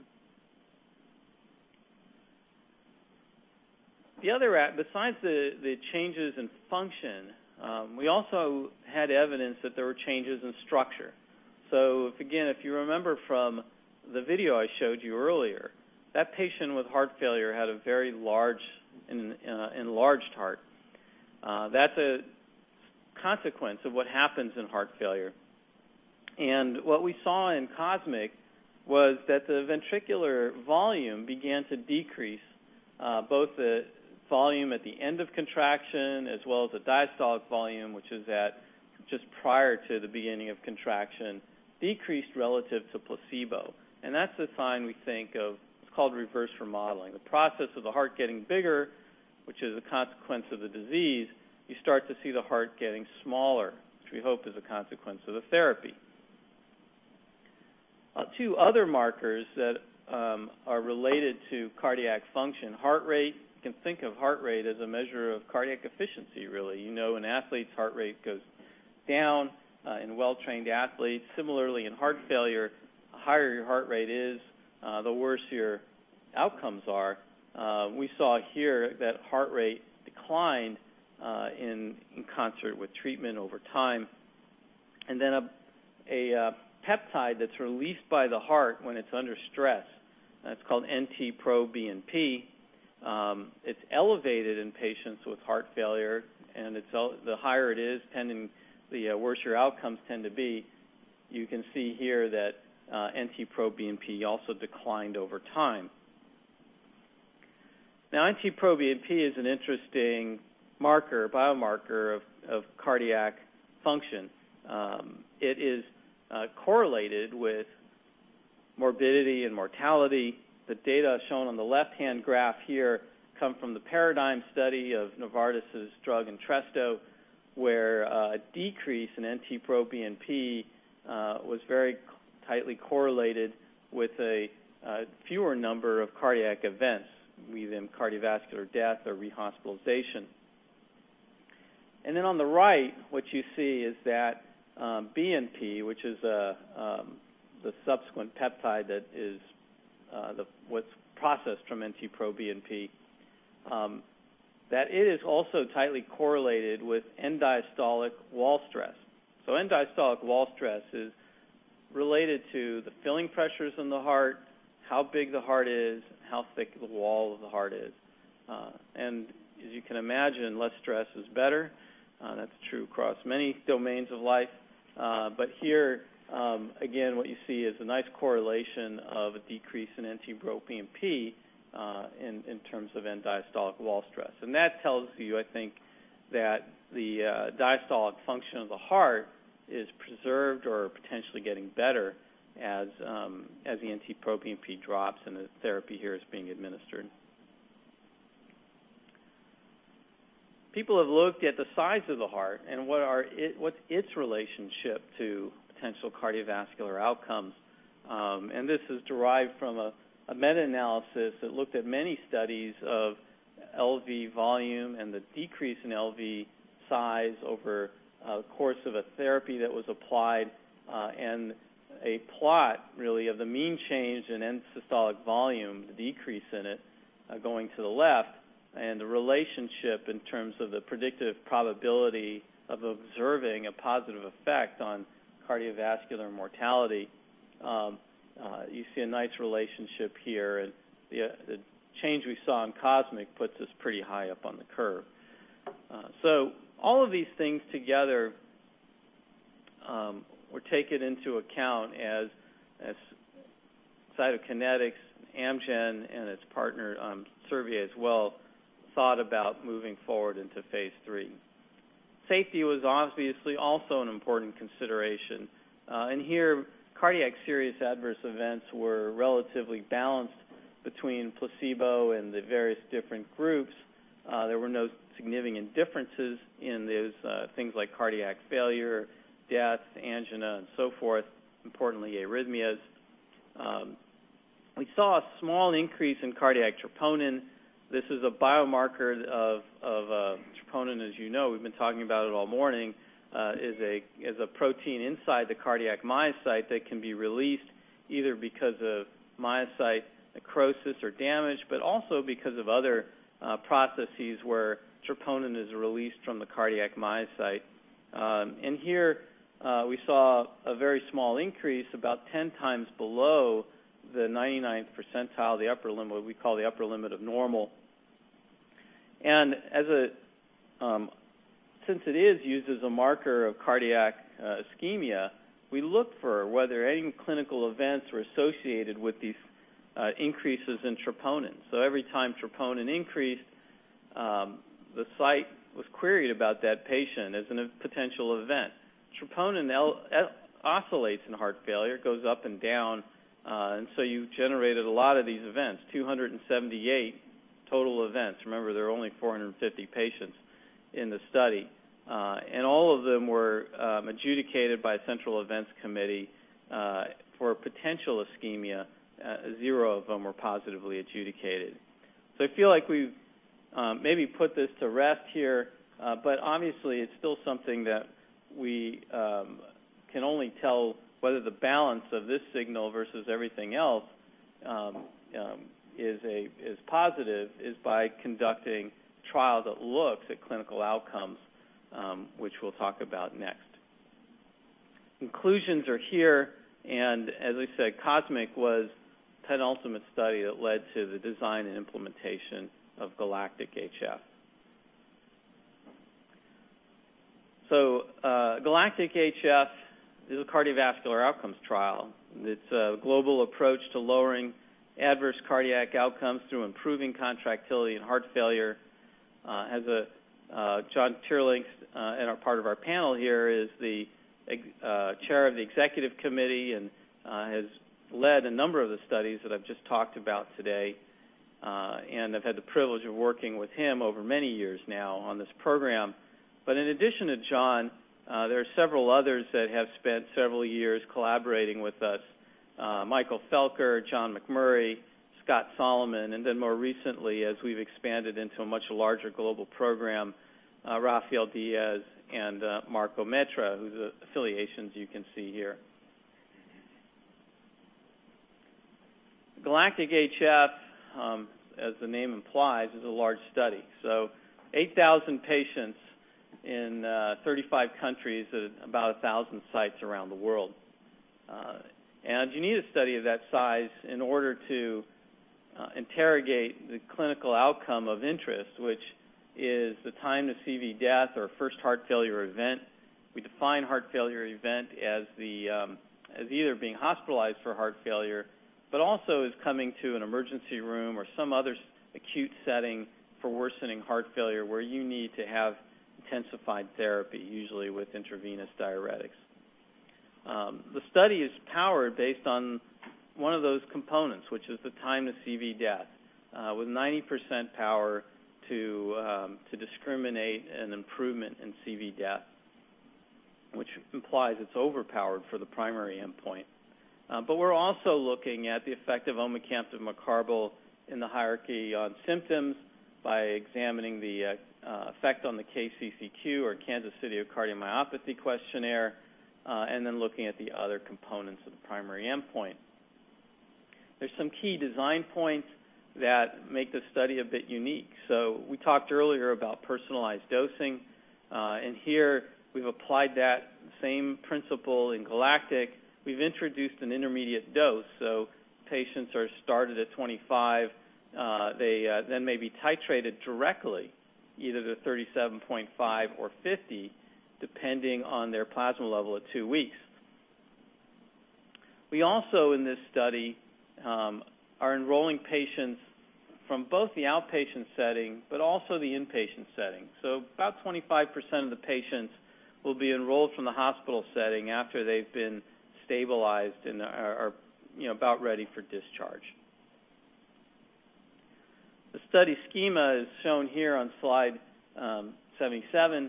Besides the changes in function, we also had evidence that there were changes in structure. Again, if you remember from the video I showed you earlier, that patient with heart failure had a very enlarged heart. That's a consequence of what happens in heart failure. What we saw in COSMIC was that the ventricular volume began to decrease. Both the volume at the end of contraction, as well as the diastolic volume, which is at just prior to the beginning of contraction, decreased relative to placebo. That's a sign we think of, it's called reverse remodeling. The process of the heart getting bigger, which is a consequence of the disease, you start to see the heart getting smaller, which we hope is a consequence of the therapy. Two other markers that are related to cardiac function. Heart rate, you can think of heart rate as a measure of cardiac efficiency, really. You know, an athlete's heart rate goes down in well-trained athletes. Similarly, in heart failure, the higher your heart rate is, the worse your outcomes are. We saw here that heart rate declined in concert with treatment over time. A peptide that's released by the heart when it's under stress, that's called NT-proBNP. It's elevated in patients with heart failure, and the higher it is, the worse your outcomes tend to be. You can see here that NT-proBNP also declined over time. Now, NT-proBNP is an interesting biomarker of cardiac function. It is correlated with morbidity and mortality. The data shown on the left-hand graph here come from the PARADIGM study of Novartis's drug Entresto, where a decrease in NT-proBNP was very tightly correlated with a fewer number of cardiac events, be them cardiovascular death or rehospitalization. On the right, what you see is that BNP, which is the subsequent peptide that is what's processed from NT-proBNP, that it is also tightly correlated with end-diastolic wall stress. End-diastolic wall stress is related to the filling pressures in the heart, how big the heart is, and how thick the wall of the heart is. As you can imagine, less stress is better. That's true across many domains of life. Here, again, what you see is a nice correlation of a decrease in NT-proBNP, in terms of end-diastolic wall stress. That tells you, I think, that the diastolic function of the heart is preserved or potentially getting better as the NT-proBNP drops and the therapy here is being administered. People have looked at the size of the heart and what's its relationship to potential cardiovascular outcomes. This is derived from a meta-analysis that looked at many studies of LV volume and the decrease in LV size over the course of a therapy that was applied. A plot, really, of the mean change in end systolic volume, the decrease in it, going to the left, and the relationship in terms of the predictive probability of observing a positive effect on cardiovascular mortality. You see a nice relationship here, and the change we saw in COSMIC puts us pretty high up on the curve. All of these things together were taken into account as Cytokinetics, Amgen, and its partner Servier as well, thought about moving forward into phase III. Safety was obviously also an important consideration. Here, cardiac serious adverse events were relatively balanced between placebo and the various different groups. There were no significant differences in those things like cardiac failure, death, angina, and so forth. Importantly, arrhythmias. We saw a small increase in cardiac troponin. This is a biomarker of troponin, as you know, we've been talking about it all morning, is a protein inside the cardiac myocyte that can be released either because of myocyte necrosis or damage, but also because of other processes where troponin is released from the cardiac myocyte. Here we saw a very small increase, about 10 times below the 99th percentile, what we call the upper limit of normal. Since it is used as a marker of cardiac ischemia, we look for whether any clinical events were associated with these increases in troponin. Every time troponin increased, the site was queried about that patient as a potential event. Troponin oscillates in heart failure, it goes up and down, and so you've generated a lot of these events, 278 total events. Remember, there are only 450 patients in the study. All of them were adjudicated by a central events committee for potential ischemia. Zero of them were positively adjudicated. I feel like we've maybe put this to rest here. Obviously, it's still something that we can only tell whether the balance of this signal versus everything else is positive is by conducting a trial that looks at clinical outcomes, which we'll talk about next. Conclusions are here, and as I said, COSMIC was penultimate study that led to the design and implementation of GALACTIC-HF. GALACTIC-HF is a cardiovascular outcomes trial. It's a global approach to lowering adverse cardiac outcomes through improving contractility and heart failure. As John Teerlink in part of our panel here is the chair of the executive committee and has led a number of the studies that I've just talked about today. I've had the privilege of working with him over many years now on this program. In addition to John, there are several others that have spent several years collaborating with us Michael Felker, John McMurray, Scott Solomon, and then more recently, as we've expanded into a much larger global program, Rafael Diaz and Marco Metra, whose affiliations you can see here. GALACTIC-HF, as the name implies, is a large study. 8,000 patients in 35 countries at about 1,000 sites around the world. You need a study of that size in order to interrogate the clinical outcome of interest, which is the time to CV death or first heart failure event. We define heart failure event as either being hospitalized for heart failure, but also as coming to an emergency room or some other acute setting for worsening heart failure, where you need to have intensified therapy, usually with intravenous diuretics. The study is powered based on one of those components, which is the time to CV death, with 90% power to discriminate an improvement in CV death, which implies it's overpowered for the primary endpoint. We're also looking at the effect of omecamtiv mecarbil in the hierarchy on symptoms by examining the effect on the KCCQ, or Kansas City Cardiomyopathy Questionnaire, and then looking at the other components of the primary endpoint. There's some key design points that make this study a bit unique. We talked earlier about personalized dosing, and here we've applied that same principle in GALACTIC. We've introduced an intermediate dose. Patients are started at 25. They then may be titrated directly, either to 37.5 or 50, depending on their plasma level at two weeks. We also, in this study, are enrolling patients from both the outpatient setting but also the inpatient setting. About 25% of the patients will be enrolled from the hospital setting after they've been stabilized and are about ready for discharge. The study schema is shown here on slide 77.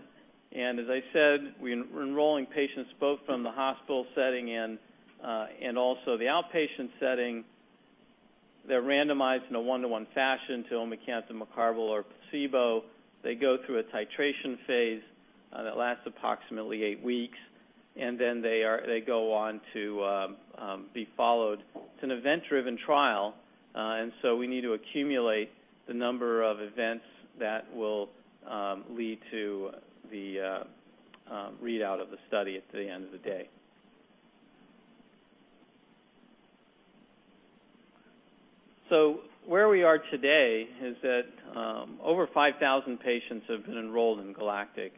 As I said, we're enrolling patients both from the hospital setting and also the outpatient setting. They're randomized in a one-to-one fashion to omecamtiv mecarbil or placebo. They go through a titration phase that lasts approximately eight weeks. Then they go on to be followed. It's an event-driven trial, and we need to accumulate the number of events that will lead to the readout of the study at the end of the day. Where we are today is that over 5,000 patients have been enrolled in GALACTIC,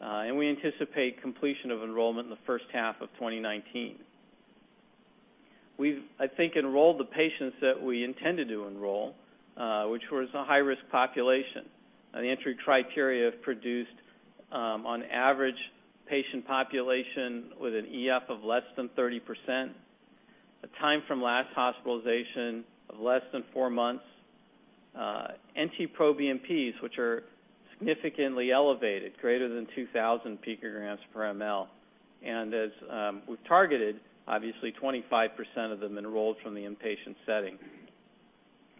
and we anticipate completion of enrollment in the first half of 2019. We've, I think, enrolled the patients that we intended to enroll, which was a high-risk population. The entry criteria have produced, on average, patient population with an EF of less than 30%, a time from last hospitalization of less than four months, NT-proBNPs, which are significantly elevated, greater than 2,000 picograms per mL, and as we've targeted, obviously 25% of them enrolled from the inpatient setting.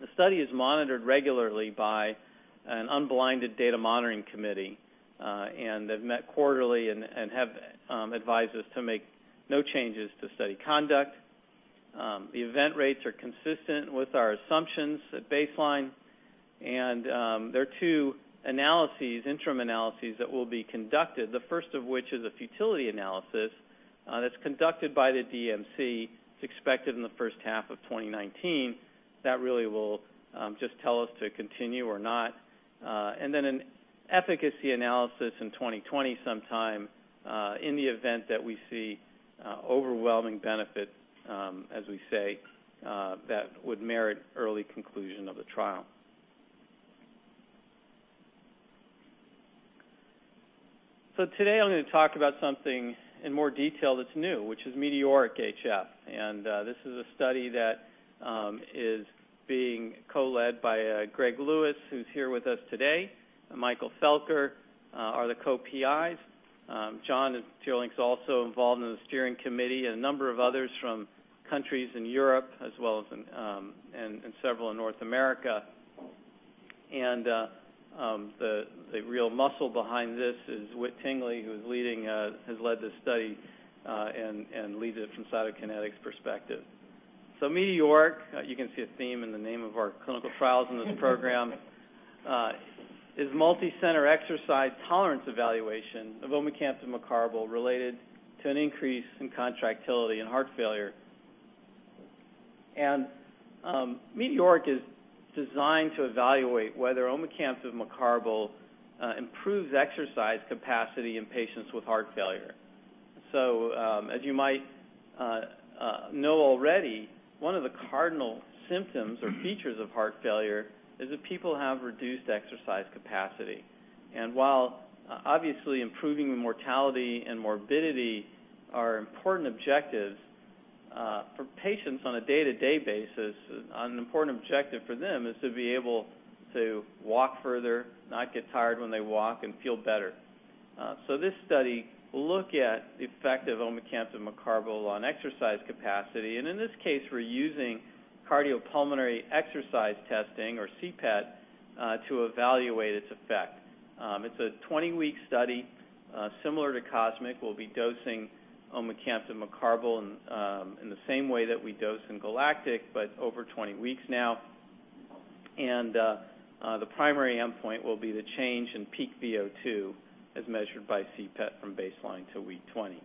The study is monitored regularly by an unblinded data monitoring committee. They've met quarterly and have advised us to make no changes to study conduct. The event rates are consistent with our assumptions at baseline. There are two interim analyses that will be conducted, the first of which is a futility analysis that's conducted by the DMC. It's expected in the first half of 2019. That really will just tell us to continue or not. An efficacy analysis in 2020 sometime, in the event that we see overwhelming benefit, as we say, that would merit early conclusion of the trial. Today, I'm going to talk about something in more detail that's new, which is METEORIC-HF. This is a study that is being co-led by Greg Lewis, who's here with us today, and Michael Felker are the co-PIs. John Teerlink's also involved in the steering committee, and a number of others from countries in Europe, as well as in several in North America. The real muscle behind this is Whit Tingley, who has led this study and leads it from Cytokinetics' perspective. METEORIC, you can see a theme in the name of our clinical trials in this program, is Multicenter Exercise Tolerance Evaluation of omecamtiv mecarbil related to an Increase in Contractility in Heart Failure. METEORIC is designed to evaluate whether omecamtiv mecarbil improves exercise capacity in patients with heart failure. As you might know already, one of the cardinal symptoms or features of heart failure is that people have reduced exercise capacity. While obviously improving mortality and morbidity are important objectives, for patients on a day-to-day basis, an important objective for them is to be able to walk further, not get tired when they walk, and feel better. This study will look at the effect of omecamtiv mecarbil on exercise capacity. In this case, we're using cardiopulmonary exercise testing, or CPET, to evaluate its effect. It's a 20-week study, similar to COSMIC. We'll be dosing omecamtiv mecarbil in the same way that we dose in GALACTIC, but over 20 weeks now. The primary endpoint will be the change in peak VO2 as measured by CPET from baseline to week 20.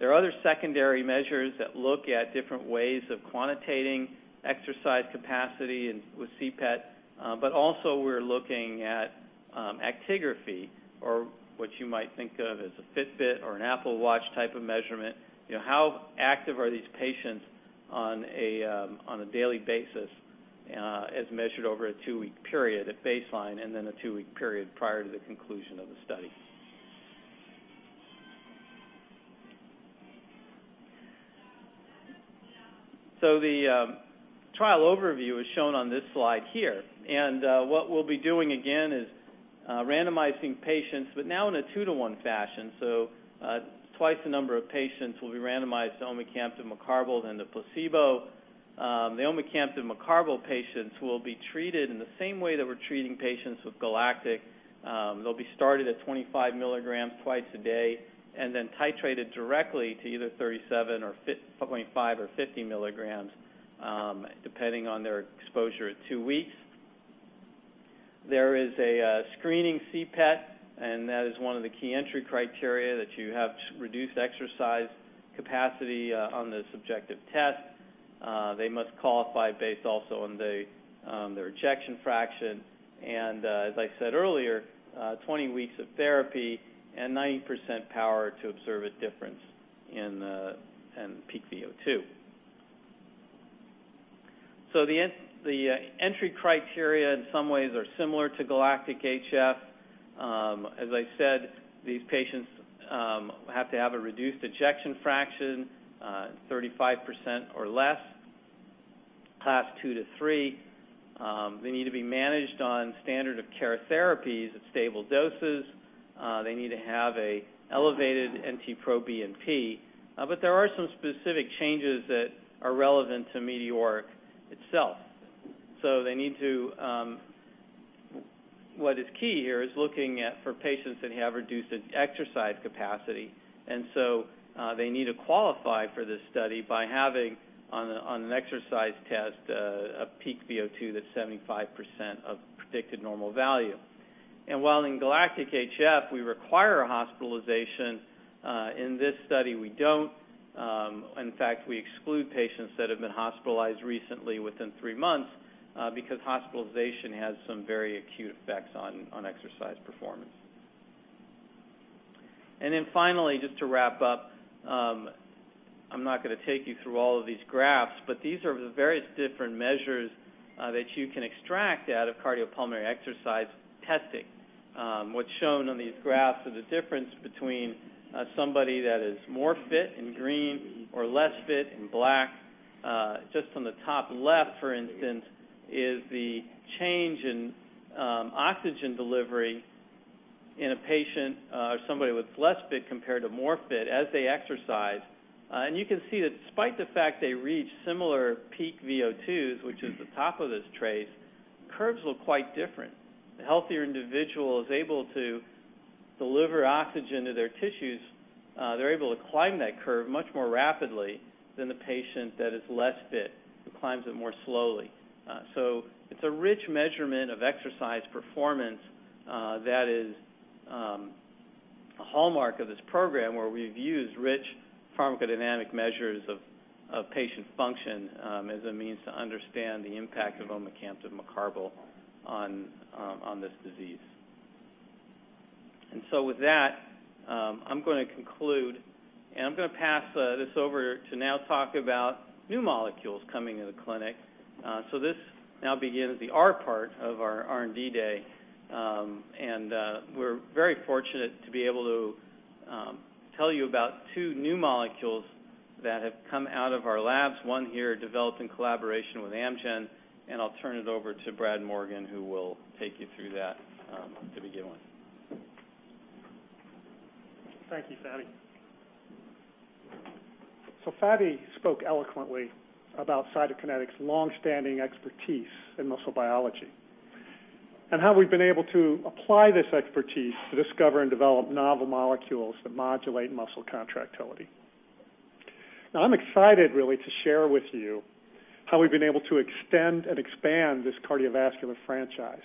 There are other secondary measures that look at different ways of quantitating exercise capacity with CPET. Also, we're looking at actigraphy or what you might think of as a Fitbit or an Apple Watch type of measurement. How active are these patients on a daily basis, as measured over a two-week period at baseline and then a two-week period prior to the conclusion of the study? The trial overview is shown on this slide here. What we'll be doing, again, is randomizing patients, but now in a 2-to-1 fashion. Twice the number of patients will be randomized to omecamtiv mecarbil than to placebo. The omecamtiv mecarbil patients will be treated in the same way that we're treating patients with GALACTIC. They'll be started at 25 milligrams twice a day and then titrated directly to either 37.5 or 50 milligrams, depending on their exposure at two weeks. There is a screening CPET, and that is one of the key entry criteria, that you have reduced exercise capacity on the subjective test. They must qualify based also on their ejection fraction and, as I said earlier, 20 weeks of therapy and 90% power to observe a difference in peak VO2. The entry criteria in some ways are similar to GALACTIC-HF. As I said, these patients have to have a reduced ejection fraction, 35% or less, Class II to III. They need to be managed on standard of care therapies at stable doses. They need to have an elevated NT-proBNP. There are some specific changes that are relevant to METEORIC itself. What is key here is looking for patients that have reduced exercise capacity, They need to qualify for this study by having, on an exercise test, a peak VO2 that's 75% of predicted normal value. While in GALACTIC-HF, we require a hospitalization, in this study, we don't. In fact, we exclude patients that have been hospitalized recently, within three months, because hospitalization has some very acute effects on exercise performance. Finally, just to wrap up, I'm not going to take you through all of these graphs, but these are the various different measures that you can extract out of cardiopulmonary exercise testing. What's shown on these graphs are the difference between somebody that is more fit, in green, or less fit, in black. Just on the top left, for instance, is the change in oxygen delivery in a patient or somebody that's less fit compared to more fit as they exercise. You can see that despite the fact they reach similar peak VO2s, which is the top of this trace, curves look quite different. The healthier individual is able to deliver oxygen to their tissues. They're able to climb that curve much more rapidly than the patient that is less fit, who climbs it more slowly. It's a rich measurement of exercise performance that is a hallmark of this program, where we've used rich pharmacodynamic measures of patient function as a means to understand the impact of omecamtiv mecarbil on this disease. With that, I'm going to conclude, and I'm going to pass this over to now talk about new molecules coming to the clinic. This now begins the R part of our R&D Day. We're very fortunate to be able to tell you about two new molecules that have come out of our labs, one here developed in collaboration with Amgen. I'll turn it over to Brad Morgan, who will take you through that to begin with. Thank you, Fady. Fady spoke eloquently about Cytokinetics' longstanding expertise in muscle biology and how we've been able to apply this expertise to discover and develop novel molecules that modulate muscle contractility. I'm excited, really, to share with you how we've been able to extend and expand this cardiovascular franchise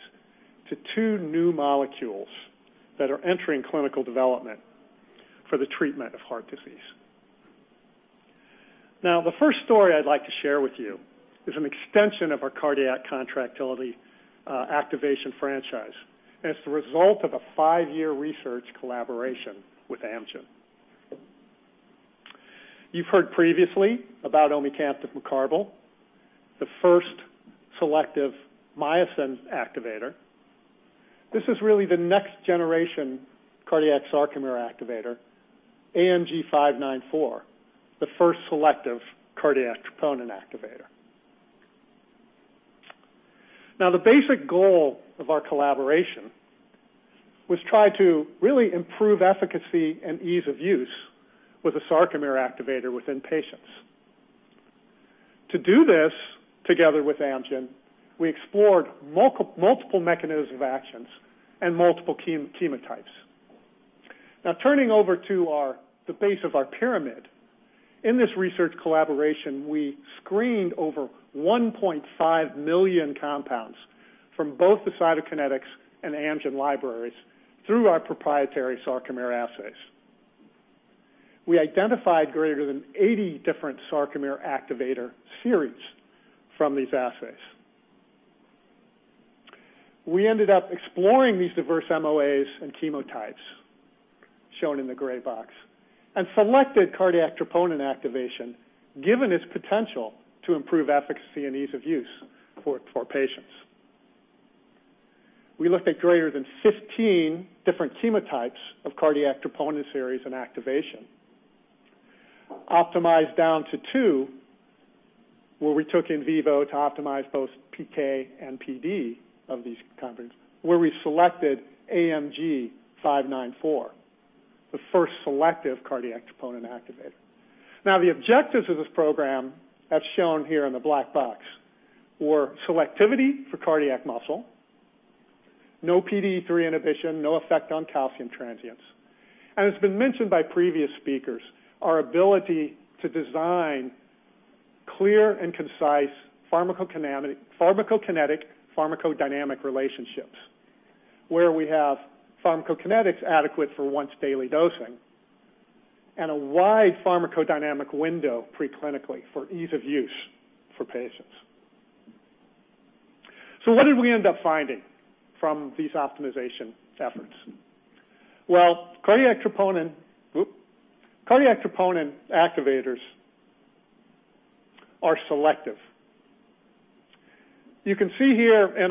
to two new molecules that are entering clinical development for the treatment of heart disease. The first story I'd like to share with you is an extension of our cardiac contractility activation franchise, and it's the result of a five-year research collaboration with Amgen. You've heard previously about omecamtiv mecarbil, the first selective myosin activator. This is really the next-generation cardiac sarcomere activator, AMG 594, the first selective cardiac troponin activator. The basic goal of our collaboration was try to really improve efficacy and ease of use with a sarcomere activator within patients. To do this, together with Amgen, we explored multiple mechanisms of actions and multiple chemotypes. Turning over to the base of our pyramid. In this research collaboration, we screened over 1.5 million compounds from both the Cytokinetics and Amgen libraries through our proprietary sarcomere assays. We identified greater than 80 different sarcomere activator series from these assays. We ended up exploring these diverse MOAs and chemotypes, shown in the gray box, and selected cardiac troponin activation given its potential to improve efficacy and ease of use for patients. We looked at greater than 15 different chemotypes of cardiac troponin series and activation, optimized down to two, where we took in vivo to optimize both PK and PD of these compounds, where we selected AMG 594, the first selective cardiac troponin activator. The objectives of this program, as shown here in the black box, were selectivity for cardiac muscle, no PDE3 inhibition, no effect on calcium transients. As has been mentioned by previous speakers, our ability to design clear and concise pharmacokinetic/pharmacodynamic relationships, where we have pharmacokinetics adequate for once-daily dosing and a wide pharmacodynamic window preclinically for ease of use for patients. What did we end up finding from these optimization efforts? Cardiac troponin activators are selective. You can see here in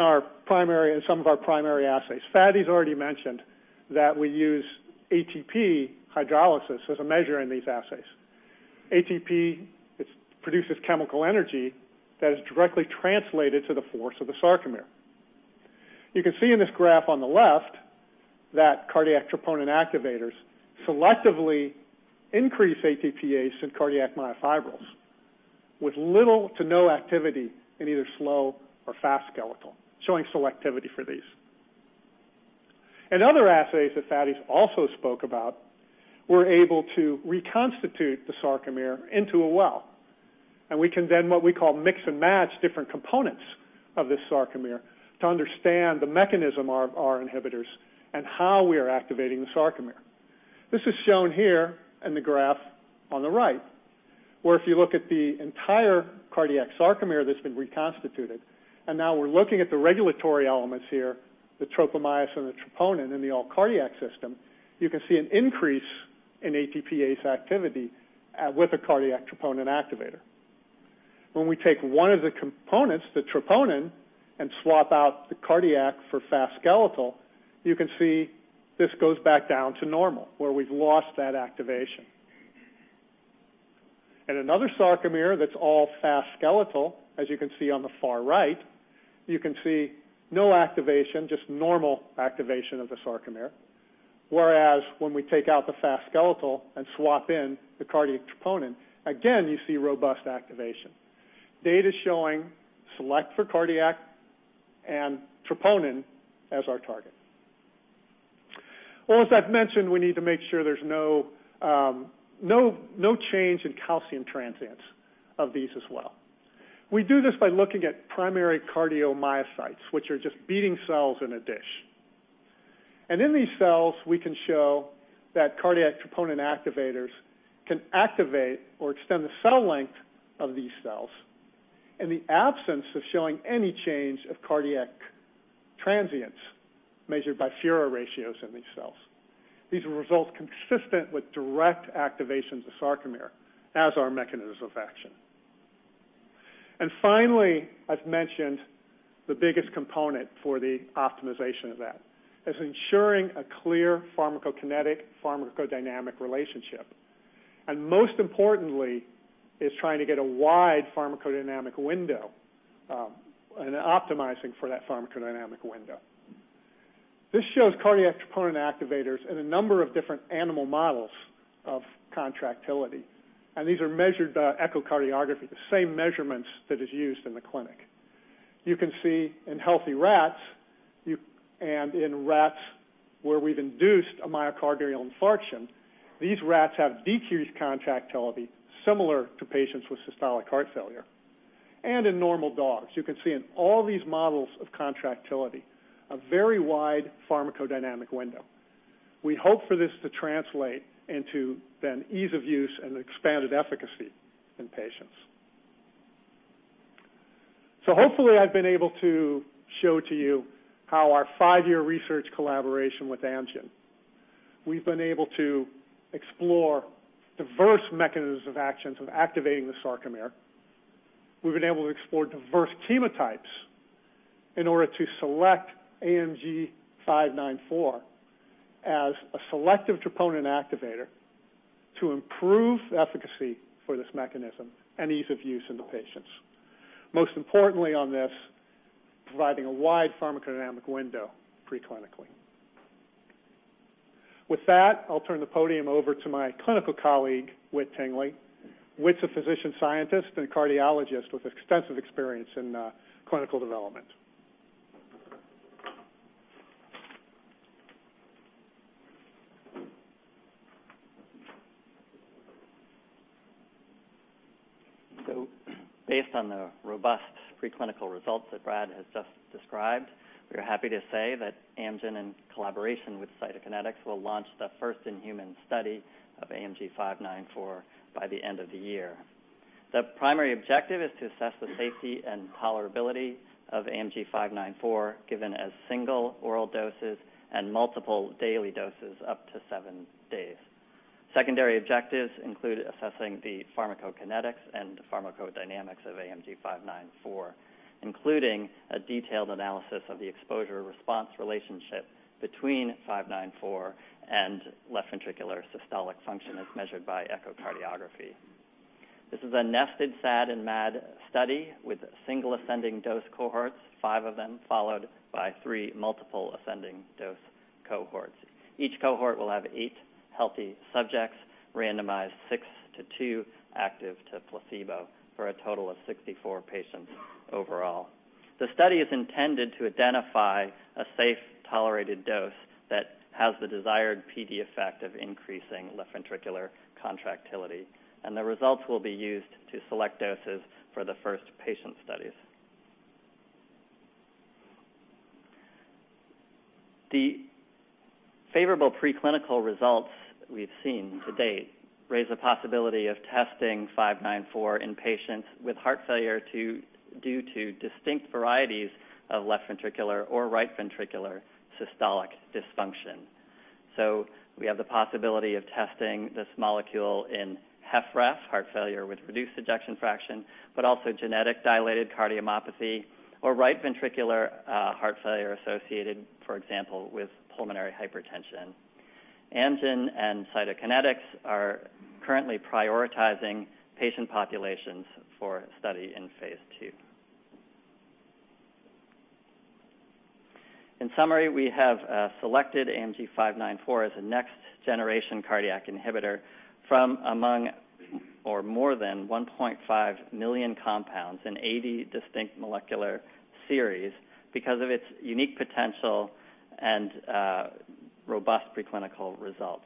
some of our primary assays. Fady's already mentioned that we use ATP hydrolysis as a measure in these assays. ATP produces chemical energy that is directly translated to the force of the sarcomere. You can see in this graph on the left that cardiac troponin activators selectively increase ATPase in cardiac myofibrils with little to no activity in either slow or fast skeletal, showing selectivity for these. In other assays that Fady's also spoke about, we are able to reconstitute the sarcomere into a well, and we can then what we call mix and match different components of this sarcomere to understand the mechanism of our inhibitors and how we are activating the sarcomere. This is shown here in the graph on the right, where if you look at the entire cardiac sarcomere that has been reconstituted, and now we are looking at the regulatory elements here, the tropomyosin and the troponin in the all-cardiac system, you can see an increase in ATPase activity with a cardiac troponin activator. When we take one of the components, the troponin, and swap out the cardiac for fast skeletal, you can see this goes back down to normal, where we have lost that activation. In another sarcomere that is all fast skeletal, as you can see on the far right, you can see no activation, just normal activation of the sarcomere. Whereas when we take out the fast skeletal and swap in the cardiac troponin, again, you see robust activation. Data showing select for cardiac and troponin as our target. As I have mentioned, we need to make sure there is no change in calcium transients of these as well. We do this by looking at primary cardiomyocytes, which are just beating cells in a dish. In these cells, we can show that cardiac troponin activators can activate or extend the cell length of these cells in the absence of showing any change of cardiac transients measured by Fura-2 ratios in these cells. These were results consistent with direct activation of the sarcomere as our mechanism of action. Finally, as mentioned, the biggest component for the optimization of that is ensuring a clear pharmacokinetic/pharmacodynamic relationship. Most importantly is trying to get a wide pharmacodynamic window, and optimizing for that pharmacodynamic window. This shows cardiac troponin activators in a number of different animal models of contractility, and these are measured by echocardiography, the same measurements that is used in the clinic. You can see in healthy rats and in rats where we have induced a myocardial infarction, these rats have decreased contractility similar to patients with systolic heart failure. In normal dogs. You can see in all these models of contractility a very wide pharmacodynamic window. We hope for this to translate into then ease of use and expanded efficacy in patients. Hopefully, I've been able to show to you how our five-year research collaboration with Amgen, we've been able to explore diverse mechanisms of actions of activating the sarcomere. We've been able to explore diverse chemotypes in order to select AMG 594 as a selective troponin activator to improve efficacy for this mechanism and ease of use in the patients. Most importantly on this, providing a wide pharmacodynamic window pre-clinically. With that, I'll turn the podium over to my clinical colleague, Whit Tingley. Whit's a physician scientist and cardiologist with extensive experience in clinical development. Based on the robust pre-clinical results that Brad has just described, we are happy to say that Amgen, in collaboration with Cytokinetics, will launch the first-in-human study of AMG 594 by the end of the year. The primary objective is to assess the safety and tolerability of AMG 594 given as single oral doses and multiple daily doses up to seven days. Secondary objectives include assessing the pharmacokinetics and pharmacodynamics of AMG 594, including a detailed analysis of the exposure-response relationship between 594 and left ventricular systolic function as measured by echocardiography. This is a nested SAD and MAD study with single ascending dose cohorts, five of them, followed by three multiple ascending dose cohorts. Each cohort will have eight healthy subjects, randomized six to two active to placebo for a total of 64 patients overall. The study is intended to identify a safe, tolerated dose that has the desired PD effect of increasing left ventricular contractility, and the results will be used to select doses for the first patient studies. The favorable pre-clinical results we've seen to date raise the possibility of testing 594 in patients with heart failure due to distinct varieties of left ventricular or right ventricular systolic dysfunction. We have the possibility of testing this molecule in HFrEF, heart failure with reduced ejection fraction, but also genetic dilated cardiomyopathy or right ventricular heart failure associated, for example, with pulmonary hypertension. Amgen and Cytokinetics are currently prioritizing patient populations for study in phase II. In summary, we have selected AMG 594 as a next-generation cardiac inhibitor from among more than 1.5 million compounds in 80 distinct molecular series because of its unique potential and robust pre-clinical results.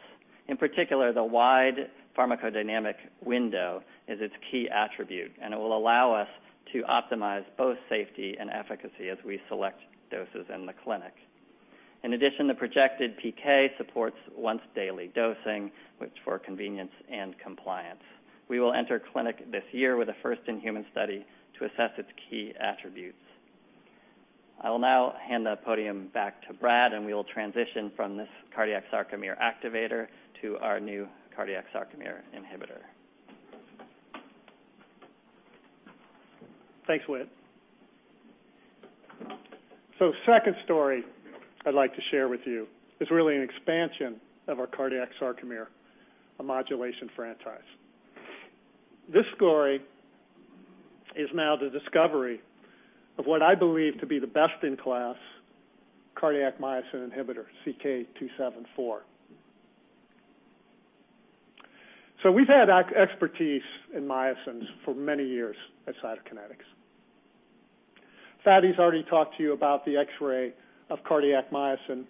In particular, the wide pharmacodynamic window is its key attribute, and it will allow us to optimize both safety and efficacy as we select doses in the clinic. In addition, the projected PK supports once-daily dosing, which for convenience and compliance. We will enter clinic this year with a first-in-human study to assess its key attributes. I will now hand the podium back to Brad, and we will transition from this cardiac sarcomere activator to our new cardiac sarcomere inhibitor. Thanks, Whit. Second story I'd like to share with you is really an expansion of our cardiac sarcomere modulation franchise. This story is now the discovery of what I believe to be the best-in-class cardiac myosin inhibitor, CK-274. We've had expertise in myosins for many years at Cytokinetics. Fady's already talked to you about the X-ray of cardiac myosin,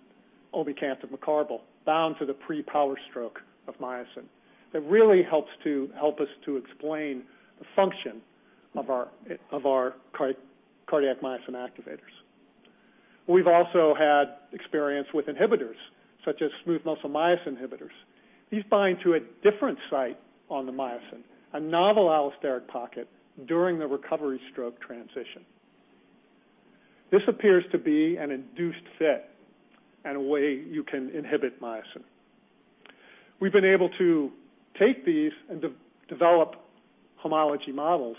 omecamtiv mecarbil, bound to the pre-power stroke of myosin. That really helps to help us to explain the function of our cardiac myosin activators. We've also had experience with inhibitors, such as smooth muscle myosin inhibitors. These bind to a different site on the myosin, a novel allosteric pocket during the recovery stroke transition. This appears to be an induced fit and a way you can inhibit myosin. We've been able to take these and develop homology models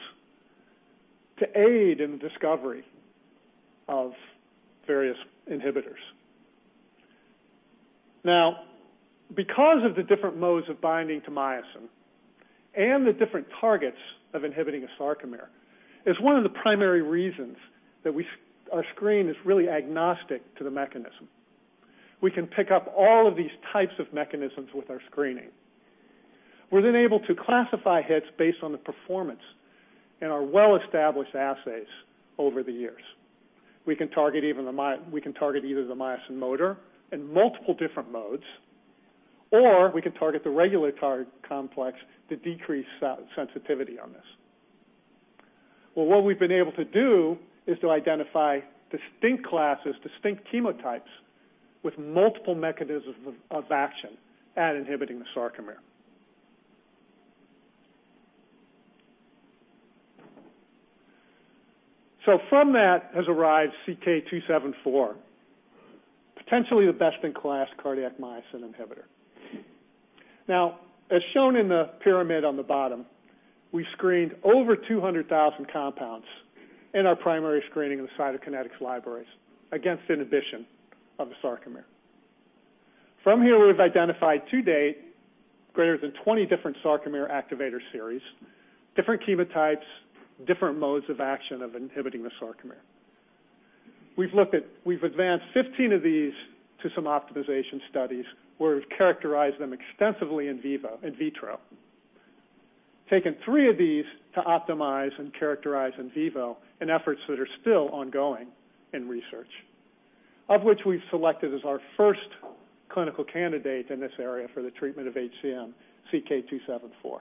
to aid in the discovery of various inhibitors. Because of the different modes of binding to myosin and the different targets of inhibiting a sarcomere, it's one of the primary reasons that our screen is really agnostic to the mechanism. We can pick up all of these types of mechanisms with our screening. We're then able to classify hits based on the performance in our well-established assays over the years. We can target either the myosin motor in multiple different modes, or we can target the regulatory complex to decrease sensitivity on this. What we've been able to do is to identify distinct classes, distinct chemotypes, with multiple mechanisms of action at inhibiting the sarcomere. From that has arrived CK-274, potentially the best-in-class cardiac myosin inhibitor. As shown in the pyramid on the bottom, we screened over 200,000 compounds in our primary screening of the Cytokinetics libraries against inhibition of the sarcomere. From here, we've identified to date greater than 20 different sarcomere activator series, different chemotypes, different modes of action of inhibiting the sarcomere. We've advanced 15 of these to some optimization studies where we've characterized them extensively in vitro. Taken three of these to optimize and characterize in vivo in efforts that are still ongoing in research, of which we've selected as our first clinical candidate in this area for the treatment of HCM, CK-274.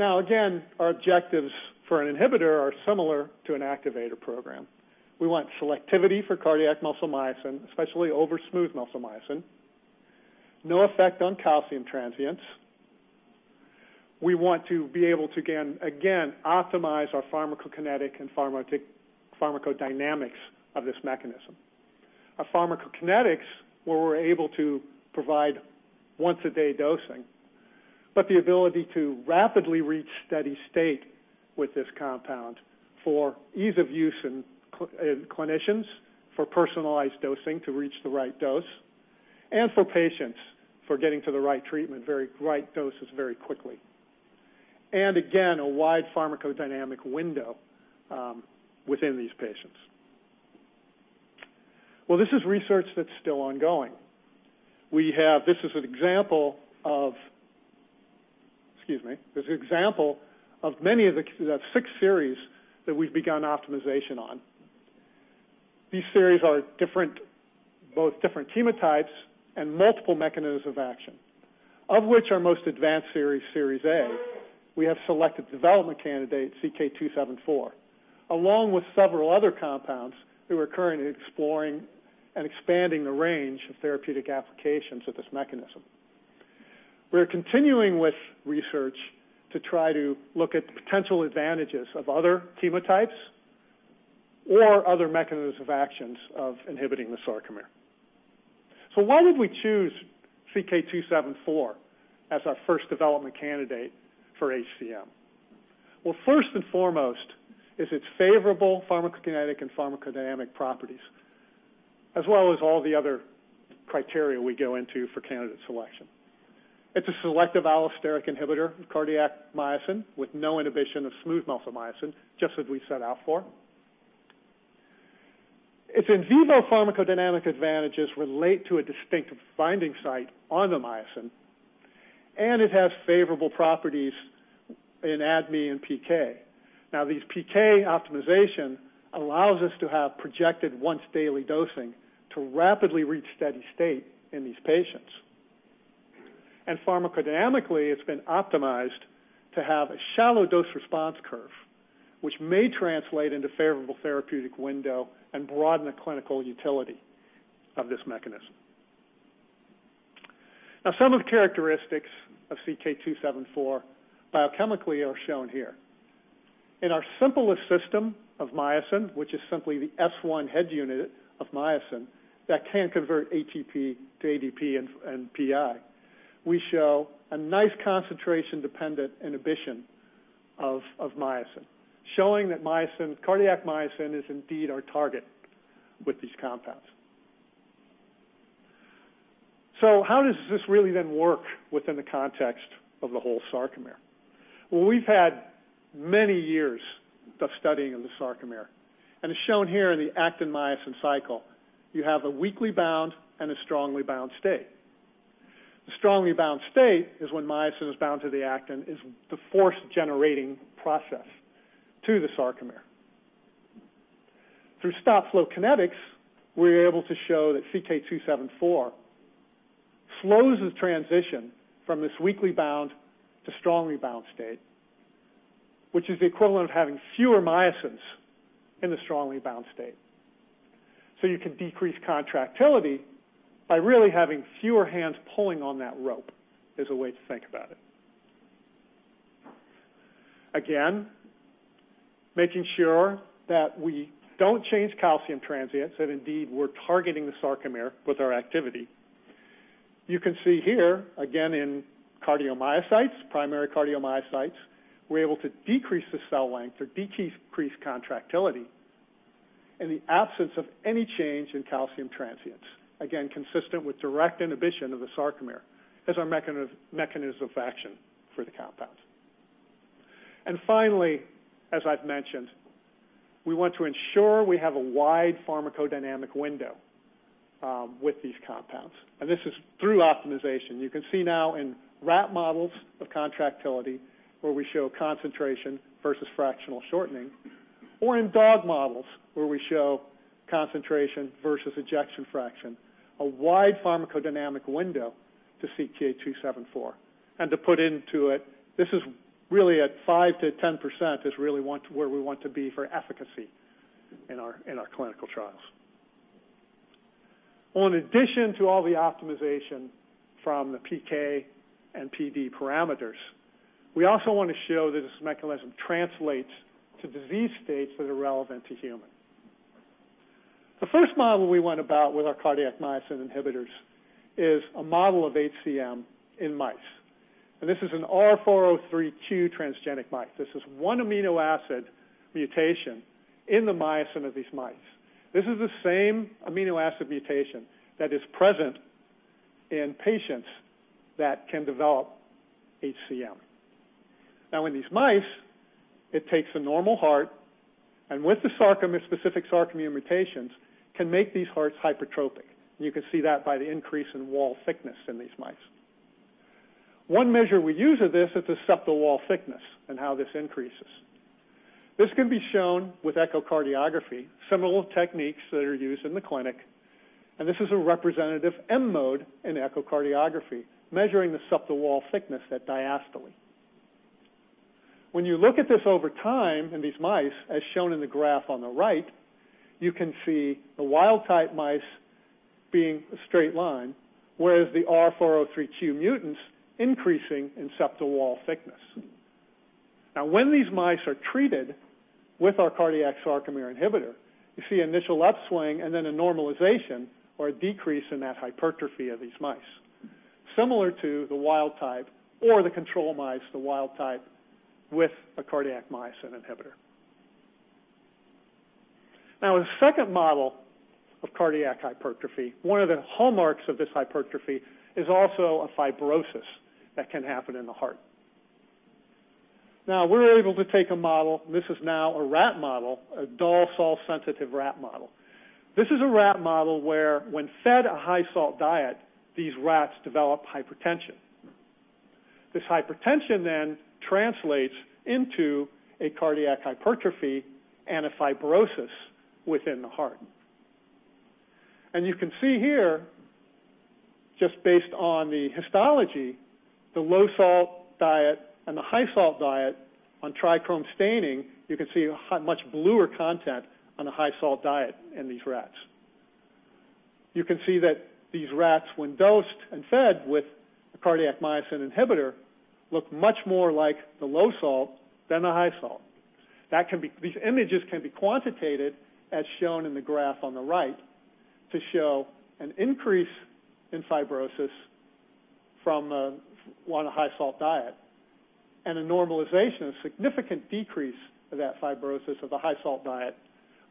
Again, our objectives for an inhibitor are similar to an activator program. We want selectivity for cardiac muscle myosin, especially over smooth muscle myosin. No effect on calcium transients. We want to be able to, again, optimize our pharmacokinetic and pharmacodynamics of this mechanism. Our pharmacokinetics, where we're able to provide once a day dosing, but the ability to rapidly reach steady state with this compound for ease of use in clinicians, for personalized dosing to reach the right dose, and for patients for getting to the right treatment, right doses very quickly. Again, a wide pharmacodynamic window within these patients. This is research that's still ongoing. This is an example of six series that we've begun optimization on. These series are both different chemotypes and multiple mechanisms of action, of which our most advanced series A, we have selected development candidate CK-274, along with several other compounds that we're currently exploring and expanding the range of therapeutic applications of this mechanism. We're continuing with research to try to look at the potential advantages of other chemotypes or other mechanisms of actions of inhibiting the sarcomere. Why did we choose CK-274 as our first development candidate for HCM? First and foremost is its favorable pharmacokinetic and pharmacodynamic properties, as well as all the other criteria we go into for candidate selection. It is a selective allosteric inhibitor of cardiac myosin with no inhibition of smooth muscle myosin, just as we set out for. Its in vivo pharmacodynamic advantages relate to a distinct binding site on the myosin, and it has favorable properties in ADME and PK. This PK optimization allows us to have projected once daily dosing to rapidly reach steady state in these patients. Pharmacodynamically, it has been optimized to have a shallow dose response curve, which may translate into favorable therapeutic window and broaden the clinical utility of this mechanism. Some of the characteristics of CK-274 biochemically are shown here. In our simplest system of myosin, which is simply the S1 head unit of myosin that can convert ATP to ADP and PI, we show a nice concentration-dependent inhibition of myosin. Showing that cardiac myosin is indeed our target with these compounds. How does this really then work within the context of the whole sarcomere? We have had many years of studying of the sarcomere, and it is shown here in the actin-myosin cycle. You have a weakly bound and a strongly bound state. The strongly bound state is when myosin is bound to the actin, is the force-generating process to the sarcomere. Through stop flow kinetics, we are able to show that CK-274 slows the transition from this weakly bound to strongly bound state, which is the equivalent of having fewer myosins in the strongly bound state. You can decrease contractility by really having fewer hands pulling on that rope, is a way to think about it. Again, making sure that we do not change calcium transients and indeed we are targeting the sarcomere with our activity. You can see here, again, in cardiomyocytes, primary cardiomyocytes, we are able to decrease the cell length or decrease contractility in the absence of any change in calcium transients. Again, consistent with direct inhibition of the sarcomere as our mechanism of action for the compound. Finally, as I have mentioned, we want to ensure we have a wide pharmacodynamic window with these compounds, and this is through optimization. You can see now in rat models of contractility, where we show concentration versus fractional shortening, or in dog models, where we show concentration versus ejection fraction, a wide pharmacodynamic window to CK-274. To put into it, this is really at 5%-10%, is really where we want to be for efficacy in our clinical trials. On addition to all the optimization from the PK and PD parameters, we also want to show that this mechanism translates to disease states that are relevant to human. The first model we went about with our cardiac myosin inhibitors is a model of HCM in mice, and this is an R403Q transgenic mice. This is one amino acid mutation in the myosin of these mice. This is the same amino acid mutation that is present in patients that can develop HCM. In these mice, it takes a normal heart, and with the specific sarcomere mutations, can make these hearts hypertrophic. You can see that by the increase in wall thickness in these mice. One measure we use of this is the septal wall thickness and how this increases. This can be shown with echocardiography, similar techniques that are used in the clinic. This is a representative M-mode in echocardiography, measuring the septal wall thickness at diastole. When you look at this over time in these mice, as shown in the graph on the right, you can see the wild-type mice being a straight line, whereas the R403Q mutants increasing in septal wall thickness. When these mice are treated with our cardiac sarcomere inhibitor, you see initial upswing and then a normalization or a decrease in that hypertrophy of these mice, similar to the wild type or the control mice, the wild type with a cardiac myosin inhibitor. The second model of cardiac hypertrophy, one of the hallmarks of this hypertrophy is also a fibrosis that can happen in the heart. We're able to take a model. This is now a rat model, a Dahl salt-sensitive rat model. This is a rat model where when fed a high-salt diet, these rats develop hypertension. This hypertension translates into a cardiac hypertrophy and a fibrosis within the heart. You can see here, just based on the histology, the low-salt diet and the high-salt diet on trichrome staining, you can see a much bluer content on a high-salt diet in these rats. You can see that these rats, when dosed and fed with a cardiac myosin inhibitor, look much more like the low salt than the high salt. These images can be quantitated, as shown in the graph on the right, to show an increase in fibrosis from, one, a high-salt diet and a normalization, a significant decrease of that fibrosis of the high-salt diet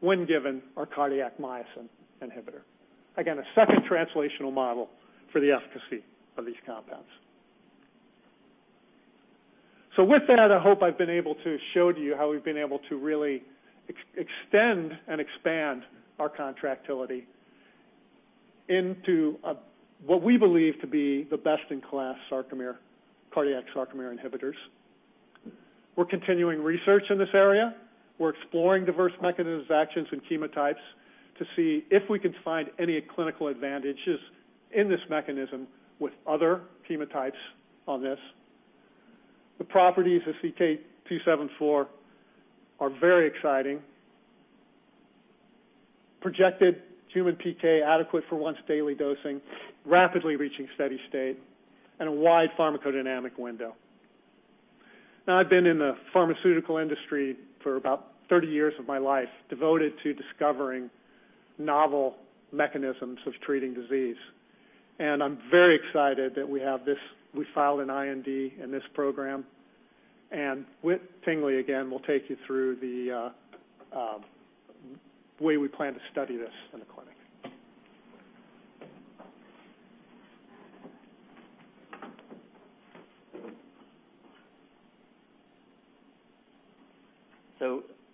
when given our cardiac myosin inhibitor. Again, a second translational model for the efficacy of these compounds. With that, I hope I've been able to show you how we've been able to really extend and expand our contractility into what we believe to be the best-in-class cardiac sarcomere inhibitors. We're continuing research in this area. We're exploring diverse mechanisms of actions and chemotypes to see if we can find any clinical advantages in this mechanism with other chemotypes on this. The properties of CK-274 are very exciting. Projected human PK adequate for once-daily dosing, rapidly reaching steady state, and a wide pharmacodynamic window. I've been in the pharmaceutical industry for about 30 years of my life, devoted to discovering novel mechanisms of treating disease. I'm very excited that we filed an IND in this program. Whit Tingley, again, will take you through the way we plan to study this in the clinic.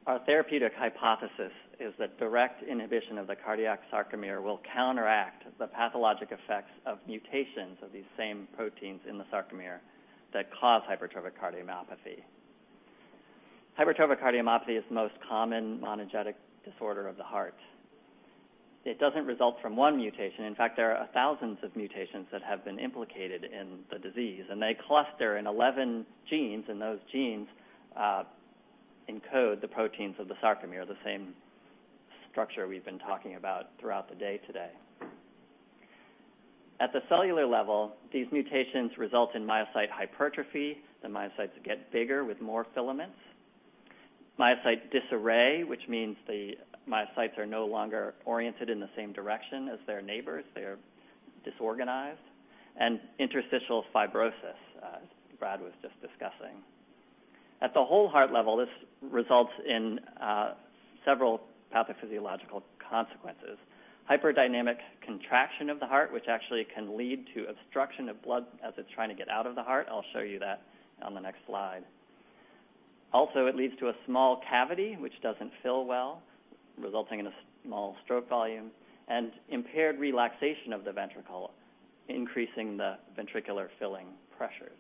Our therapeutic hypothesis is that direct inhibition of the cardiac sarcomere will counteract the pathologic effects of mutations of these same proteins in the sarcomere that cause hypertrophic cardiomyopathy. Hypertrophic cardiomyopathy is the most common monogenic disorder of the heart. It doesn't result from one mutation. In fact, there are thousands of mutations that have been implicated in the disease, they cluster in 11 genes, those genes encode the proteins of the sarcomere, the same structure we've been talking about throughout the day today. At the cellular level, these mutations result in myocyte hypertrophy. The myocytes get bigger with more filaments. Myocyte disarray, which means the myocytes are no longer oriented in the same direction as their neighbors. They are disorganized. Interstitial fibrosis, as Brad was just discussing. At the whole heart level, this results in several pathophysiological consequences. Hyperdynamic contraction of the heart, which actually can lead to obstruction of blood as it's trying to get out of the heart. I'll show you that on the next slide. Also, it leads to a small cavity, which doesn't fill well, resulting in a small stroke volume, and impaired relaxation of the ventricle, increasing the ventricular filling pressures.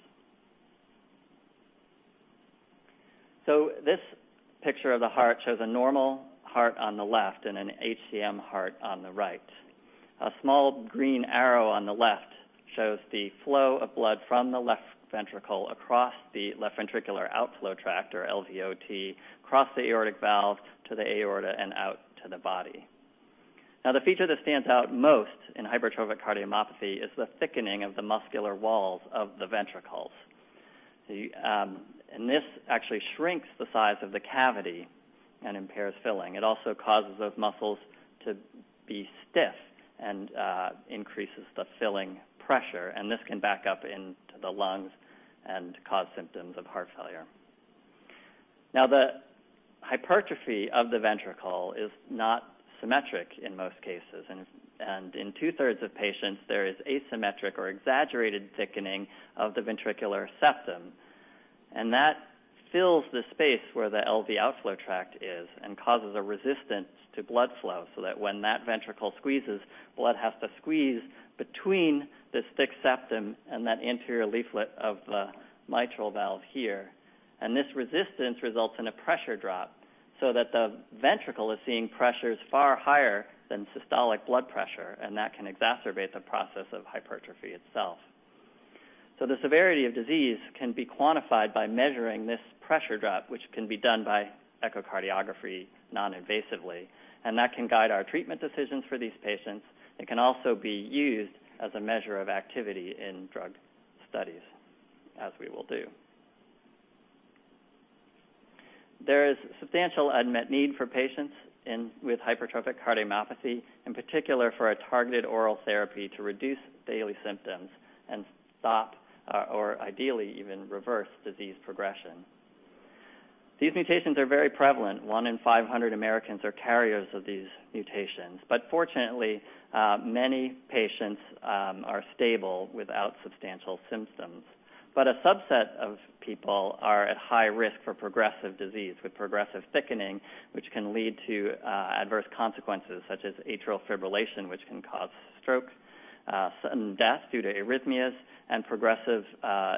This picture of the heart shows a normal heart on the left and an HCM heart on the right. A small green arrow on the left shows the flow of blood from the left ventricle across the left ventricular outflow tract, or LVOT, across the aortic valve to the aorta and out to the body. This actually shrinks the size of the cavity and impairs filling. It also causes those muscles to be stiff and increases the filling pressure, and this can back up into the lungs and cause symptoms of heart failure. The hypertrophy of the ventricle is not symmetric in most cases. In two-thirds of patients, there is asymmetric or exaggerated thickening of the ventricular septum, and that fills the space where the LV outflow tract is and causes a resistance to blood flow, so that when that ventricle squeezes, blood has to squeeze between this thick septum and that anterior leaflet of the mitral valve here. This resistance results in a pressure drop so that the ventricle is seeing pressures far higher than systolic blood pressure, and that can exacerbate the process of hypertrophy itself. The severity of disease can be quantified by measuring this pressure drop, which can be done by echocardiography noninvasively, and that can guide our treatment decisions for these patients. It can also be used as a measure of activity in drug studies, as we will do. There is substantial unmet need for patients with hypertrophic cardiomyopathy, in particular for a targeted oral therapy to reduce daily symptoms and stop or ideally even reverse disease progression. These mutations are very prevalent. One in 500 Americans are carriers of these mutations. Fortunately, many patients are stable without substantial symptoms. A subset of people are at high risk for progressive disease with progressive thickening, which can lead to adverse consequences such as atrial fibrillation, which can cause strokes, sudden death due to arrhythmias, and progressive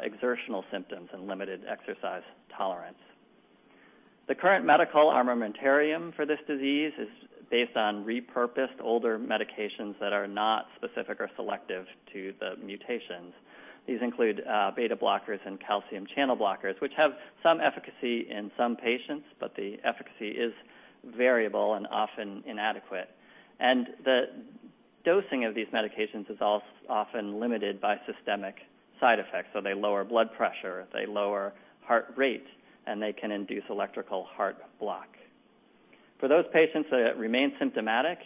exertional symptoms and limited exercise tolerance. The current medical armamentarium for this disease is based on repurposed older medications that are not specific or selective to the mutations. These include beta blockers and calcium channel blockers, which have some efficacy in some patients, but the efficacy is variable and often inadequate. The dosing of these medications is often limited by systemic side effects. They lower blood pressure, they lower heart rate, and they can induce electrical heart block. For those patients that remain symptomatic,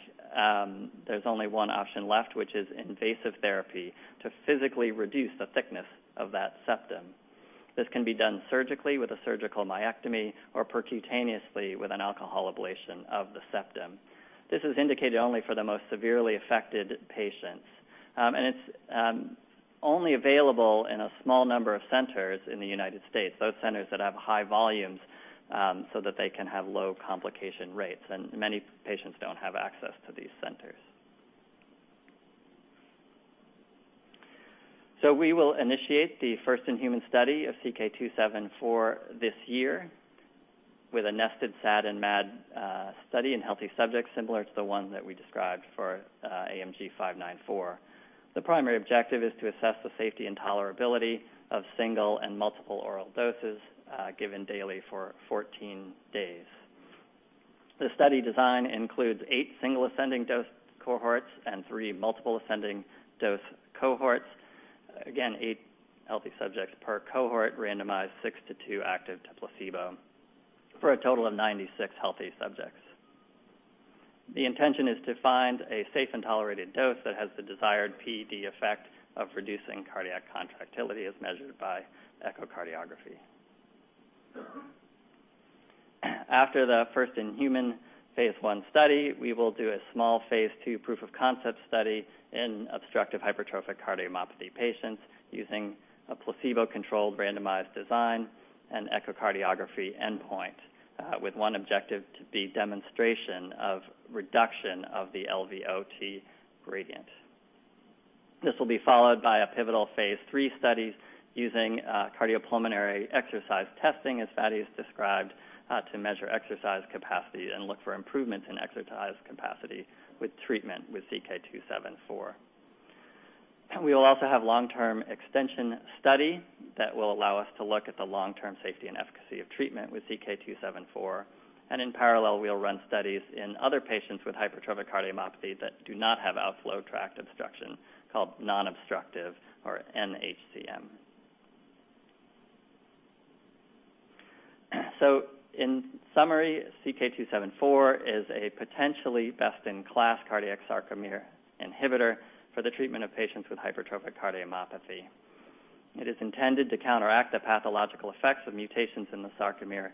there's only one option left, which is invasive therapy to physically reduce the thickness of that septum. This can be done surgically with a surgical myectomy or percutaneously with an alcohol ablation of the septum. This is indicated only for the most severely affected patients. It's only available in a small number of centers in the U.S., those centers that have high volumes so that they can have low complication rates, many patients don't have access to these centers. We will initiate the first-in-human study of CK-274 this year with a nested SAD and MAD study in healthy subjects similar to the one that we described for AMG 594. The primary objective is to assess the safety and tolerability of single and multiple oral doses given daily for 14 days. The study design includes eight single ascending dose cohorts and three multiple ascending dose cohorts. Again, eight healthy subjects per cohort randomized six-to-two active to placebo for a total of 96 healthy subjects. The intention is to find a safe and tolerated dose that has the desired PD effect of reducing cardiac contractility as measured by echocardiography. After the first-in-human phase I study, we will do a small phase II proof of concept study in obstructive hypertrophic cardiomyopathy patients using a placebo-controlled randomized design and echocardiography endpoint with one objective to be demonstration of reduction of the LVOT gradient. This will be followed by pivotal phase III studies using cardiopulmonary exercise testing, as Fady has described, to measure exercise capacity and look for improvement in exercise capacity with treatment with CK-274. We will also have long-term extension study that will allow us to look at the long-term safety and efficacy of treatment with CK-274. In parallel, we'll run studies in other patients with hypertrophic cardiomyopathy that do not have outflow tract obstruction, called non-obstructive, or NHCM. In summary, CK-274 is a potentially best-in-class cardiac sarcomere inhibitor for the treatment of patients with hypertrophic cardiomyopathy. It is intended to counteract the pathological effects of mutations in the sarcomere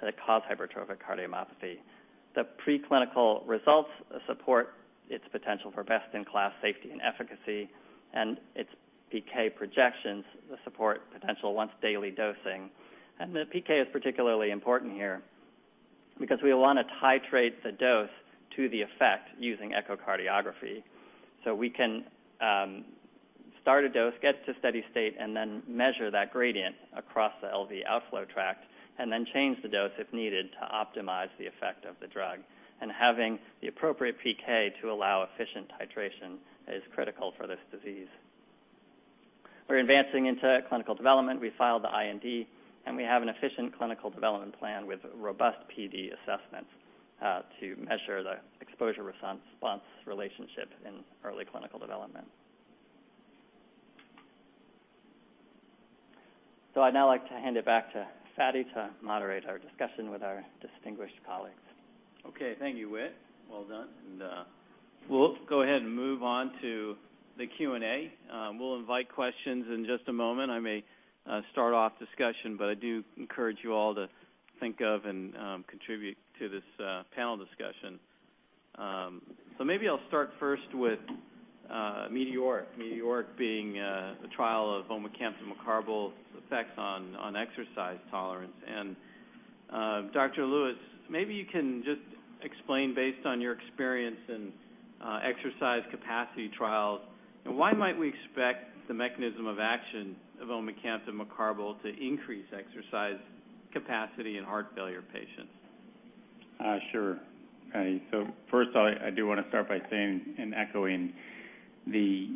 that cause hypertrophic cardiomyopathy. The preclinical results support its potential for best-in-class safety and efficacy, its PK projections support potential once-daily dosing. The PK is particularly important here because we want to titrate the dose to the effect using echocardiography. We can start a dose, get to steady state, then measure that gradient across the LV outflow tract and then change the dose if needed to optimize the effect of the drug. Having the appropriate PK to allow efficient titration is critical for this disease. We're advancing into clinical development. We filed the IND. We have an efficient clinical development plan with robust PD assessments to measure the exposure-response relationship in early clinical development. I'd now like to hand it back to Fady to moderate our discussion with our distinguished colleagues. Okay. Thank you, Whit. Well done. We'll go ahead and move on to the Q&A. We'll invite questions in just a moment. I may start off discussion. I do encourage you all to think of and contribute to this panel discussion. Maybe I'll start first with METEORIC being a trial of omecamtiv mecarbil's effects on exercise tolerance. Dr. Lewis, maybe you can just explain, based on your experience in exercise capacity trials, why might we expect the mechanism of action of omecamtiv mecarbil to increase exercise capacity in heart failure patients? Sure, Fady. First, I do want to start by saying and echoing the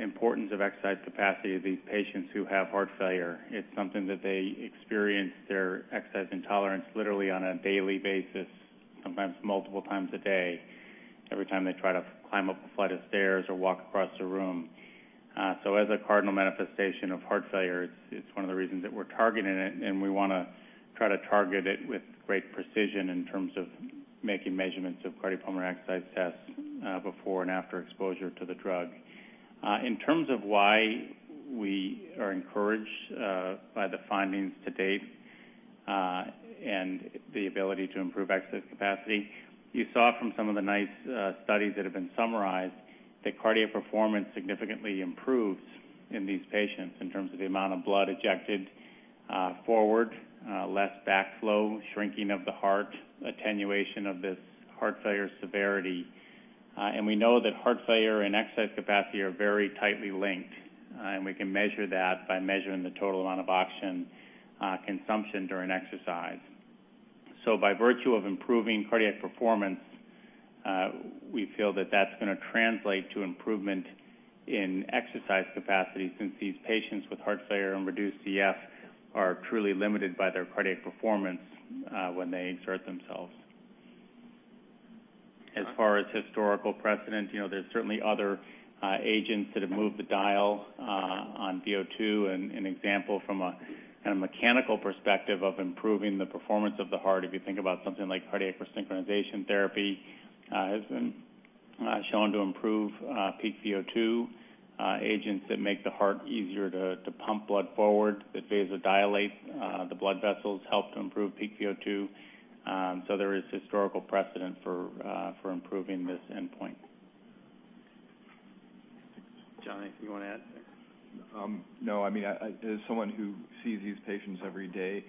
importance of exercise capacity of these patients who have heart failure. It's something that they experience their exercise intolerance literally on a daily basis, sometimes multiple times a day, every time they try to climb up a flight of stairs or walk across the room. As a cardinal manifestation of heart failure, it's one of the reasons that we're targeting it, and we want to try to target it with great precision in terms of making measurements of cardiopulmonary exercise tests before and after exposure to the drug. In terms of why we are encouraged by the findings to date, the ability to improve exercise capacity, you saw from some of the nice studies that have been summarized that cardiac performance significantly improves in these patients in terms of the amount of blood ejected forward, less backflow, shrinking of the heart, attenuation of this heart failure severity. We know that heart failure and exercise capacity are very tightly linked, and we can measure that by measuring the total amount of oxygen consumption during exercise. By virtue of improving cardiac performance, we feel that that's going to translate to improvement in exercise capacity since these patients with heart failure and reduced EF are truly limited by their cardiac performance when they exert themselves. As far as historical precedent, there's certainly other agents that have moved the dial on VO2. An example from a mechanical perspective of improving the performance of the heart, if you think about something like cardiac resynchronization therapy, has been shown to improve peak VO2. Agents that make the heart easier to pump blood forward, that vasodilate the blood vessels, help to improve peak VO2. There is historical precedent for improving this endpoint. John, anything you want to add there? No. As someone who sees these patients every day,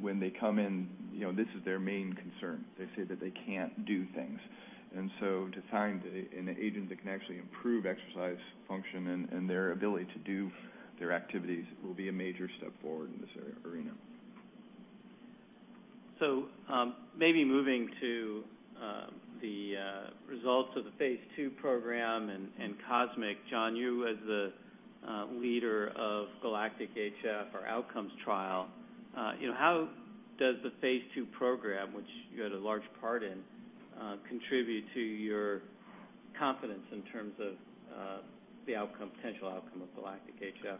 when they come in, this is their main concern. They say that they can't do things. To find an agent that can actually improve exercise function and their ability to do their activities will be a major step forward in this arena. Maybe moving to the results of the phase II program and COSMIC. John, you as the leader of GALACTIC-HF, our outcomes trial, how does the phase II program, which you had a large part in, contribute to your confidence in terms of the potential outcome of GALACTIC-HF?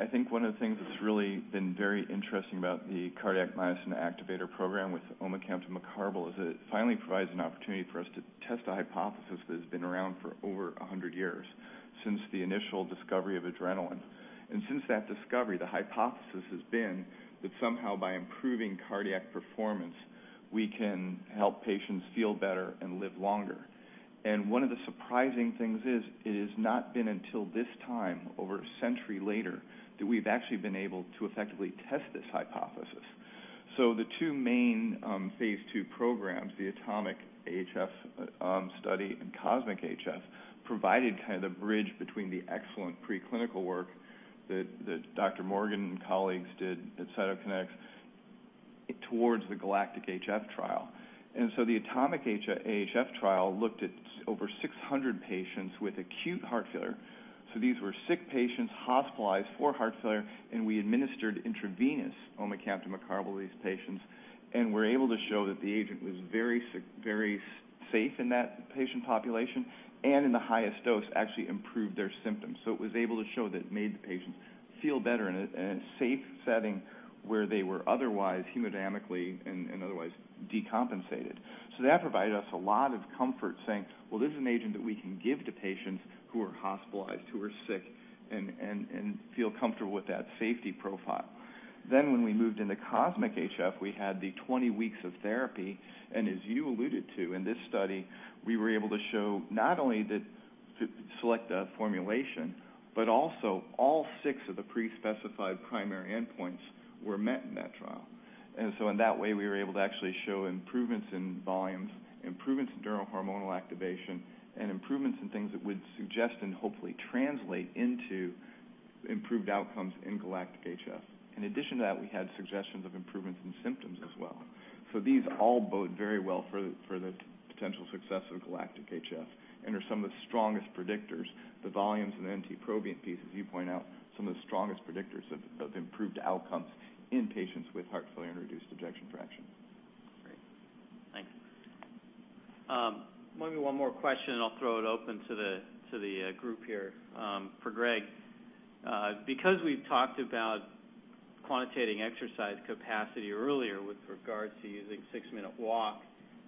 I think one of the things that's really been very interesting about the cardiac myosin activator program with omecamtiv mecarbil is that it finally provides an opportunity for us to test a hypothesis that has been around for over 100 years, since the initial discovery of adrenaline. Since that discovery, the hypothesis has been that somehow by improving cardiac performance, we can help patients feel better and live longer. One of the surprising things is it has not been until this time, over a century later, that we've actually been able to effectively test this hypothesis. The two main phase II programs, the ATOMIC-AHF study and COSMIC-HF, provided the bridge between the excellent preclinical work that Dr. Morgan and colleagues did at Cytokinetics towards the GALACTIC-HF trial. The ATOMIC-AHF trial looked at over 600 patients with acute heart failure. These were sick patients hospitalized for heart failure, we administered intravenous omecamtiv mecarbil to these patients and were able to show that the agent was very safe in that patient population and in the highest dose, actually improved their symptoms. It was able to show that it made the patients feel better in a safe setting where they were otherwise hemodynamically and otherwise decompensated. That provided us a lot of comfort saying, "Well, this is an agent that we can give to patients who are hospitalized, who are sick, and feel comfortable with that safety profile." When we moved into COSMIC-HF, we had the 20 weeks of therapy, as you alluded to in this study, we were able to show not only to select a formulation, but also all six of the pre-specified primary endpoints were met in that trial. In that way, we were able to actually show improvements in volumes, improvements in neurohormonal activation, and improvements in things that would suggest and hopefully translate into improved outcomes in GALACTIC-HF. In addition to that, we had suggestions of improvements in symptoms as well. These all bode very well for the potential success of GALACTIC-HF, and are some of the strongest predictors. The volumes and the NT-proBNP piece, as you point out, some of the strongest predictors of improved outcomes in patients with heart failure and reduced ejection fraction. Great. Thank you. Maybe one more question, I'll throw it open to the group here. For Greg, because we've talked about quantitating exercise capacity earlier with regards to using six-minute walk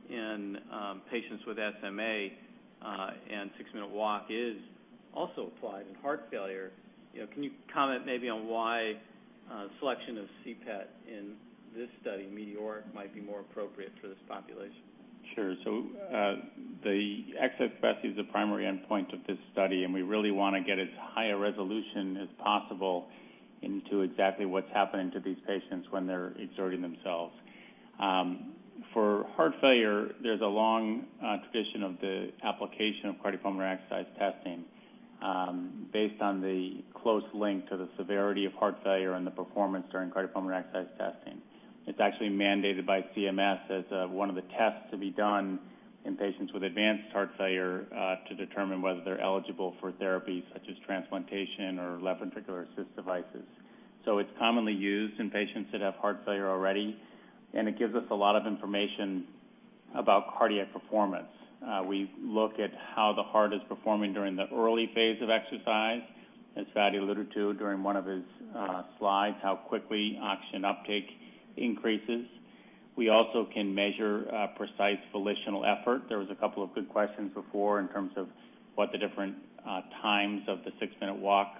in patients with SMA, and six-minute walk is also applied in heart failure. Can you comment maybe on why selection of CPET in this study, METEORIC, might be more appropriate for this population? Sure. The exercise capacity is the primary endpoint of this study, we really want to get as high a resolution as possible into exactly what's happening to these patients when they're exerting themselves. For heart failure, there's a long tradition of the application of cardiopulmonary exercise testing based on the close link to the severity of heart failure and the performance during cardiopulmonary exercise testing. It's actually mandated by CMS as one of the tests to be done in patients with advanced heart failure to determine whether they're eligible for therapies such as transplantation or left ventricular assist devices. It's commonly used in patients that have heart failure already, it gives us a lot of information about cardiac performance. We look at how the heart is performing during the early phase of exercise. As Fady alluded to during one of his slides, how quickly oxygen uptake increases. We also can measure precise volitional effort. There was a couple of good questions before in terms of what the different times of the six-minute walk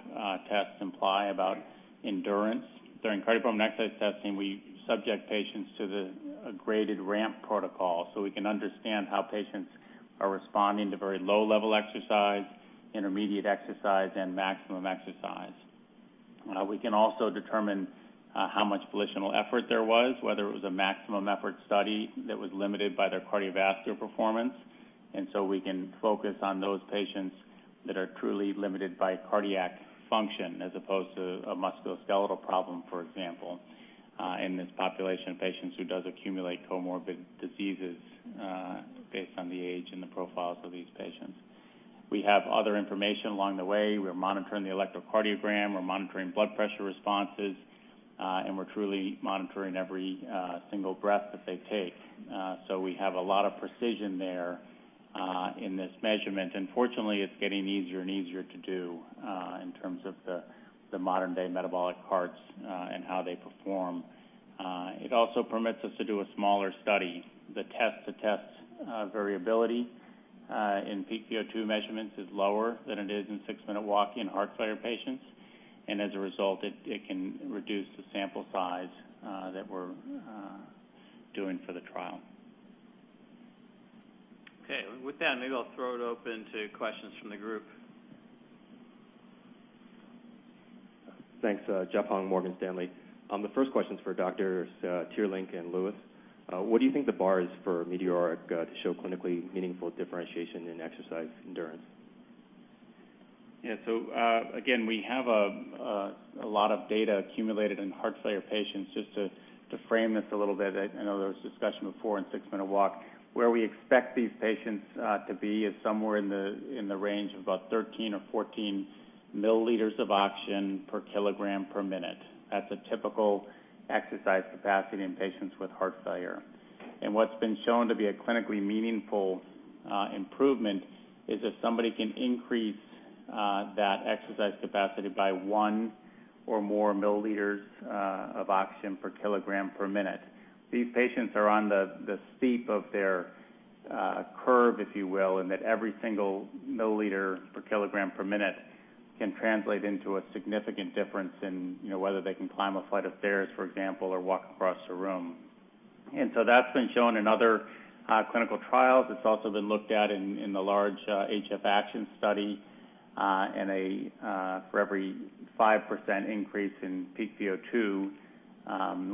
tests imply about endurance. During cardiopulmonary exercise testing, we subject patients to a graded ramp protocol so we can understand how patients are responding to very low-level exercise, intermediate exercise, and maximum exercise. We can also determine how much volitional effort there was, whether it was a maximum effort study that was limited by their cardiovascular performance. We can focus on those patients that are truly limited by cardiac function as opposed to a musculoskeletal problem, for example, in this population of patients who does accumulate comorbid diseases based on the age and the profiles of these patients. We have other information along the way. We're monitoring the electrocardiogram, we're monitoring blood pressure responses, and we're truly monitoring every single breath that they take. We have a lot of precision there in this measurement. Fortunately, it's getting easier and easier to do in terms of the modern-day metabolic carts and how they perform. It also permits us to do a smaller study. The test-to-test variability in VO2 measurements is lower than it is in six-minute walk in heart failure patients, and as a result, it can reduce the sample size that we're doing for the trial. Okay. With that, maybe I'll throw it open to questions from the group. Thanks. Jeff Hong, Morgan Stanley. The first question's for Doctors Teerlink and Lewis. What do you think the bar is for METEORIC to show clinically meaningful differentiation in exercise endurance? Yeah. Again, we have a lot of data accumulated in heart failure patients. Just to frame this a little bit, I know there was discussion before in six-minute walk. Where we expect these patients to be is somewhere in the range of about 13 or 14 milliliters of oxygen per kilogram per minute. That's a typical exercise capacity in patients with heart failure. What's been shown to be a clinically meaningful improvement is if somebody can increase that exercise capacity by one or more milliliters of oxygen per kilogram per minute. These patients are on the steep of their curve, if you will, and that every single milliliter per kilogram per minute can translate into a significant difference in whether they can climb a flight of stairs, for example, or walk across a room. That's been shown in other clinical trials. It's also been looked at in the large HF-ACTION study. For every 5% increase in PCO2,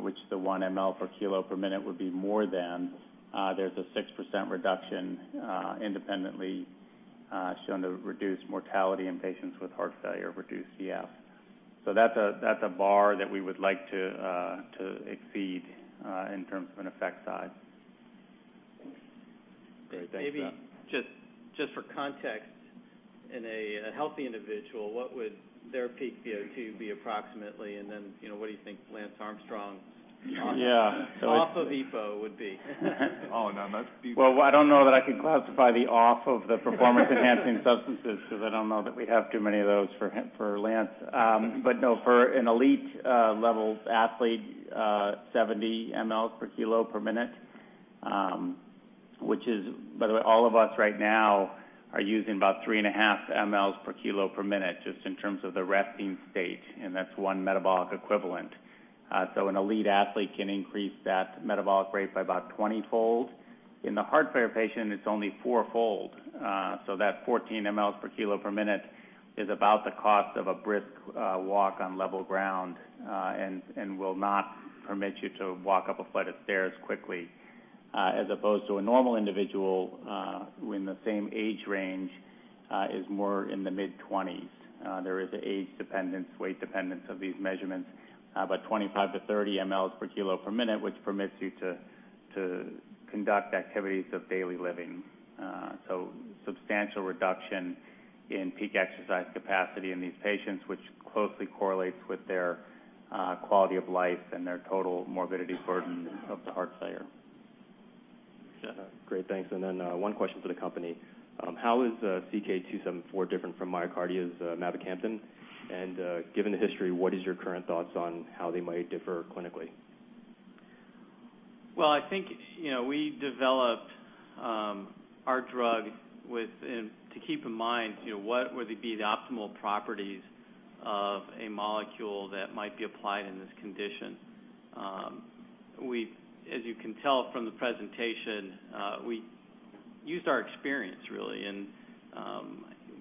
which the one ml per kilo per minute would be more than, there's a 6% reduction independently shown to reduce mortality in patients with heart failure, reduced EF. That's a bar that we would like to exceed in terms of an effect size. Great. Thanks, Jeff. Maybe just for context, in a healthy individual, what would their PCO2 be approximately? What do you think Lance Armstrong's- Yeah. off of EPO would be? Oh, now that's deep. Well, I don't know that I can classify the off of the performance-enhancing substances because I don't know that we have too many of those for Lance. No, for an elite level athlete, 70 mLs per kilo per minute, which is, by the way, all of us right now are using about three and a half mLs per kilo per minute, just in terms of the resting state, and that's one metabolic equivalent. An elite athlete can increase that metabolic rate by about 20-fold. In the heart failure patient, it's only four-fold. That 14 mLs per kilo per minute is about the cost of a brisk walk on level ground, and will not permit you to walk up a flight of stairs quickly. As opposed to a normal individual with the same age range, is more in the mid-20s. There is an age dependence, weight dependence of these measurements, 25 to 30 mLs per kilo per minute, which permits you to conduct activities of daily living. Substantial reduction in peak exercise capacity in these patients, which closely correlates with their quality of life and their total morbidity burden of the heart failure. Great, thanks. One question for the company. How is CK-274 different from MyoKardia's mavacamten? Given the history, what is your current thoughts on how they might differ clinically? I think, we developed our drug to keep in mind what would be the optimal properties of a molecule that might be applied in this condition. As you can tell from the presentation, we used our experience really in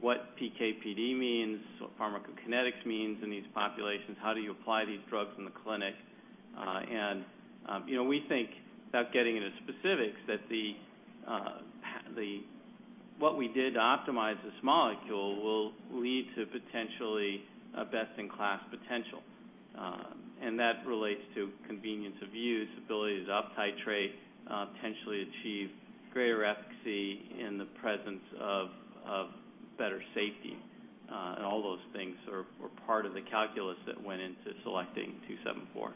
what PK/PD means, what pharmacokinetics means in these populations, how do you apply these drugs in the clinic. We think, without getting into specifics, that what we did to optimize this molecule will lead to potentially a best-in-class potential. That relates to convenience of use, ability to uptitrate, potentially achieve greater efficacy in the presence of better safety. All those things were part of the calculus that went into selecting 274.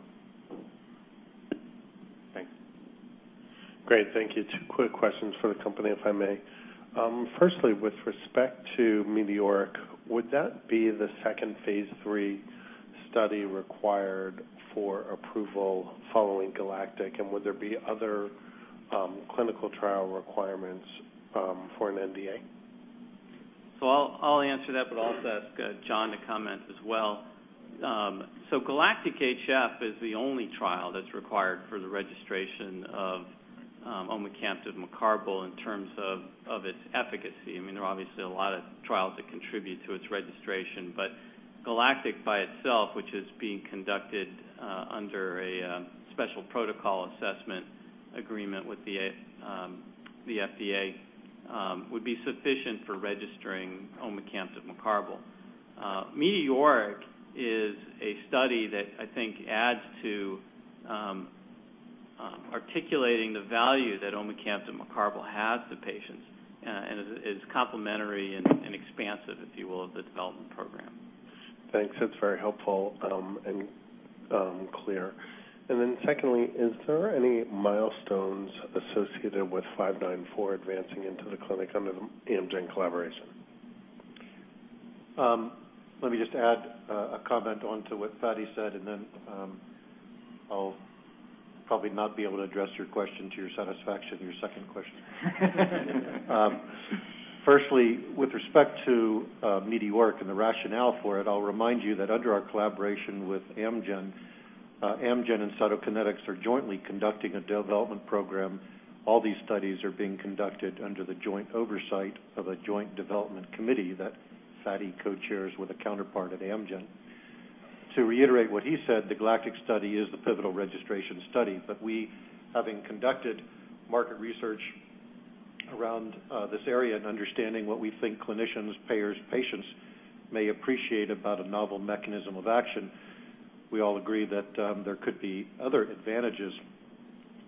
Thanks. Great. Thank you. Two quick questions for the company, if I may. Firstly, with respect to METEORIC, would that be the second phase III study required for approval following GALACTIC? Would there be other clinical trial requirements for an NDA? I'll answer that, but also ask John to comment as well. GALACTIC-HF is the only trial that's required for the registration of omecamtiv mecarbil in terms of its efficacy. There are obviously a lot of trials that contribute to its registration. GALACTIC by itself, which is being conducted under a special protocol assessment agreement with the FDA would be sufficient for registering omecamtiv mecarbil. METEORIC is a study that I think adds to articulating the value that omecamtiv mecarbil has to patients and is complementary and expansive, if you will, of the development program. Thanks. That's very helpful and clear. Secondly, is there any milestones associated with 594 advancing into the clinic under the Amgen collaboration? Let me just add a comment onto what Fady said. I'll probably not be able to address your question to your satisfaction, your second question. Firstly, with respect to METEORIC and the rationale for it, I'll remind you that under our collaboration with Amgen and Cytokinetics are jointly conducting a development program. All these studies are being conducted under the joint oversight of a joint development committee that Fady co-chairs with a counterpart at Amgen. To reiterate what he said, the GALACTIC study is the pivotal registration study. We, having conducted market research around this area and understanding what we think clinicians, payers, patients may appreciate about a novel mechanism of action, we all agree that there could be other advantages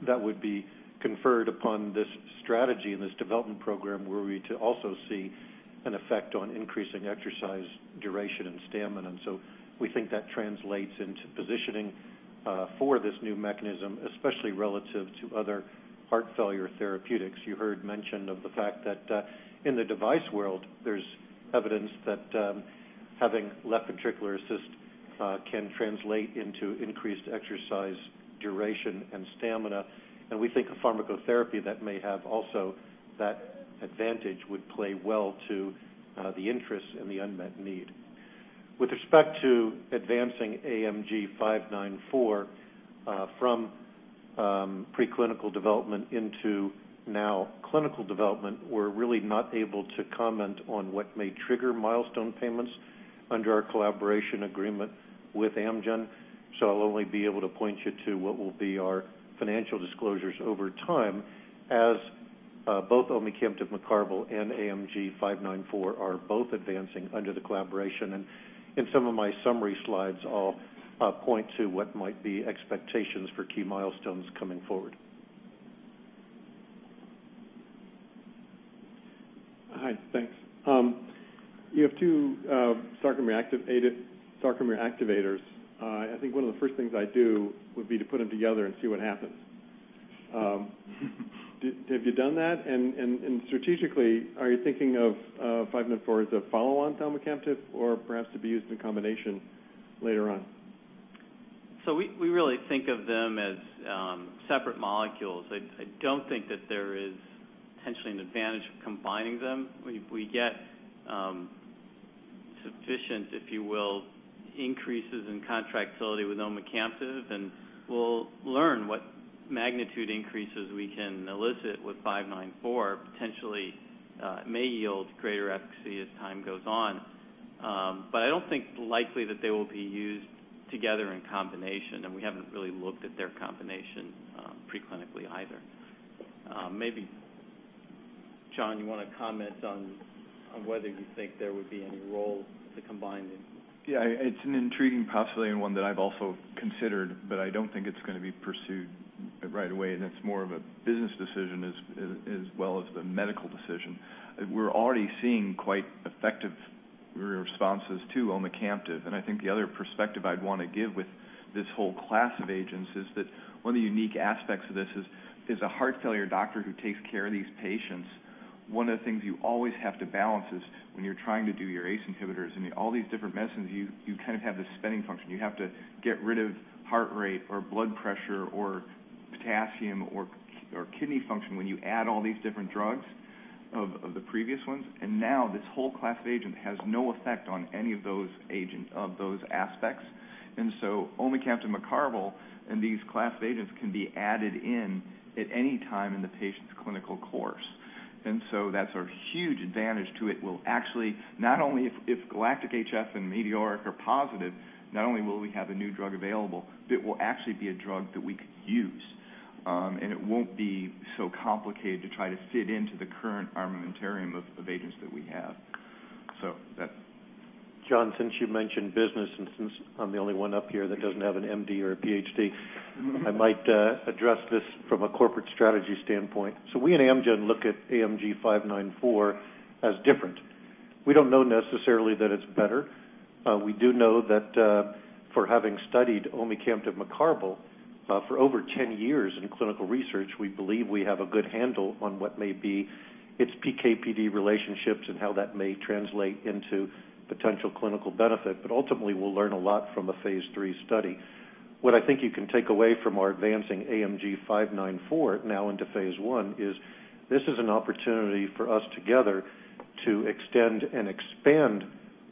that would be conferred upon this strategy and this development program were we to also see an effect on increasing exercise duration and stamina. We think that translates into positioning for this new mechanism, especially relative to other heart failure therapeutics. You heard mention of the fact that in the device world, there's evidence that having left ventricular assist can translate into increased exercise duration and stamina. We think a pharmacotherapy that may have also that advantage would play well to the interest and the unmet need. With respect to advancing AMG 594 from preclinical development into now clinical development, we're really not able to comment on what may trigger milestone payments under our collaboration agreement with Amgen. I'll only be able to point you to what will be our financial disclosures over time as both omecamtiv mecarbil and AMG 594 are both advancing under the collaboration. In some of my summary slides, I'll point to what might be expectations for key milestones coming forward. Hi, thanks. You have two sarcomere activators. I think one of the first things I'd do would be to put them together and see what happens. Have you done that? Strategically, are you thinking of 594 as a follow-on to omecamtiv, or perhaps to be used in combination later on? We really think of them as separate molecules. I don't think that there is potentially an advantage of combining them. We get sufficient, if you will, increases in contractility with omecamtiv, and we'll learn what magnitude increases we can elicit with 594 potentially may yield greater efficacy as time goes on. I don't think likely that they will be used together in combination, and we haven't really looked at their combination pre-clinically either. Maybe, John, you want to comment on whether you think there would be any role to combine them? Yeah. It's an intriguing possibility and one that I've also considered. I don't think it's going to be pursued right away. It's more of a business decision as well as the medical decision. We're already seeing quite effective responses to omecamtiv. I think the other perspective I'd want to give with this whole class of agents is that one of the unique aspects of this is, as a heart failure doctor who takes care of these patients, one of the things you always have to balance is when you're trying to do your ACE inhibitors and all these different medicines, you kind of have this spinning function. You have to get rid of heart rate or blood pressure or potassium or kidney function when you add all these different drugs of the previous ones. Now this whole class of agent has no effect on any of those aspects. Omecamtiv mecarbil and these class of agents can be added in at any time in the patient's clinical course. That's a huge advantage to it, if GALACTIC-HF and METEORIC are positive, not only will we have a new drug available, but it will actually be a drug that we could use. It won't be so complicated to try to fit into the current armamentarium of agents that we have. That. John, since you mentioned business, and since I'm the only one up here that doesn't have an MD or a PhD. I might address this from a corporate strategy standpoint. We at Amgen look at AMG 594 as different. We don't know necessarily that it's better. We do know that for having studied omecamtiv mecarbil for over 10 years in clinical research, we believe we have a good handle on what may be its PK/PD relationships and how that may translate into potential clinical benefit. Ultimately, we'll learn a lot from a phase III study. What I think you can take away from our advancing AMG 594 now into phase I is this is an opportunity for us together to extend and expand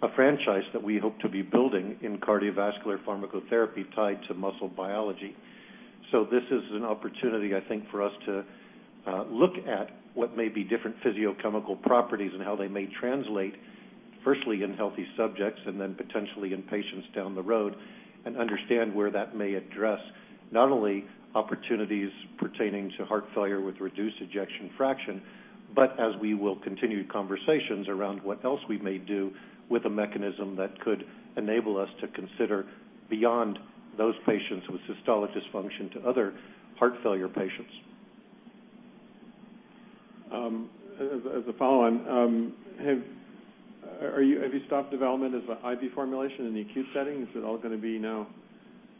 a franchise that we hope to be building in cardiovascular pharmacotherapy tied to muscle biology. This is an opportunity, I think, for us to look at what may be different physicochemical properties and how they may translate, firstly, in healthy subjects and then potentially in patients down the road, and understand where that may address not only opportunities pertaining to heart failure with reduced ejection fraction, but as we will continue conversations around what else we may do with a mechanism that could enable us to consider beyond those patients with systolic dysfunction to other heart failure patients. As a follow-on, have you stopped development as an IV formulation in the acute setting? Is it all going to be now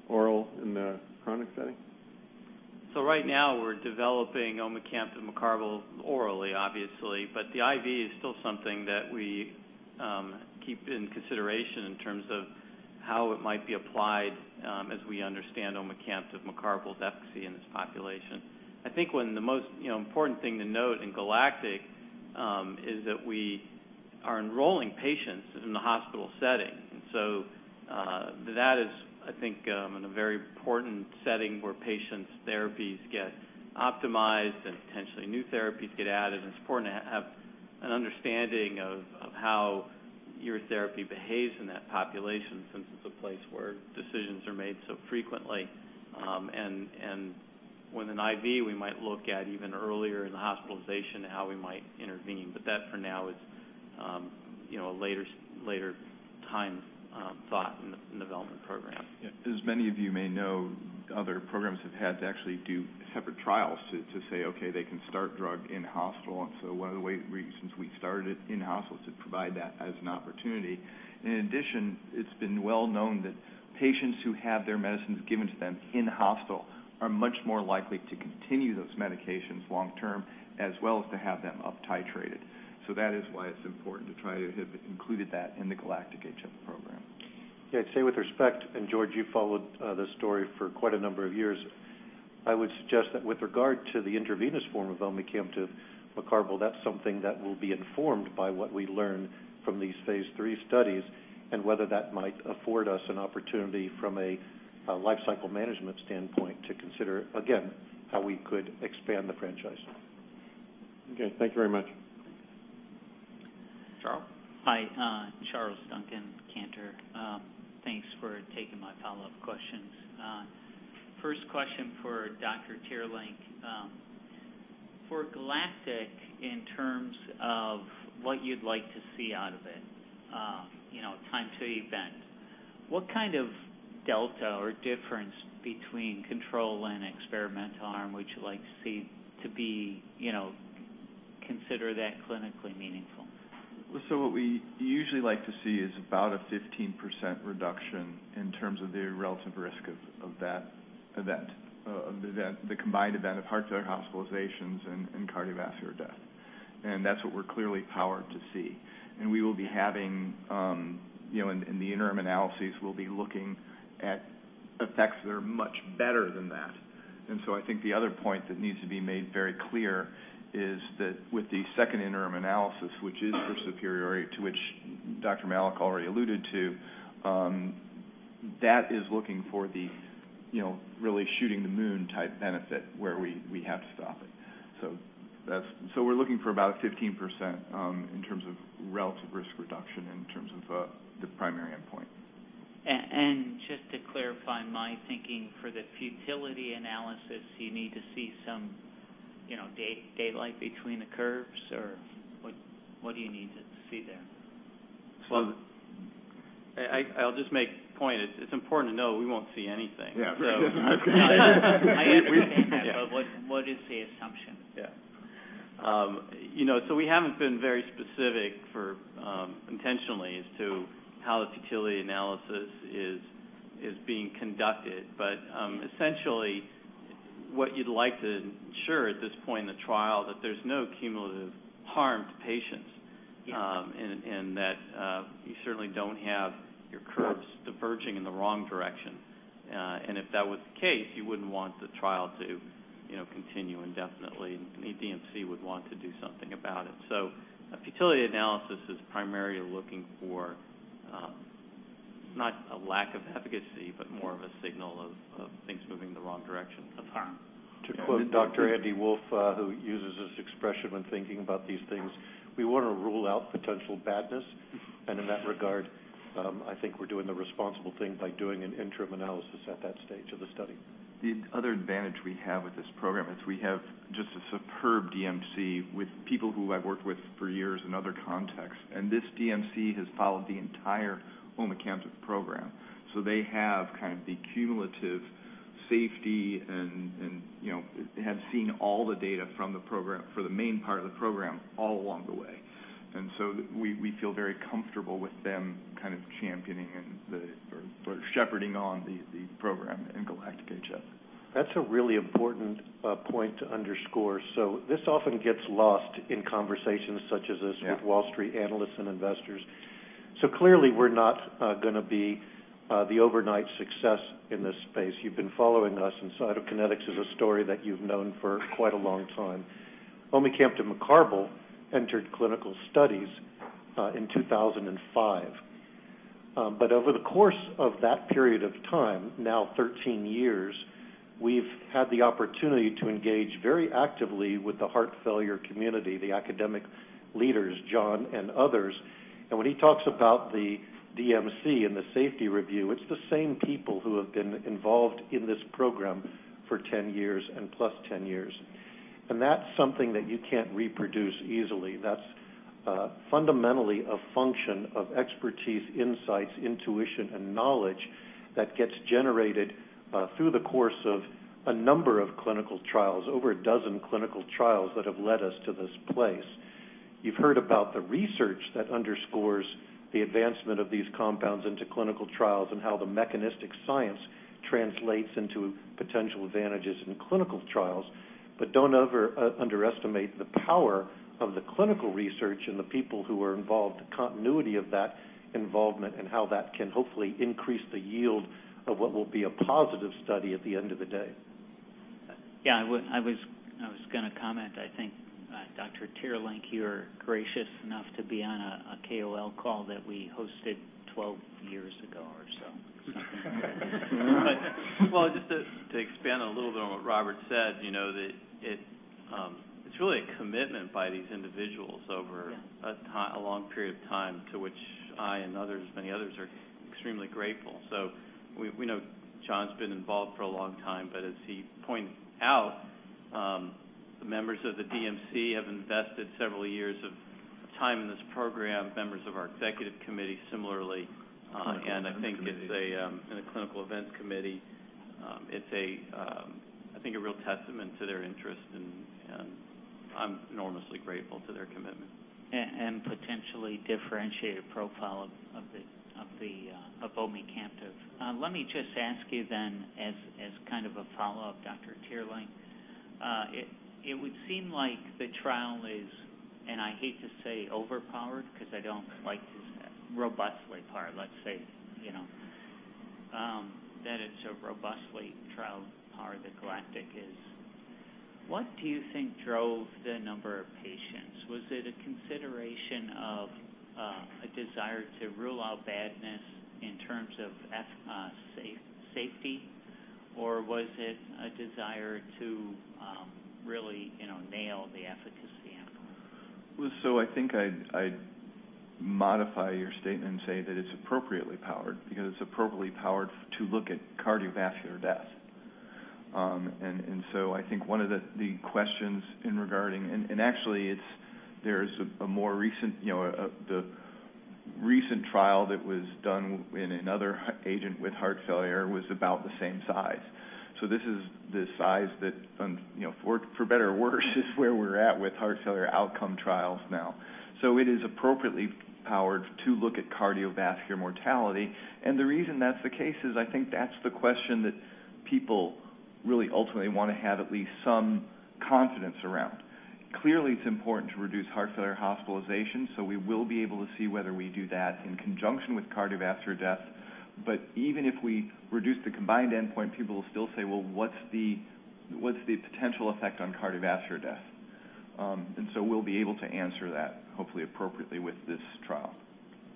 oral in the chronic setting? Right now, we're developing omecamtiv mecarbil orally, obviously. The IV is still something that we keep in consideration in terms of how it might be applied as we understand omecamtiv mecarbil's efficacy in this population. I think one of the most important thing to note in GALACTIC is that we are enrolling patients in the hospital setting. That is, I think, in a very important setting where patients' therapies get optimized and potentially new therapies get added, and it's important to have an understanding of how your therapy behaves in that population since it's a place where decisions are made so frequently. With an IV, we might look at even earlier in the hospitalization how we might intervene. That for now is a later-time thought in the development program. Yeah. As many of you may know, other programs have had to actually do separate trials to say, okay, they can start drug in-hospital. One of the reasons we started it in-hospital is to provide that as an opportunity. In addition, it's been well known that patients who have their medicines given to them in-hospital are much more likely to continue those medications long-term, as well as to have them up titrated. That is why it's important to try to have included that in the GALACTIC-HF program. Yeah. I'd say with respect, George, you followed the story for quite a number of years, I would suggest that with regard to the intravenous form of omecamtiv mecarbil, that's something that will be informed by what we learn from these phase III studies and whether that might afford us an opportunity from a lifecycle management standpoint to consider, again, how we could expand the franchise. Okay. Thank you very much. Charles? Hi. Charles Duncan, Cantor. Thanks for taking my follow-up questions. First question for Dr. Teerlink. For GALACTIC, in terms of what you'd like to see out of it, time-to-event, what kind of delta or difference between control and experimental arm would you like to see to consider that clinically meaningful? What we usually like to see is about a 15% reduction in terms of the relative risk of the combined event of heart failure hospitalizations and cardiovascular death. That's what we're clearly powered to see. In the interim analyses, we'll be looking at effects that are much better than that. I think the other point that needs to be made very clear is that with the second interim analysis, which is for superiority, to which Dr. Malik already alluded to. That is looking for the really shooting-the-moon-type benefit where we have to stop it. We're looking for about 15% in terms of relative risk reduction in terms of the primary endpoint. Just to clarify my thinking, for the futility analysis, you need to see some daylight between the curves, or what do you need to see there? I'll just make a point. It's important to know we won't see anything. Yeah. I understand that, what is the assumption? Yeah. We haven't been very specific intentionally as to how the futility analysis is being conducted. Essentially, what you'd like to ensure at this point in the trial, that there's no cumulative harm to patients. Yeah That you certainly don't have your curves diverging in the wrong direction. If that was the case, you wouldn't want the trial to continue indefinitely, and the DMC would want to do something about it. A futility analysis is primarily looking for, not a lack of efficacy, but more of a signal of things moving in the wrong direction at the time. To quote Dr. Andy Wolff, who uses this expression when thinking about these things, we want to rule out potential badness. In that regard, I think we're doing the responsible thing by doing an interim analysis at that stage of the study. The other advantage we have with this program is we have just a superb DMC with people who I've worked with for years in other contexts. This DMC has followed the entire omecamtiv program. They have the cumulative safety and have seen all the data from the program, for the main part of the program, all along the way. We feel very comfortable with them championing and sort of shepherding on the program in GALACTIC-HF. That's a really important point to underscore. This often gets lost in conversations such as this. Yeah With Wall Street analysts and investors. Clearly, we're not going to be the overnight success in this space. You've been following us, and Cytokinetics is a story that you've known for quite a long time. omecamtiv mecarbil entered clinical studies in 2005. Over the course of that period of time, now 13 years, we've had the opportunity to engage very actively with the heart failure community, the academic leaders, John and others. When he talks about the DMC and the safety review, it's the same people who have been involved in this program for 10 years and plus 10 years. That's something that you can't reproduce easily. That's fundamentally a function of expertise, insights, intuition, and knowledge that gets generated through the course of a number of clinical trials, over a dozen clinical trials that have led us to this place. You've heard about the research that underscores the advancement of these compounds into clinical trials and how the mechanistic science translates into potential advantages in clinical trials. Don't underestimate the power of the clinical research and the people who are involved, the continuity of that involvement, and how that can hopefully increase the yield of what will be a positive study at the end of the day. Yeah, I was going to comment. I think, Dr. Teerlink, you were gracious enough to be on a KOL call that we hosted 12 years ago or so. Something like that. Well, just to expand a little bit on what Robert said, it's really a commitment by these individuals over- Yeah a long period of time, to which I and others, many others, are extremely grateful. We know John's been involved for a long time, but as he pointed out, the members of the DMC have invested several years of time in this program, members of our executive committee similarly. Clinical Events Committee. I think in the Clinical Events Committee, it's, I think, a real testament to their interest, and I'm enormously grateful to their commitment. Potentially differentiate a profile of omecamtiv. Let me just ask you then, as kind of a follow-up, Dr. Teerlink. It would seem like the trial is, and I hate to say overpowered because I don't like to say that. Robustly powered, let's say. That it's a robustly trialed part of the GALACTIC is. What do you think drove the number of patients? Was it a consideration of a desire to rule out badness in terms of safety, or was it a desire to really nail the efficacy endpoint? I think I'd modify your statement and say that it's appropriately powered, because it's appropriately powered to look at cardiovascular death. Actually, there's a recent trial that was done in another agent with heart failure was about the same size. This is the size that, for better or worse, is where we're at with heart failure outcome trials now. It is appropriately powered to look at cardiovascular mortality. The reason that's the case is I think that's the question that people really ultimately want to have at least some confidence around. Clearly, it's important to reduce heart failure hospitalizations, so we will be able to see whether we do that in conjunction with cardiovascular death. Even if we reduce the combined endpoint, people will still say, "Well, what's the potential effect on cardiovascular death? We'll be able to answer that, hopefully appropriately, with this trial.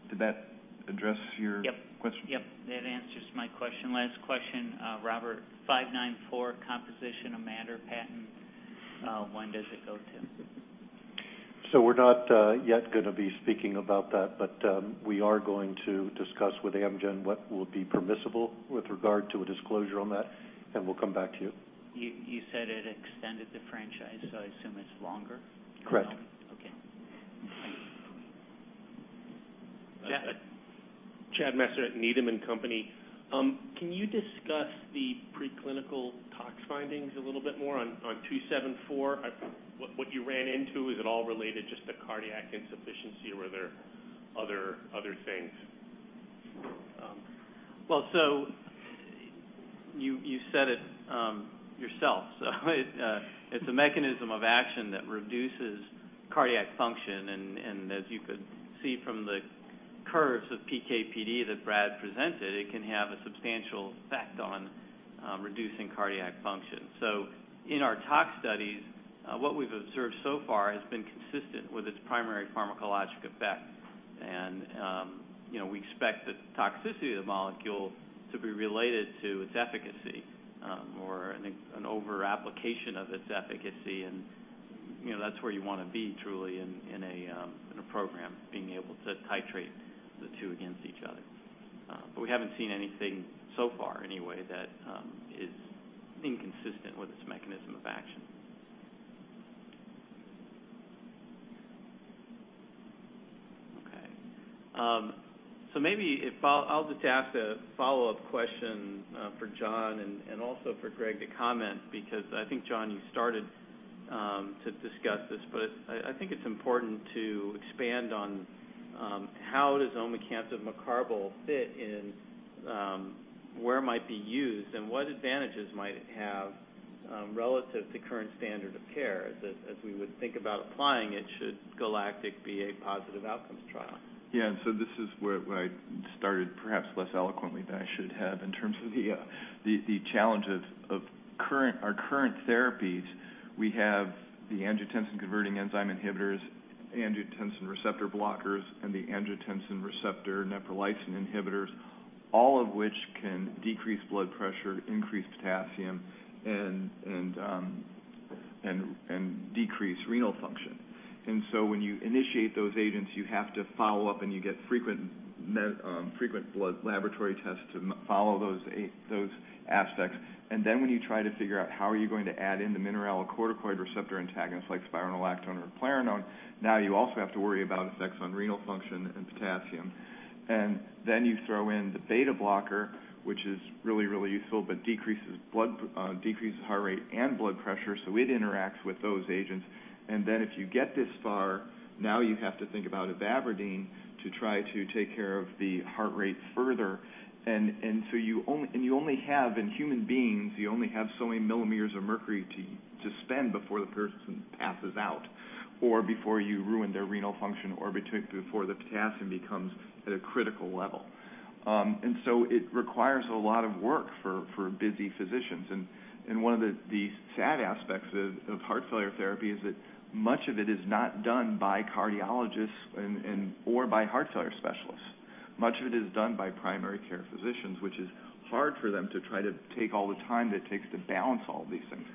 Did that address your question? Yep. That answers my question. Last question, Robert. 594 composition of matter patent, when does it go to? We're not yet going to be speaking about that, but we are going to discuss with Amgen what will be permissible with regard to a disclosure on that, and we'll come back to you. You said it extended the franchise, so I assume it's longer? Correct. Okay. Chad Messer at Needham & Company. Can you discuss the preclinical tox findings a little bit more on 274? What you ran into, is it all related just to cardiac insufficiency or were there other things? You said it yourself. It's a mechanism of action that reduces cardiac function, and as you could see from the curves of PK/PD that Brad presented, it can have a substantial effect on reducing cardiac function. In our tox studies, what we've observed so far has been consistent with its primary pharmacologic effect. We expect the toxicity of the molecule to be related to its efficacy or an over-application of its efficacy, and that's where you want to be, truly, in a program, being able to titrate the two against each other. We haven't seen anything so far, anyway, that is inconsistent with its mechanism of action. Okay. Maybe I'll just ask a follow-up question for John and also for Greg to comment, because I think, John, you started to discuss this, but I think it's important to expand on how does omecamtiv mecarbil fit in where it might be used, and what advantages might it have relative to current standard of care as we would think about applying it should GALACTIC be a positive outcomes trial. Yeah. This is where I started, perhaps less eloquently than I should have in terms of the challenge of our current therapies. We have the angiotensin-converting enzyme inhibitors, angiotensin receptor blockers, and the angiotensin receptor-neprilysin inhibitors, all of which can decrease blood pressure, increase potassium, and decrease renal function. When you initiate those agents, you have to follow up and you get frequent blood laboratory tests to follow those aspects. When you try to figure out how are you going to add in the mineralocorticoid receptor antagonists like spironolactone or eplerenone, now you also have to worry about effects on renal function and potassium. You throw in the beta blocker, which is really useful, but decreases heart rate and blood pressure, so it interacts with those agents. If you get this far, now you have to think about ivabradine to try to take care of the heart rate further. In human beings, you only have so many millimeters of mercury to spend before the person passes out or before you ruin their renal function or before the potassium becomes at a critical level. It requires a lot of work for busy physicians. One of the sad aspects of heart failure therapy is that much of it is not done by cardiologists or by heart failure specialists. Much of it is done by primary care physicians, which is hard for them to try to take all the time that it takes to balance all these things.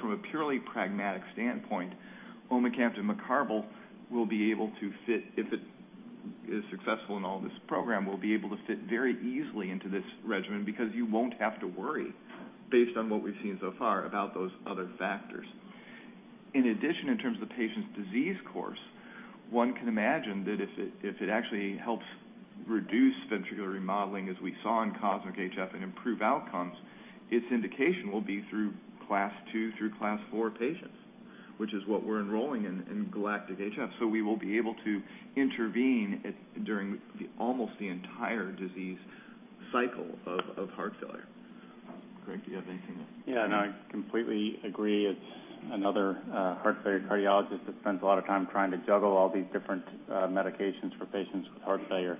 From a purely pragmatic standpoint, omecamtiv mecarbil, if it is successful in all this program, will be able to fit very easily into this regimen because you won't have to worry, based on what we've seen so far, about those other factors. In addition, in terms of the patient's disease course, one can imagine that if it actually helps reduce ventricular remodeling, as we saw in COSMIC-HF, and improve outcomes, its indication will be through Class II through Class IV patients, which is what we're enrolling in GALACTIC-HF. We will be able to intervene during almost the entire disease cycle of heart failure. Greg, do you have anything? Yeah, no, I completely agree. As another heart failure cardiologist that spends a lot of time trying to juggle all these different medications for patients with heart failure,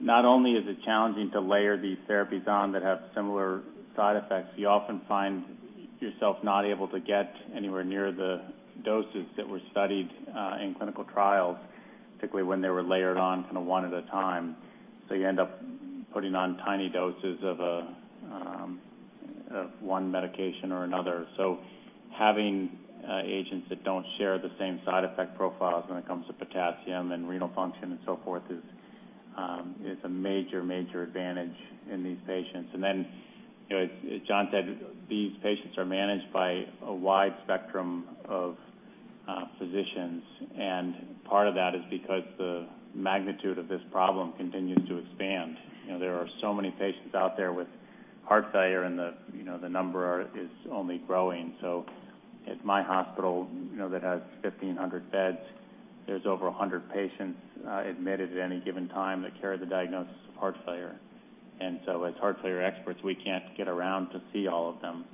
not only is it challenging to layer these therapies on that have similar side effects, you often find yourself not able to get anywhere near the doses that were studied in clinical trials, particularly when they were layered on one at a time. You end up putting on tiny doses of one medication or another. Having agents that don't share the same side effect profiles when it comes to potassium and renal function and so forth is a major advantage in these patients. Then, as John said, these patients are managed by a wide spectrum of physicians, and part of that is because the magnitude of this problem continues to expand. There are so many patients out there with heart failure, and the number is only growing. At my hospital that has 1,500 beds, there's over 100 patients admitted at any given time that carry the diagnosis of heart failure. As heart failure experts, we can't get around to see all of them.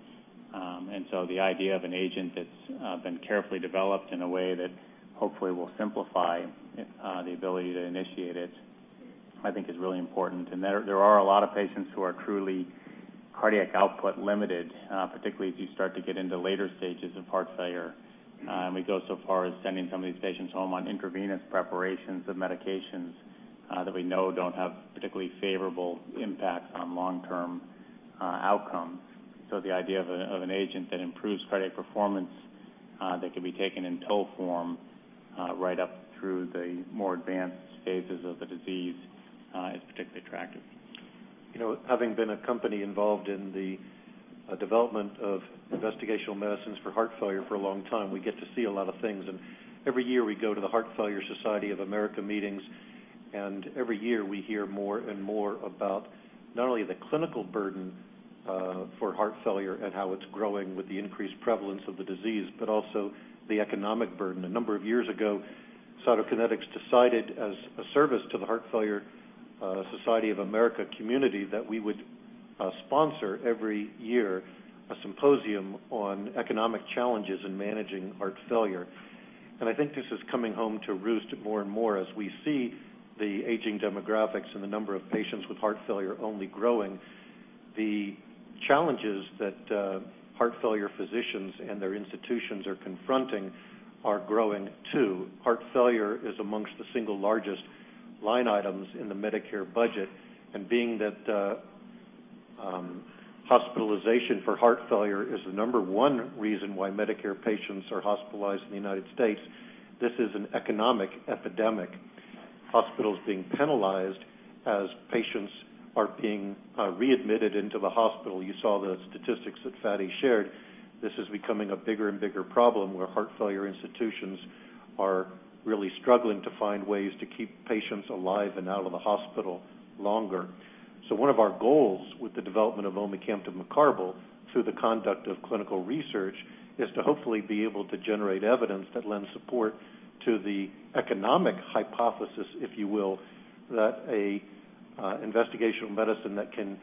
The idea of an agent that's been carefully developed in a way that hopefully will simplify the ability to initiate it I think is really important. There are a lot of patients who are truly cardiac output limited, particularly as you start to get into later stages of heart failure. We go so far as sending some of these patients home on intravenous preparations of medications that we know don't have particularly favorable impacts on long-term outcomes. The idea of an agent that improves cardiac performance, that can be taken in pill form right up through the more advanced stages of the disease is particularly attractive. Having been a company involved in the development of investigational medicines for heart failure for a long time, we get to see a lot of things. Every year we go to the Heart Failure Society of America meetings, and every year we hear more and more about not only the clinical burden for heart failure and how it's growing with the increased prevalence of the disease, but also the economic burden. A number of years ago, Cytokinetics decided as a service to the Heart Failure Society of America community that we would sponsor every year a symposium on economic challenges in managing heart failure. I think this is coming home to roost more and more as we see the aging demographics and the number of patients with heart failure only growing. The challenges that heart failure physicians and their institutions are confronting are growing, too. Heart failure is amongst the single largest line items in the Medicare budget, and being that hospitalization for heart failure is the number 1 reason why Medicare patients are hospitalized in the U.S., this is an economic epidemic. Hospitals being penalized as patients are being readmitted into the hospital. You saw the statistics that Fady shared. This is becoming a bigger and bigger problem where heart failure institutions are really struggling to find ways to keep patients alive and out of the hospital longer. One of our goals with the development of omecamtiv mecarbil through the conduct of clinical research is to hopefully be able to generate evidence that lends support to the economic hypothesis, if you will, that a investigational medicine that can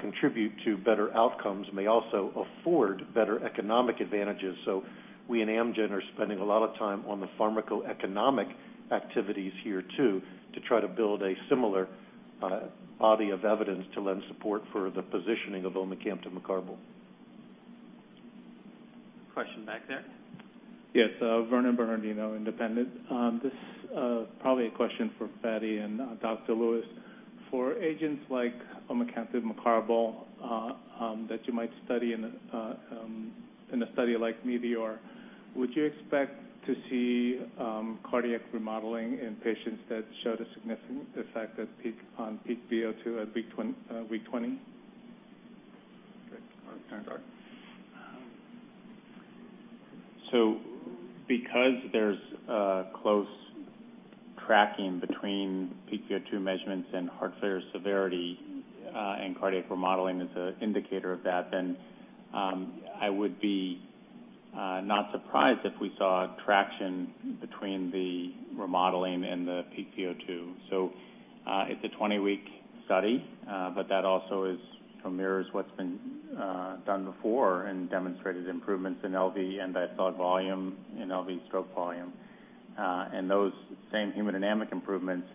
contribute to better outcomes may also afford better economic advantages. We and Amgen are spending a lot of time on the pharmacoeconomic activities here too, to try to build a similar body of evidence to lend support for the positioning of omecamtiv mecarbil. Question back there. Yes. Vernon Bernardino, independent. This probably a question for Fady and Dr. Lewis. For agents like omecamtiv mecarbil that you might study in a study like METEORIC-HF, would you expect to see cardiac remodeling in patients that showed a significant effect on peak VO2 at week 20? Because there's a close tracking between peak VO2 measurements and heart failure severity, and cardiac remodeling is an indicator of that, I would be not surprised if we saw traction between the remodeling and the peak VO2. It's a 20-week study, but that also mirrors what's been done before and demonstrated improvements in LV end-diastolic volume and LV stroke volume. Those same hemodynamic improvements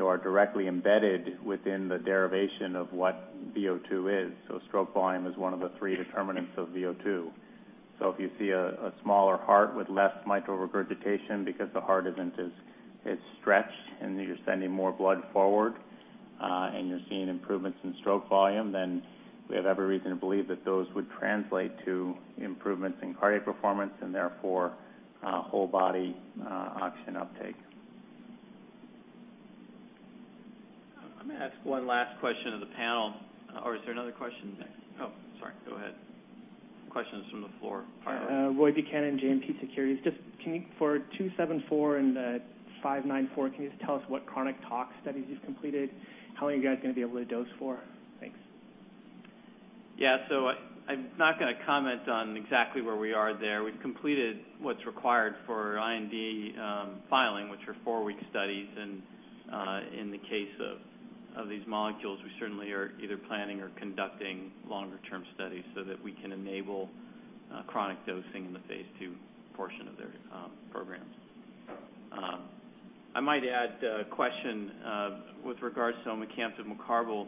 are directly embedded within the derivation of what VO2 is. Stroke volume is one of the three determinants of VO2. If you see a smaller heart with less mitral regurgitation because the heart isn't as stretched and you're sending more blood forward, and you're seeing improvements in stroke volume, we have every reason to believe that those would translate to improvements in cardiac performance and therefore whole body oxygen uptake. I'm going to ask one last question of the panel. Is there another question? Oh, sorry. Go ahead. Questions from the floor. Roy Buchanan, JMP Securities. Just can you, for 274 and 594, can you just tell us what chronic tox studies you've completed? How long are you guys going to be able to dose for? Thanks. Yeah. I'm not going to comment on exactly where we are there. We've completed what's required for our IND filing, which are four-week studies. In the case of these molecules, we certainly are either planning or conducting longer-term studies so that we can enable chronic dosing in the phase II portion of their programs. I might add a question with regards to omecamtiv mecarbil.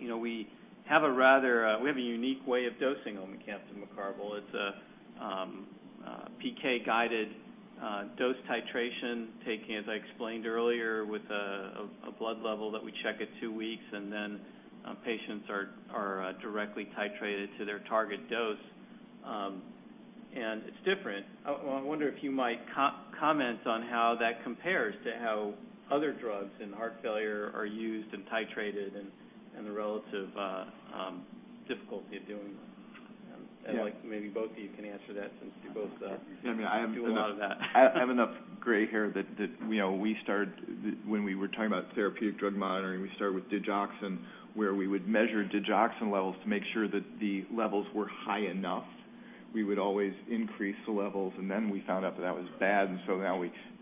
We have a unique way of dosing omecamtiv mecarbil. It's a PK-guided dose titration, taken, as I explained earlier, with a blood level that we check at two weeks, and then patients are directly titrated to their target dose. It's different. I wonder if you might comment on how that compares to how other drugs in heart failure are used and titrated and the relative difficulty of doing that. Yeah. Maybe both of you can answer that since you both- Yeah, me, I have- do a lot of that. I have enough gray hair that when we were talking about therapeutic drug monitoring, we started with digoxin, where we would measure digoxin levels to make sure that the levels were high enough. We would always increase the levels, then we found out that that was bad.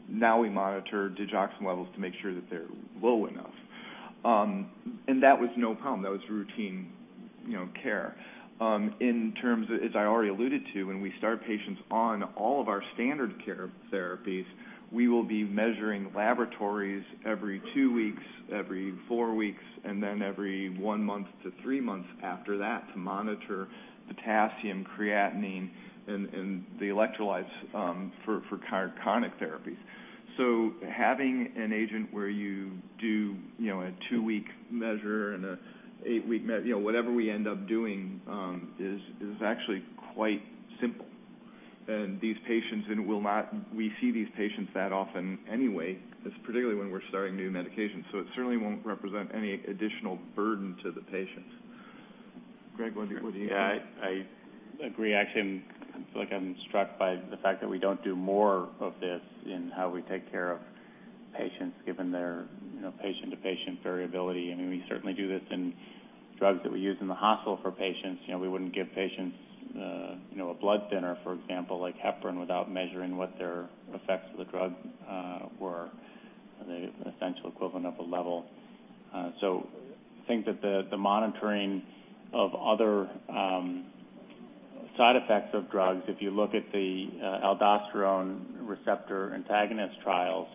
Now we monitor digoxin levels to make sure that they're low enough. That was no problem. That was routine care. In terms, as I already alluded to, when we start patients on all of our standard care therapies, we will be measuring laboratories every two weeks, every four weeks, then every one month to three months after that to monitor potassium, creatinine, and the electrolytes for chronic therapies. Having an agent where you do a two-week measure and an eight-week measure, whatever we end up doing is actually quite simple. We see these patients that often anyway, particularly when we're starting new medications, so it certainly won't represent any additional burden to the patients. Greg, what do you think? I agree. I feel like I'm struck by the fact that we don't do more of this in how we take care of patients, given their patient-to-patient variability. We certainly do this in drugs that we use in the hospital for patients. We wouldn't give patients a blood thinner, for example, like heparin, without measuring what their effects of the drug were, the essential equivalent of a level. I think that the monitoring of other side effects of drugs, if you look at the aldosterone receptor antagonist trials,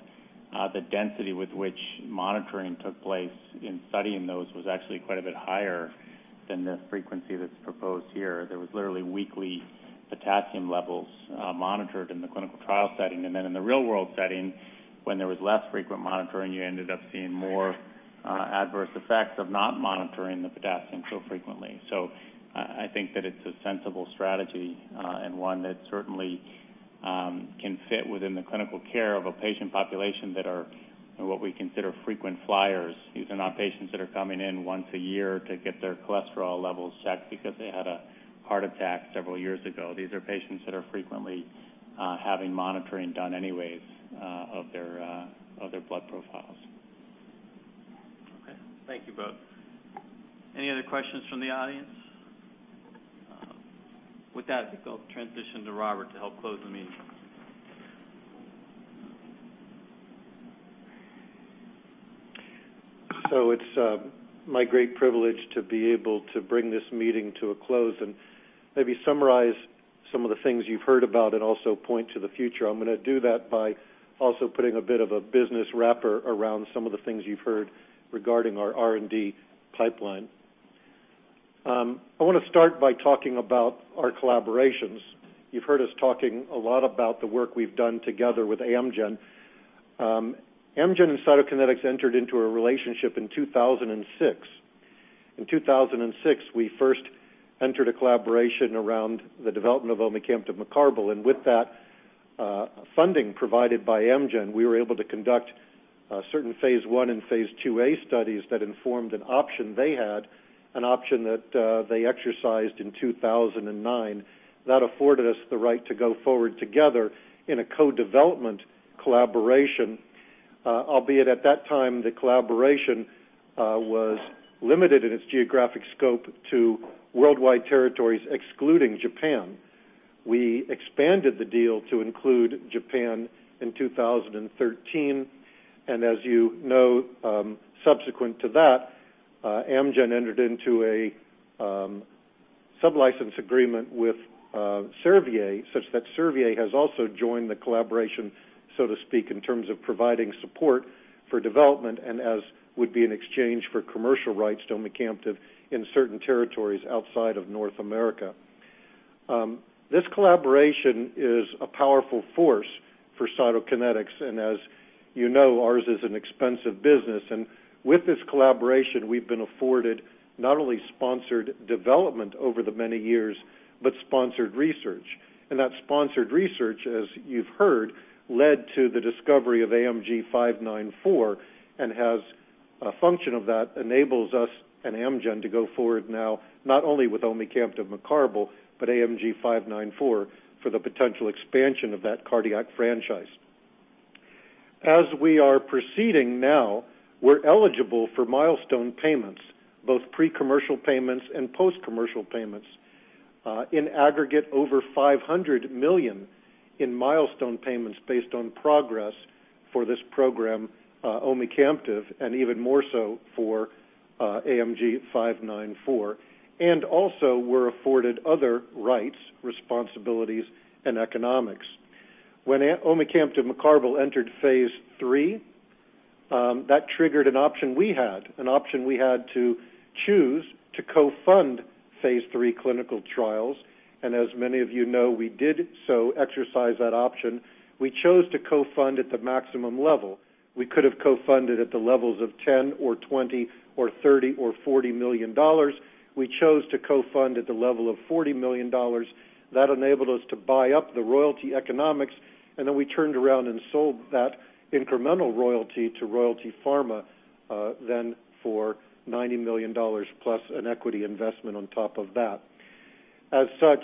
the density with which monitoring took place in studying those was actually quite a bit higher than the frequency that's proposed here. There was literally weekly potassium levels monitored in the clinical trial setting. In the real-world setting, when there was less frequent monitoring, you ended up seeing more adverse effects of not monitoring the potassium so frequently. I think that it's a sensible strategy and one that certainly can fit within the clinical care of a patient population that are what we consider frequent flyers. These are not patients that are coming in once a year to get their cholesterol levels checked because they had a heart attack several years ago. These are patients that are frequently having monitoring done anyways of their blood profiles. Thank you both. Any other questions from the audience? With that, I think I'll transition to Robert to help close the meeting. It's my great privilege to be able to bring this meeting to a close and maybe summarize some of the things you've heard about and also point to the future. I'm going to do that by also putting a bit of a business wrapper around some of the things you've heard regarding our R&D pipeline. I want to start by talking about our collaborations. You've heard us talking a lot about the work we've done together with Amgen. Amgen and Cytokinetics entered into a relationship in 2006. In 2006, we first entered a collaboration around the development of omecamtiv mecarbil, and with that funding provided by Amgen, we were able to conduct certain phase I and phase IIa studies that informed an option they had, an option that they exercised in 2009. That afforded us the right to go forward together in a co-development collaboration, albeit at that time, the collaboration was limited in its geographic scope to worldwide territories excluding Japan. We expanded the deal to include Japan in 2013. As you know, subsequent to that, Amgen entered into a sublicense agreement with Servier such that Servier has also joined the collaboration, so to speak, in terms of providing support for development and as would be in exchange for commercial rights to omecamtiv in certain territories outside of North America. This collaboration is a powerful force for Cytokinetics. As you know, ours is an expensive business. With this collaboration, we've been afforded not only sponsored development over the many years, but sponsored research. That sponsored research, as you've heard, led to the discovery of AMG 594 and a function of that enables us and Amgen to go forward now, not only with omecamtiv mecarbil, but AMG 594 for the potential expansion of that cardiac franchise. As we are proceeding now, we're eligible for milestone payments, both pre-commercial payments and post-commercial payments. In aggregate, over $500 million in milestone payments based on progress for this program, omecamtiv, and even more so for AMG 594. Also we're afforded other rights, responsibilities, and economics. When omecamtiv mecarbil entered phase III, that triggered an option we had. An option we had to choose to co-fund phase III clinical trials. As many of you know, we did so exercise that option. We chose to co-fund at the maximum level. We could have co-funded at the levels of 10 or 20 or 30 or $40 million. We chose to co-fund at the level of $40 million. That enabled us to buy up the royalty economics. We turned around and sold that incremental royalty to Royalty Pharma for $90 million plus an equity investment on top of that. As such,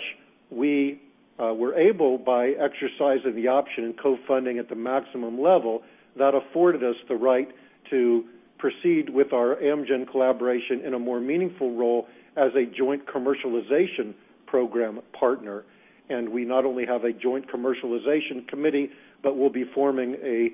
we were able by exercising the option and co-funding at the maximum level. That afforded us the right to proceed with our Amgen collaboration in a more meaningful role as a joint commercialization program partner. We not only have a joint commercialization committee, but we'll be forming a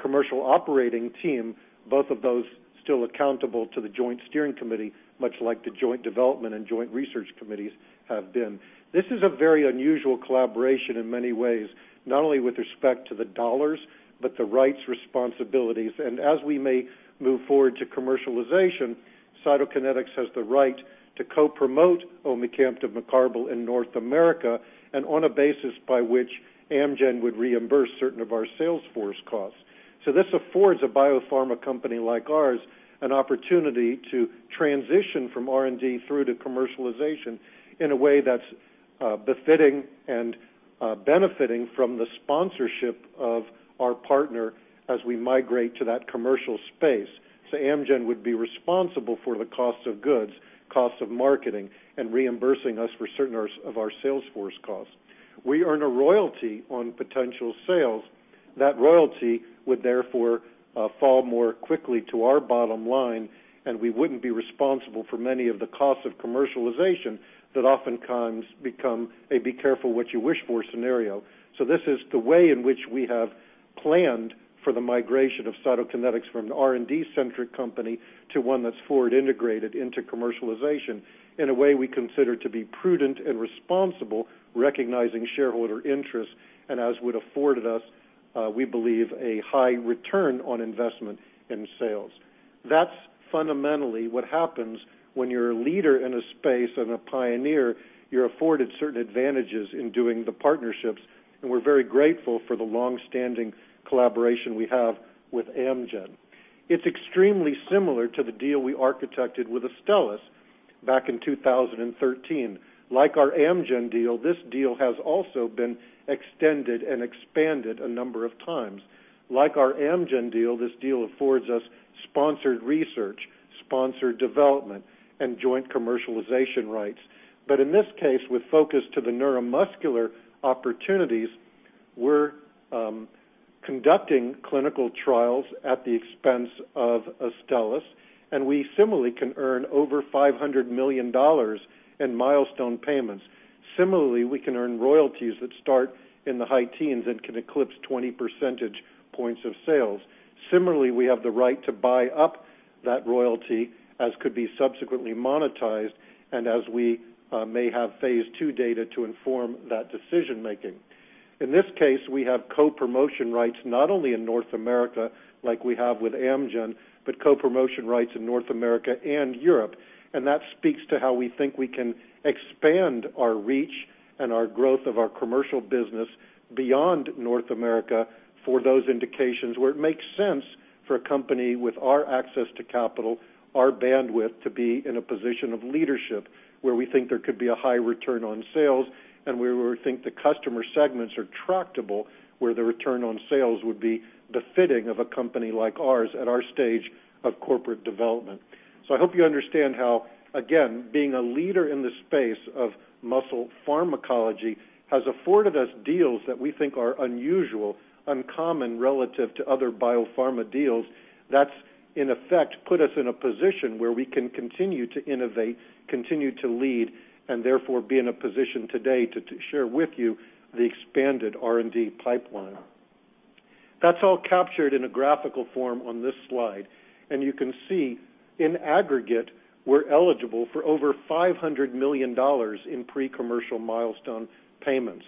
commercial operating team, both of those still accountable to the joint steering committee, much like the joint development and joint research committees have been. This is a very unusual collaboration in many ways, not only with respect to the dollars, but the rights responsibilities. As we may move forward to commercialization, Cytokinetics has the right to co-promote omecamtiv mecarbil in North America, and on a basis by which Amgen would reimburse certain of our sales force costs. This affords a biopharma company like ours an opportunity to transition from R&D through to commercialization in a way that's befitting and benefiting from the sponsorship of our partner as we migrate to that commercial space. Amgen would be responsible for the cost of goods, cost of marketing, and reimbursing us for certain of our sales force costs. We earn a royalty on potential sales. That royalty would therefore fall more quickly to our bottom line, and we wouldn't be responsible for many of the costs of commercialization that oftentimes become a be-careful-what-you-wish-for scenario. This is the way in which we have planned for the migration of Cytokinetics from an R&D-centric company to one that's forward integrated into commercialization in a way we consider to be prudent and responsible, recognizing shareholder interest, and as would afforded us, we believe, a high return on investment in sales. That's fundamentally what happens when you're a leader in a space and a pioneer. You're afforded certain advantages in doing the partnerships. We're very grateful for the longstanding collaboration we have with Amgen. It's extremely similar to the deal we architected with Astellas back in 2013. Like our Amgen deal, this deal has also been extended and expanded a number of times. Like our Amgen deal, this deal affords us sponsored research, sponsored development, and joint commercialization rights. In this case, with focus to the neuromuscular opportunities, we're conducting clinical trials at the expense of Astellas. We similarly can earn over $500 million in milestone payments. Similarly, we can earn royalties that start in the high teens and can eclipse 20 percentage points of sales. Similarly, we have the right to buy up that royalty as could be subsequently monetized and as we may have phase II data to inform that decision-making. In this case, we have co-promotion rights not only in North America, like we have with Amgen, but co-promotion rights in North America and Europe. That speaks to how we think we can expand our reach and our growth of our commercial business beyond North America for those indications where it makes sense for a company with our access to capital, our bandwidth, to be in a position of leadership where we think there could be a high return on sales and where we think the customer segments are tractable, where the return on sales would be befitting of a company like ours at our stage of corporate development. I hope you understand how, again, being a leader in the space of muscle pharmacology has afforded us deals that we think are unusual, uncommon, relative to other biopharma deals. That's in effect put us in a position where we can continue to innovate, continue to lead, and therefore be in a position today to share with you the expanded R&D pipeline. That's all captured in a graphical form on this slide. You can see in aggregate, we're eligible for over $500 million in pre-commercial milestone payments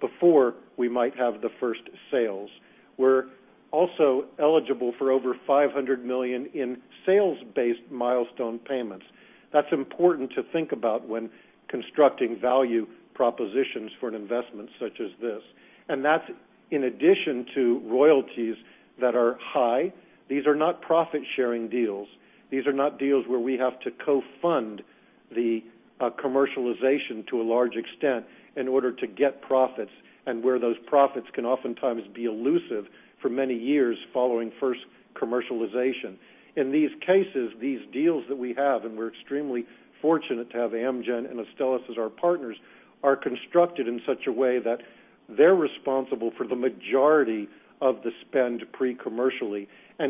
before we might have the first sales. We're also eligible for over $500 million in sales-based milestone payments. That's important to think about when constructing value propositions for an investment such as this. That's in addition to royalties that are high. These are not profit-sharing deals. These are not deals where we have to co-fund the commercialization to a large extent in order to get profits, and where those profits can oftentimes be elusive for many years following first commercialization. In these cases, these deals that we have, and we're extremely fortunate to have Amgen and Astellas as our partners, are constructed in such a way that they're responsible for the majority of the spend pre-commercially.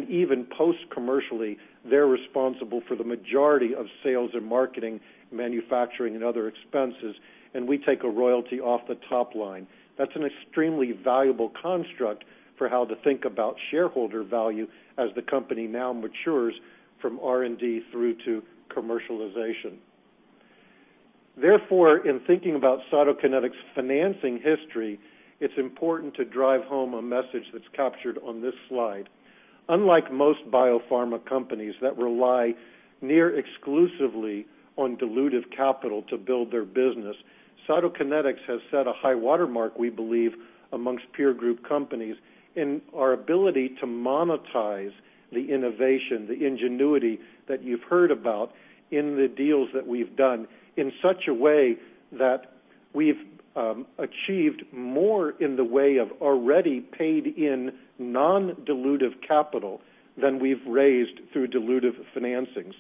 Even post-commercially, they're responsible for the majority of sales and marketing, manufacturing, and other expenses, and we take a royalty off the top line. That's an extremely valuable construct for how to think about shareholder value as the company now matures from R&D through to commercialization. Therefore, in thinking about Cytokinetics' financing history, it's important to drive home a message that's captured on this slide. Unlike most biopharma companies that rely near exclusively on dilutive capital to build their business, Cytokinetics has set a high water mark, we believe, amongst peer group companies in our ability to monetize the innovation, the ingenuity that you've heard about in the deals that we've done in such a way that we've achieved more in the way of already paid-in non-dilutive capital than we've raised through dilutive financings.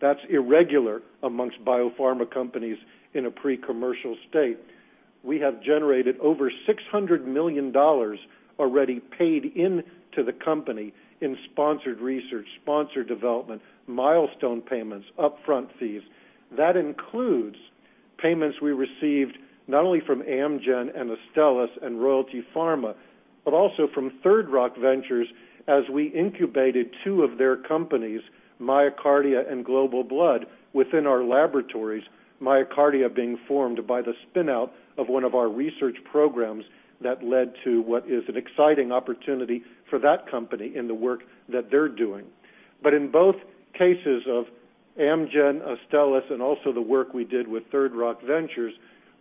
That's irregular amongst biopharma companies in a pre-commercial state. We have generated over $600 million already paid into the company in sponsored research, sponsored development, milestone payments, upfront fees. That includes payments we received not only from Amgen and Astellas and Royalty Pharma, but also from Third Rock Ventures as we incubated two of their companies, MyoKardia and Global Blood, within our laboratories. MyoKardia being formed by the spin-out of one of our research programs that led to what is an exciting opportunity for that company in the work that they're doing. In both cases of Amgen, Astellas, and also the work we did with Third Rock Ventures,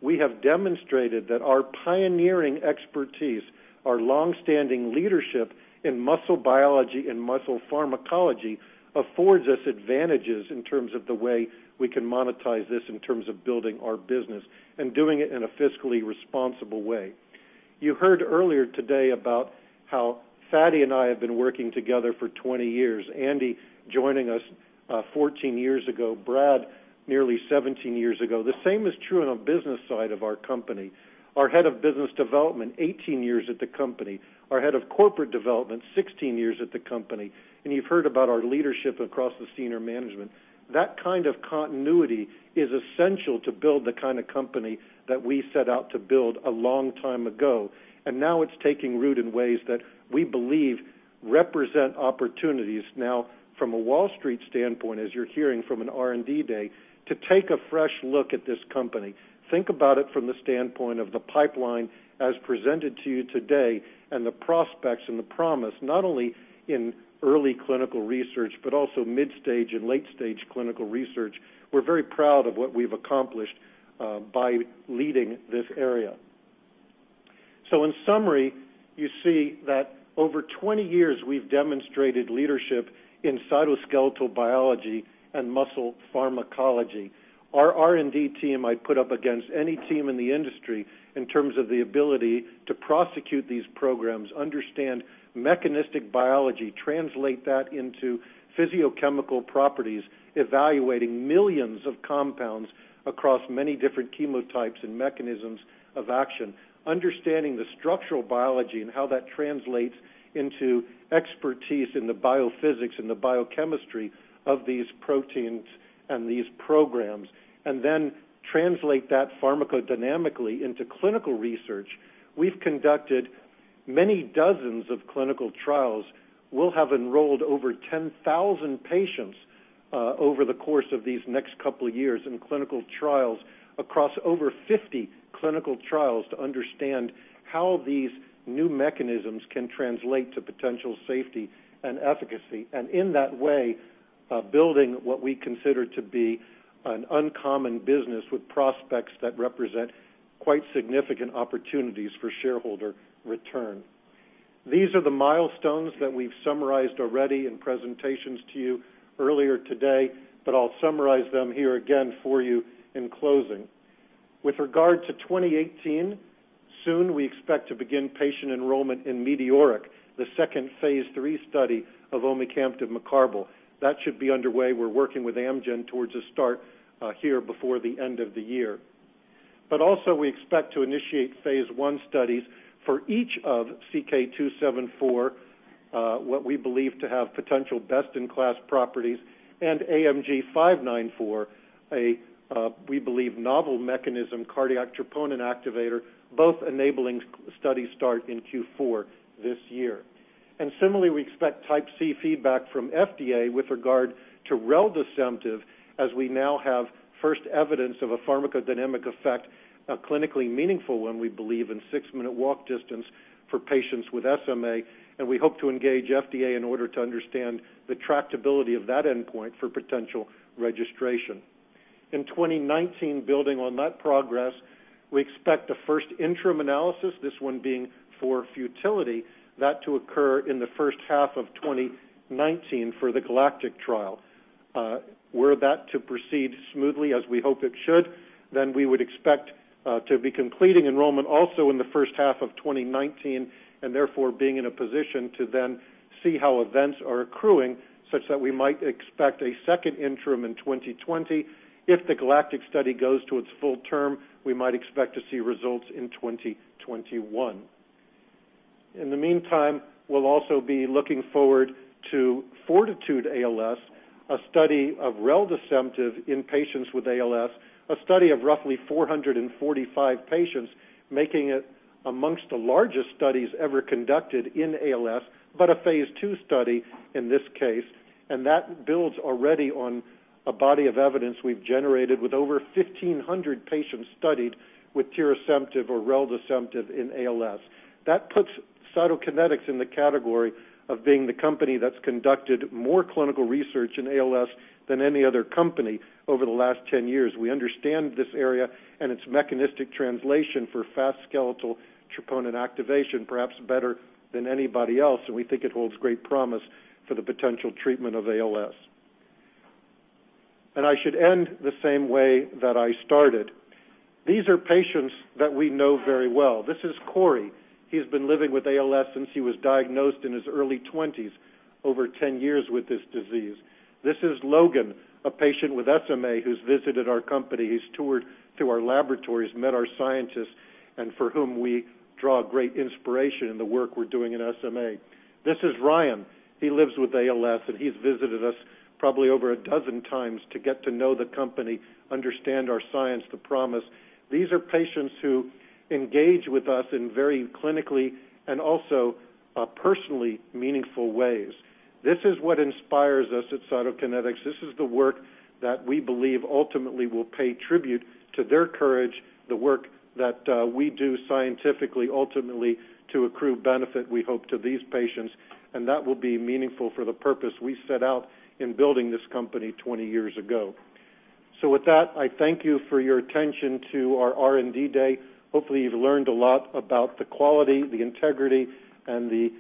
we have demonstrated that our pioneering expertise, our long-standing leadership in muscle biology and muscle pharmacology, affords us advantages in terms of the way we can monetize this in terms of building our business, and doing it in a fiscally responsible way. You heard earlier today about how Fady and I have been working together for 20 years, Andy joining us 14 years ago, Brad nearly 17 years ago. The same is true on the business side of our company. Our head of business development, 18 years at the company, our head of corporate development, 16 years at the company. You've heard about our leadership across the senior management. That kind of continuity is essential to build the kind of company that we set out to build a long time ago. Now it's taking root in ways that we believe represent opportunities now from a Wall Street standpoint, as you're hearing from an R&D day, to take a fresh look at this company. Think about it from the standpoint of the pipeline as presented to you today and the prospects and the promise, not only in early clinical research, but also mid-stage and late-stage clinical research. We're very proud of what we've accomplished by leading this area. In summary, you see that over 20 years, we've demonstrated leadership in cytoskeletal biology and muscle pharmacology. Our R&D team I'd put up against any team in the industry in terms of the ability to prosecute these programs, understand mechanistic biology, translate that into physiochemical properties, evaluating millions of compounds across many different chemotypes and mechanisms of action, understanding the structural biology and how that translates into expertise in the biophysics and the biochemistry of these proteins and these programs, then translate that pharmacodynamically into clinical research. We've conducted many dozens of clinical trials. We'll have enrolled over 10,000 patients over the course of these next couple of years in clinical trials across over 50 clinical trials to understand how these new mechanisms can translate to potential safety and efficacy. In that way, building what we consider to be an uncommon business with prospects that represent quite significant opportunities for shareholder return. These are the milestones that we've summarized already in presentations to you earlier today, but I'll summarize them here again for you in closing. With regard to 2018, soon we expect to begin patient enrollment in METEORIC, the second phase III study of omecamtiv mecarbil. That should be underway. We're working with Amgen towards a start here before the end of the year. Also we expect to initiate phase I studies for each of CK-274, what we believe to have potential best-in-class properties, and AMG 594, a we believe novel mechanism, cardiac troponin activator, both enabling study start in Q4 this year. Similarly, we expect Type C feedback from FDA with regard to reldesemtiv as we now have first evidence of a pharmacodynamic effect, a clinically meaningful one we believe, in six-minute walk distance for patients with SMA, we hope to engage FDA in order to understand the tractability of that endpoint for potential registration. In 2019, building on that progress, we expect a first interim analysis, this one being for futility, that to occur in the first half of 2019 for the GALACTIC trial. Were that to proceed smoothly as we hope it should, we would expect to be completing enrollment also in the first half of 2019, therefore, being in a position to then see how events are accruing such that we might expect a second interim in 2020. If the GALACTIC study goes to its full term, we might expect to see results in 2021. In the meantime, we'll also be looking forward to FORTITUDE-ALS, a study of reldesemtiv in patients with ALS, a study of roughly 445 patients, making it amongst the largest studies ever conducted in ALS, but a phase II study in this case. That builds already on a body of evidence we've generated with over 1,500 patients studied with tirasemtiv or reldesemtiv in ALS. That puts Cytokinetics in the category of being the company that's conducted more clinical research in ALS than any other company over the last 10 years. We understand this area and its mechanistic translation for fast skeletal troponin activation perhaps better than anybody else, we think it holds great promise for the potential treatment of ALS. I should end the same way that I started. These are patients that we know very well. This is Corey. He has been living with ALS since he was diagnosed in his early 20s, over 10 years with this disease. This is Logan, a patient with SMA who's visited our company. He's toured through our laboratories, met our scientists, for whom we draw great inspiration in the work we're doing in SMA. This is Ryan. He lives with ALS, he's visited us probably over a dozen times to get to know the company, understand our science, the promise. These are patients who engage with us in very clinically and also personally meaningful ways. This is what inspires us at Cytokinetics. This is the work that we believe ultimately will pay tribute to their courage, the work that we do scientifically, ultimately to accrue benefit, we hope, to these patients, that will be meaningful for the purpose we set out in building this company 20 years ago. With that, I thank you for your attention to our R&D Day. Hopefully, you've learned a lot about the quality, the integrity, the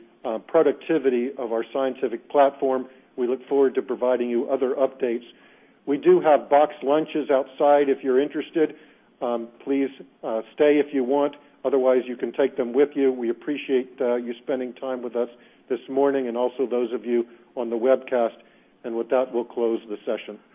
productivity of our scientific platform. We look forward to providing you other updates. We do have boxed lunches outside if you're interested. Please stay if you want. Otherwise, you can take them with you. We appreciate you spending time with us this morning and also those of you on the webcast. With that, we'll close the session.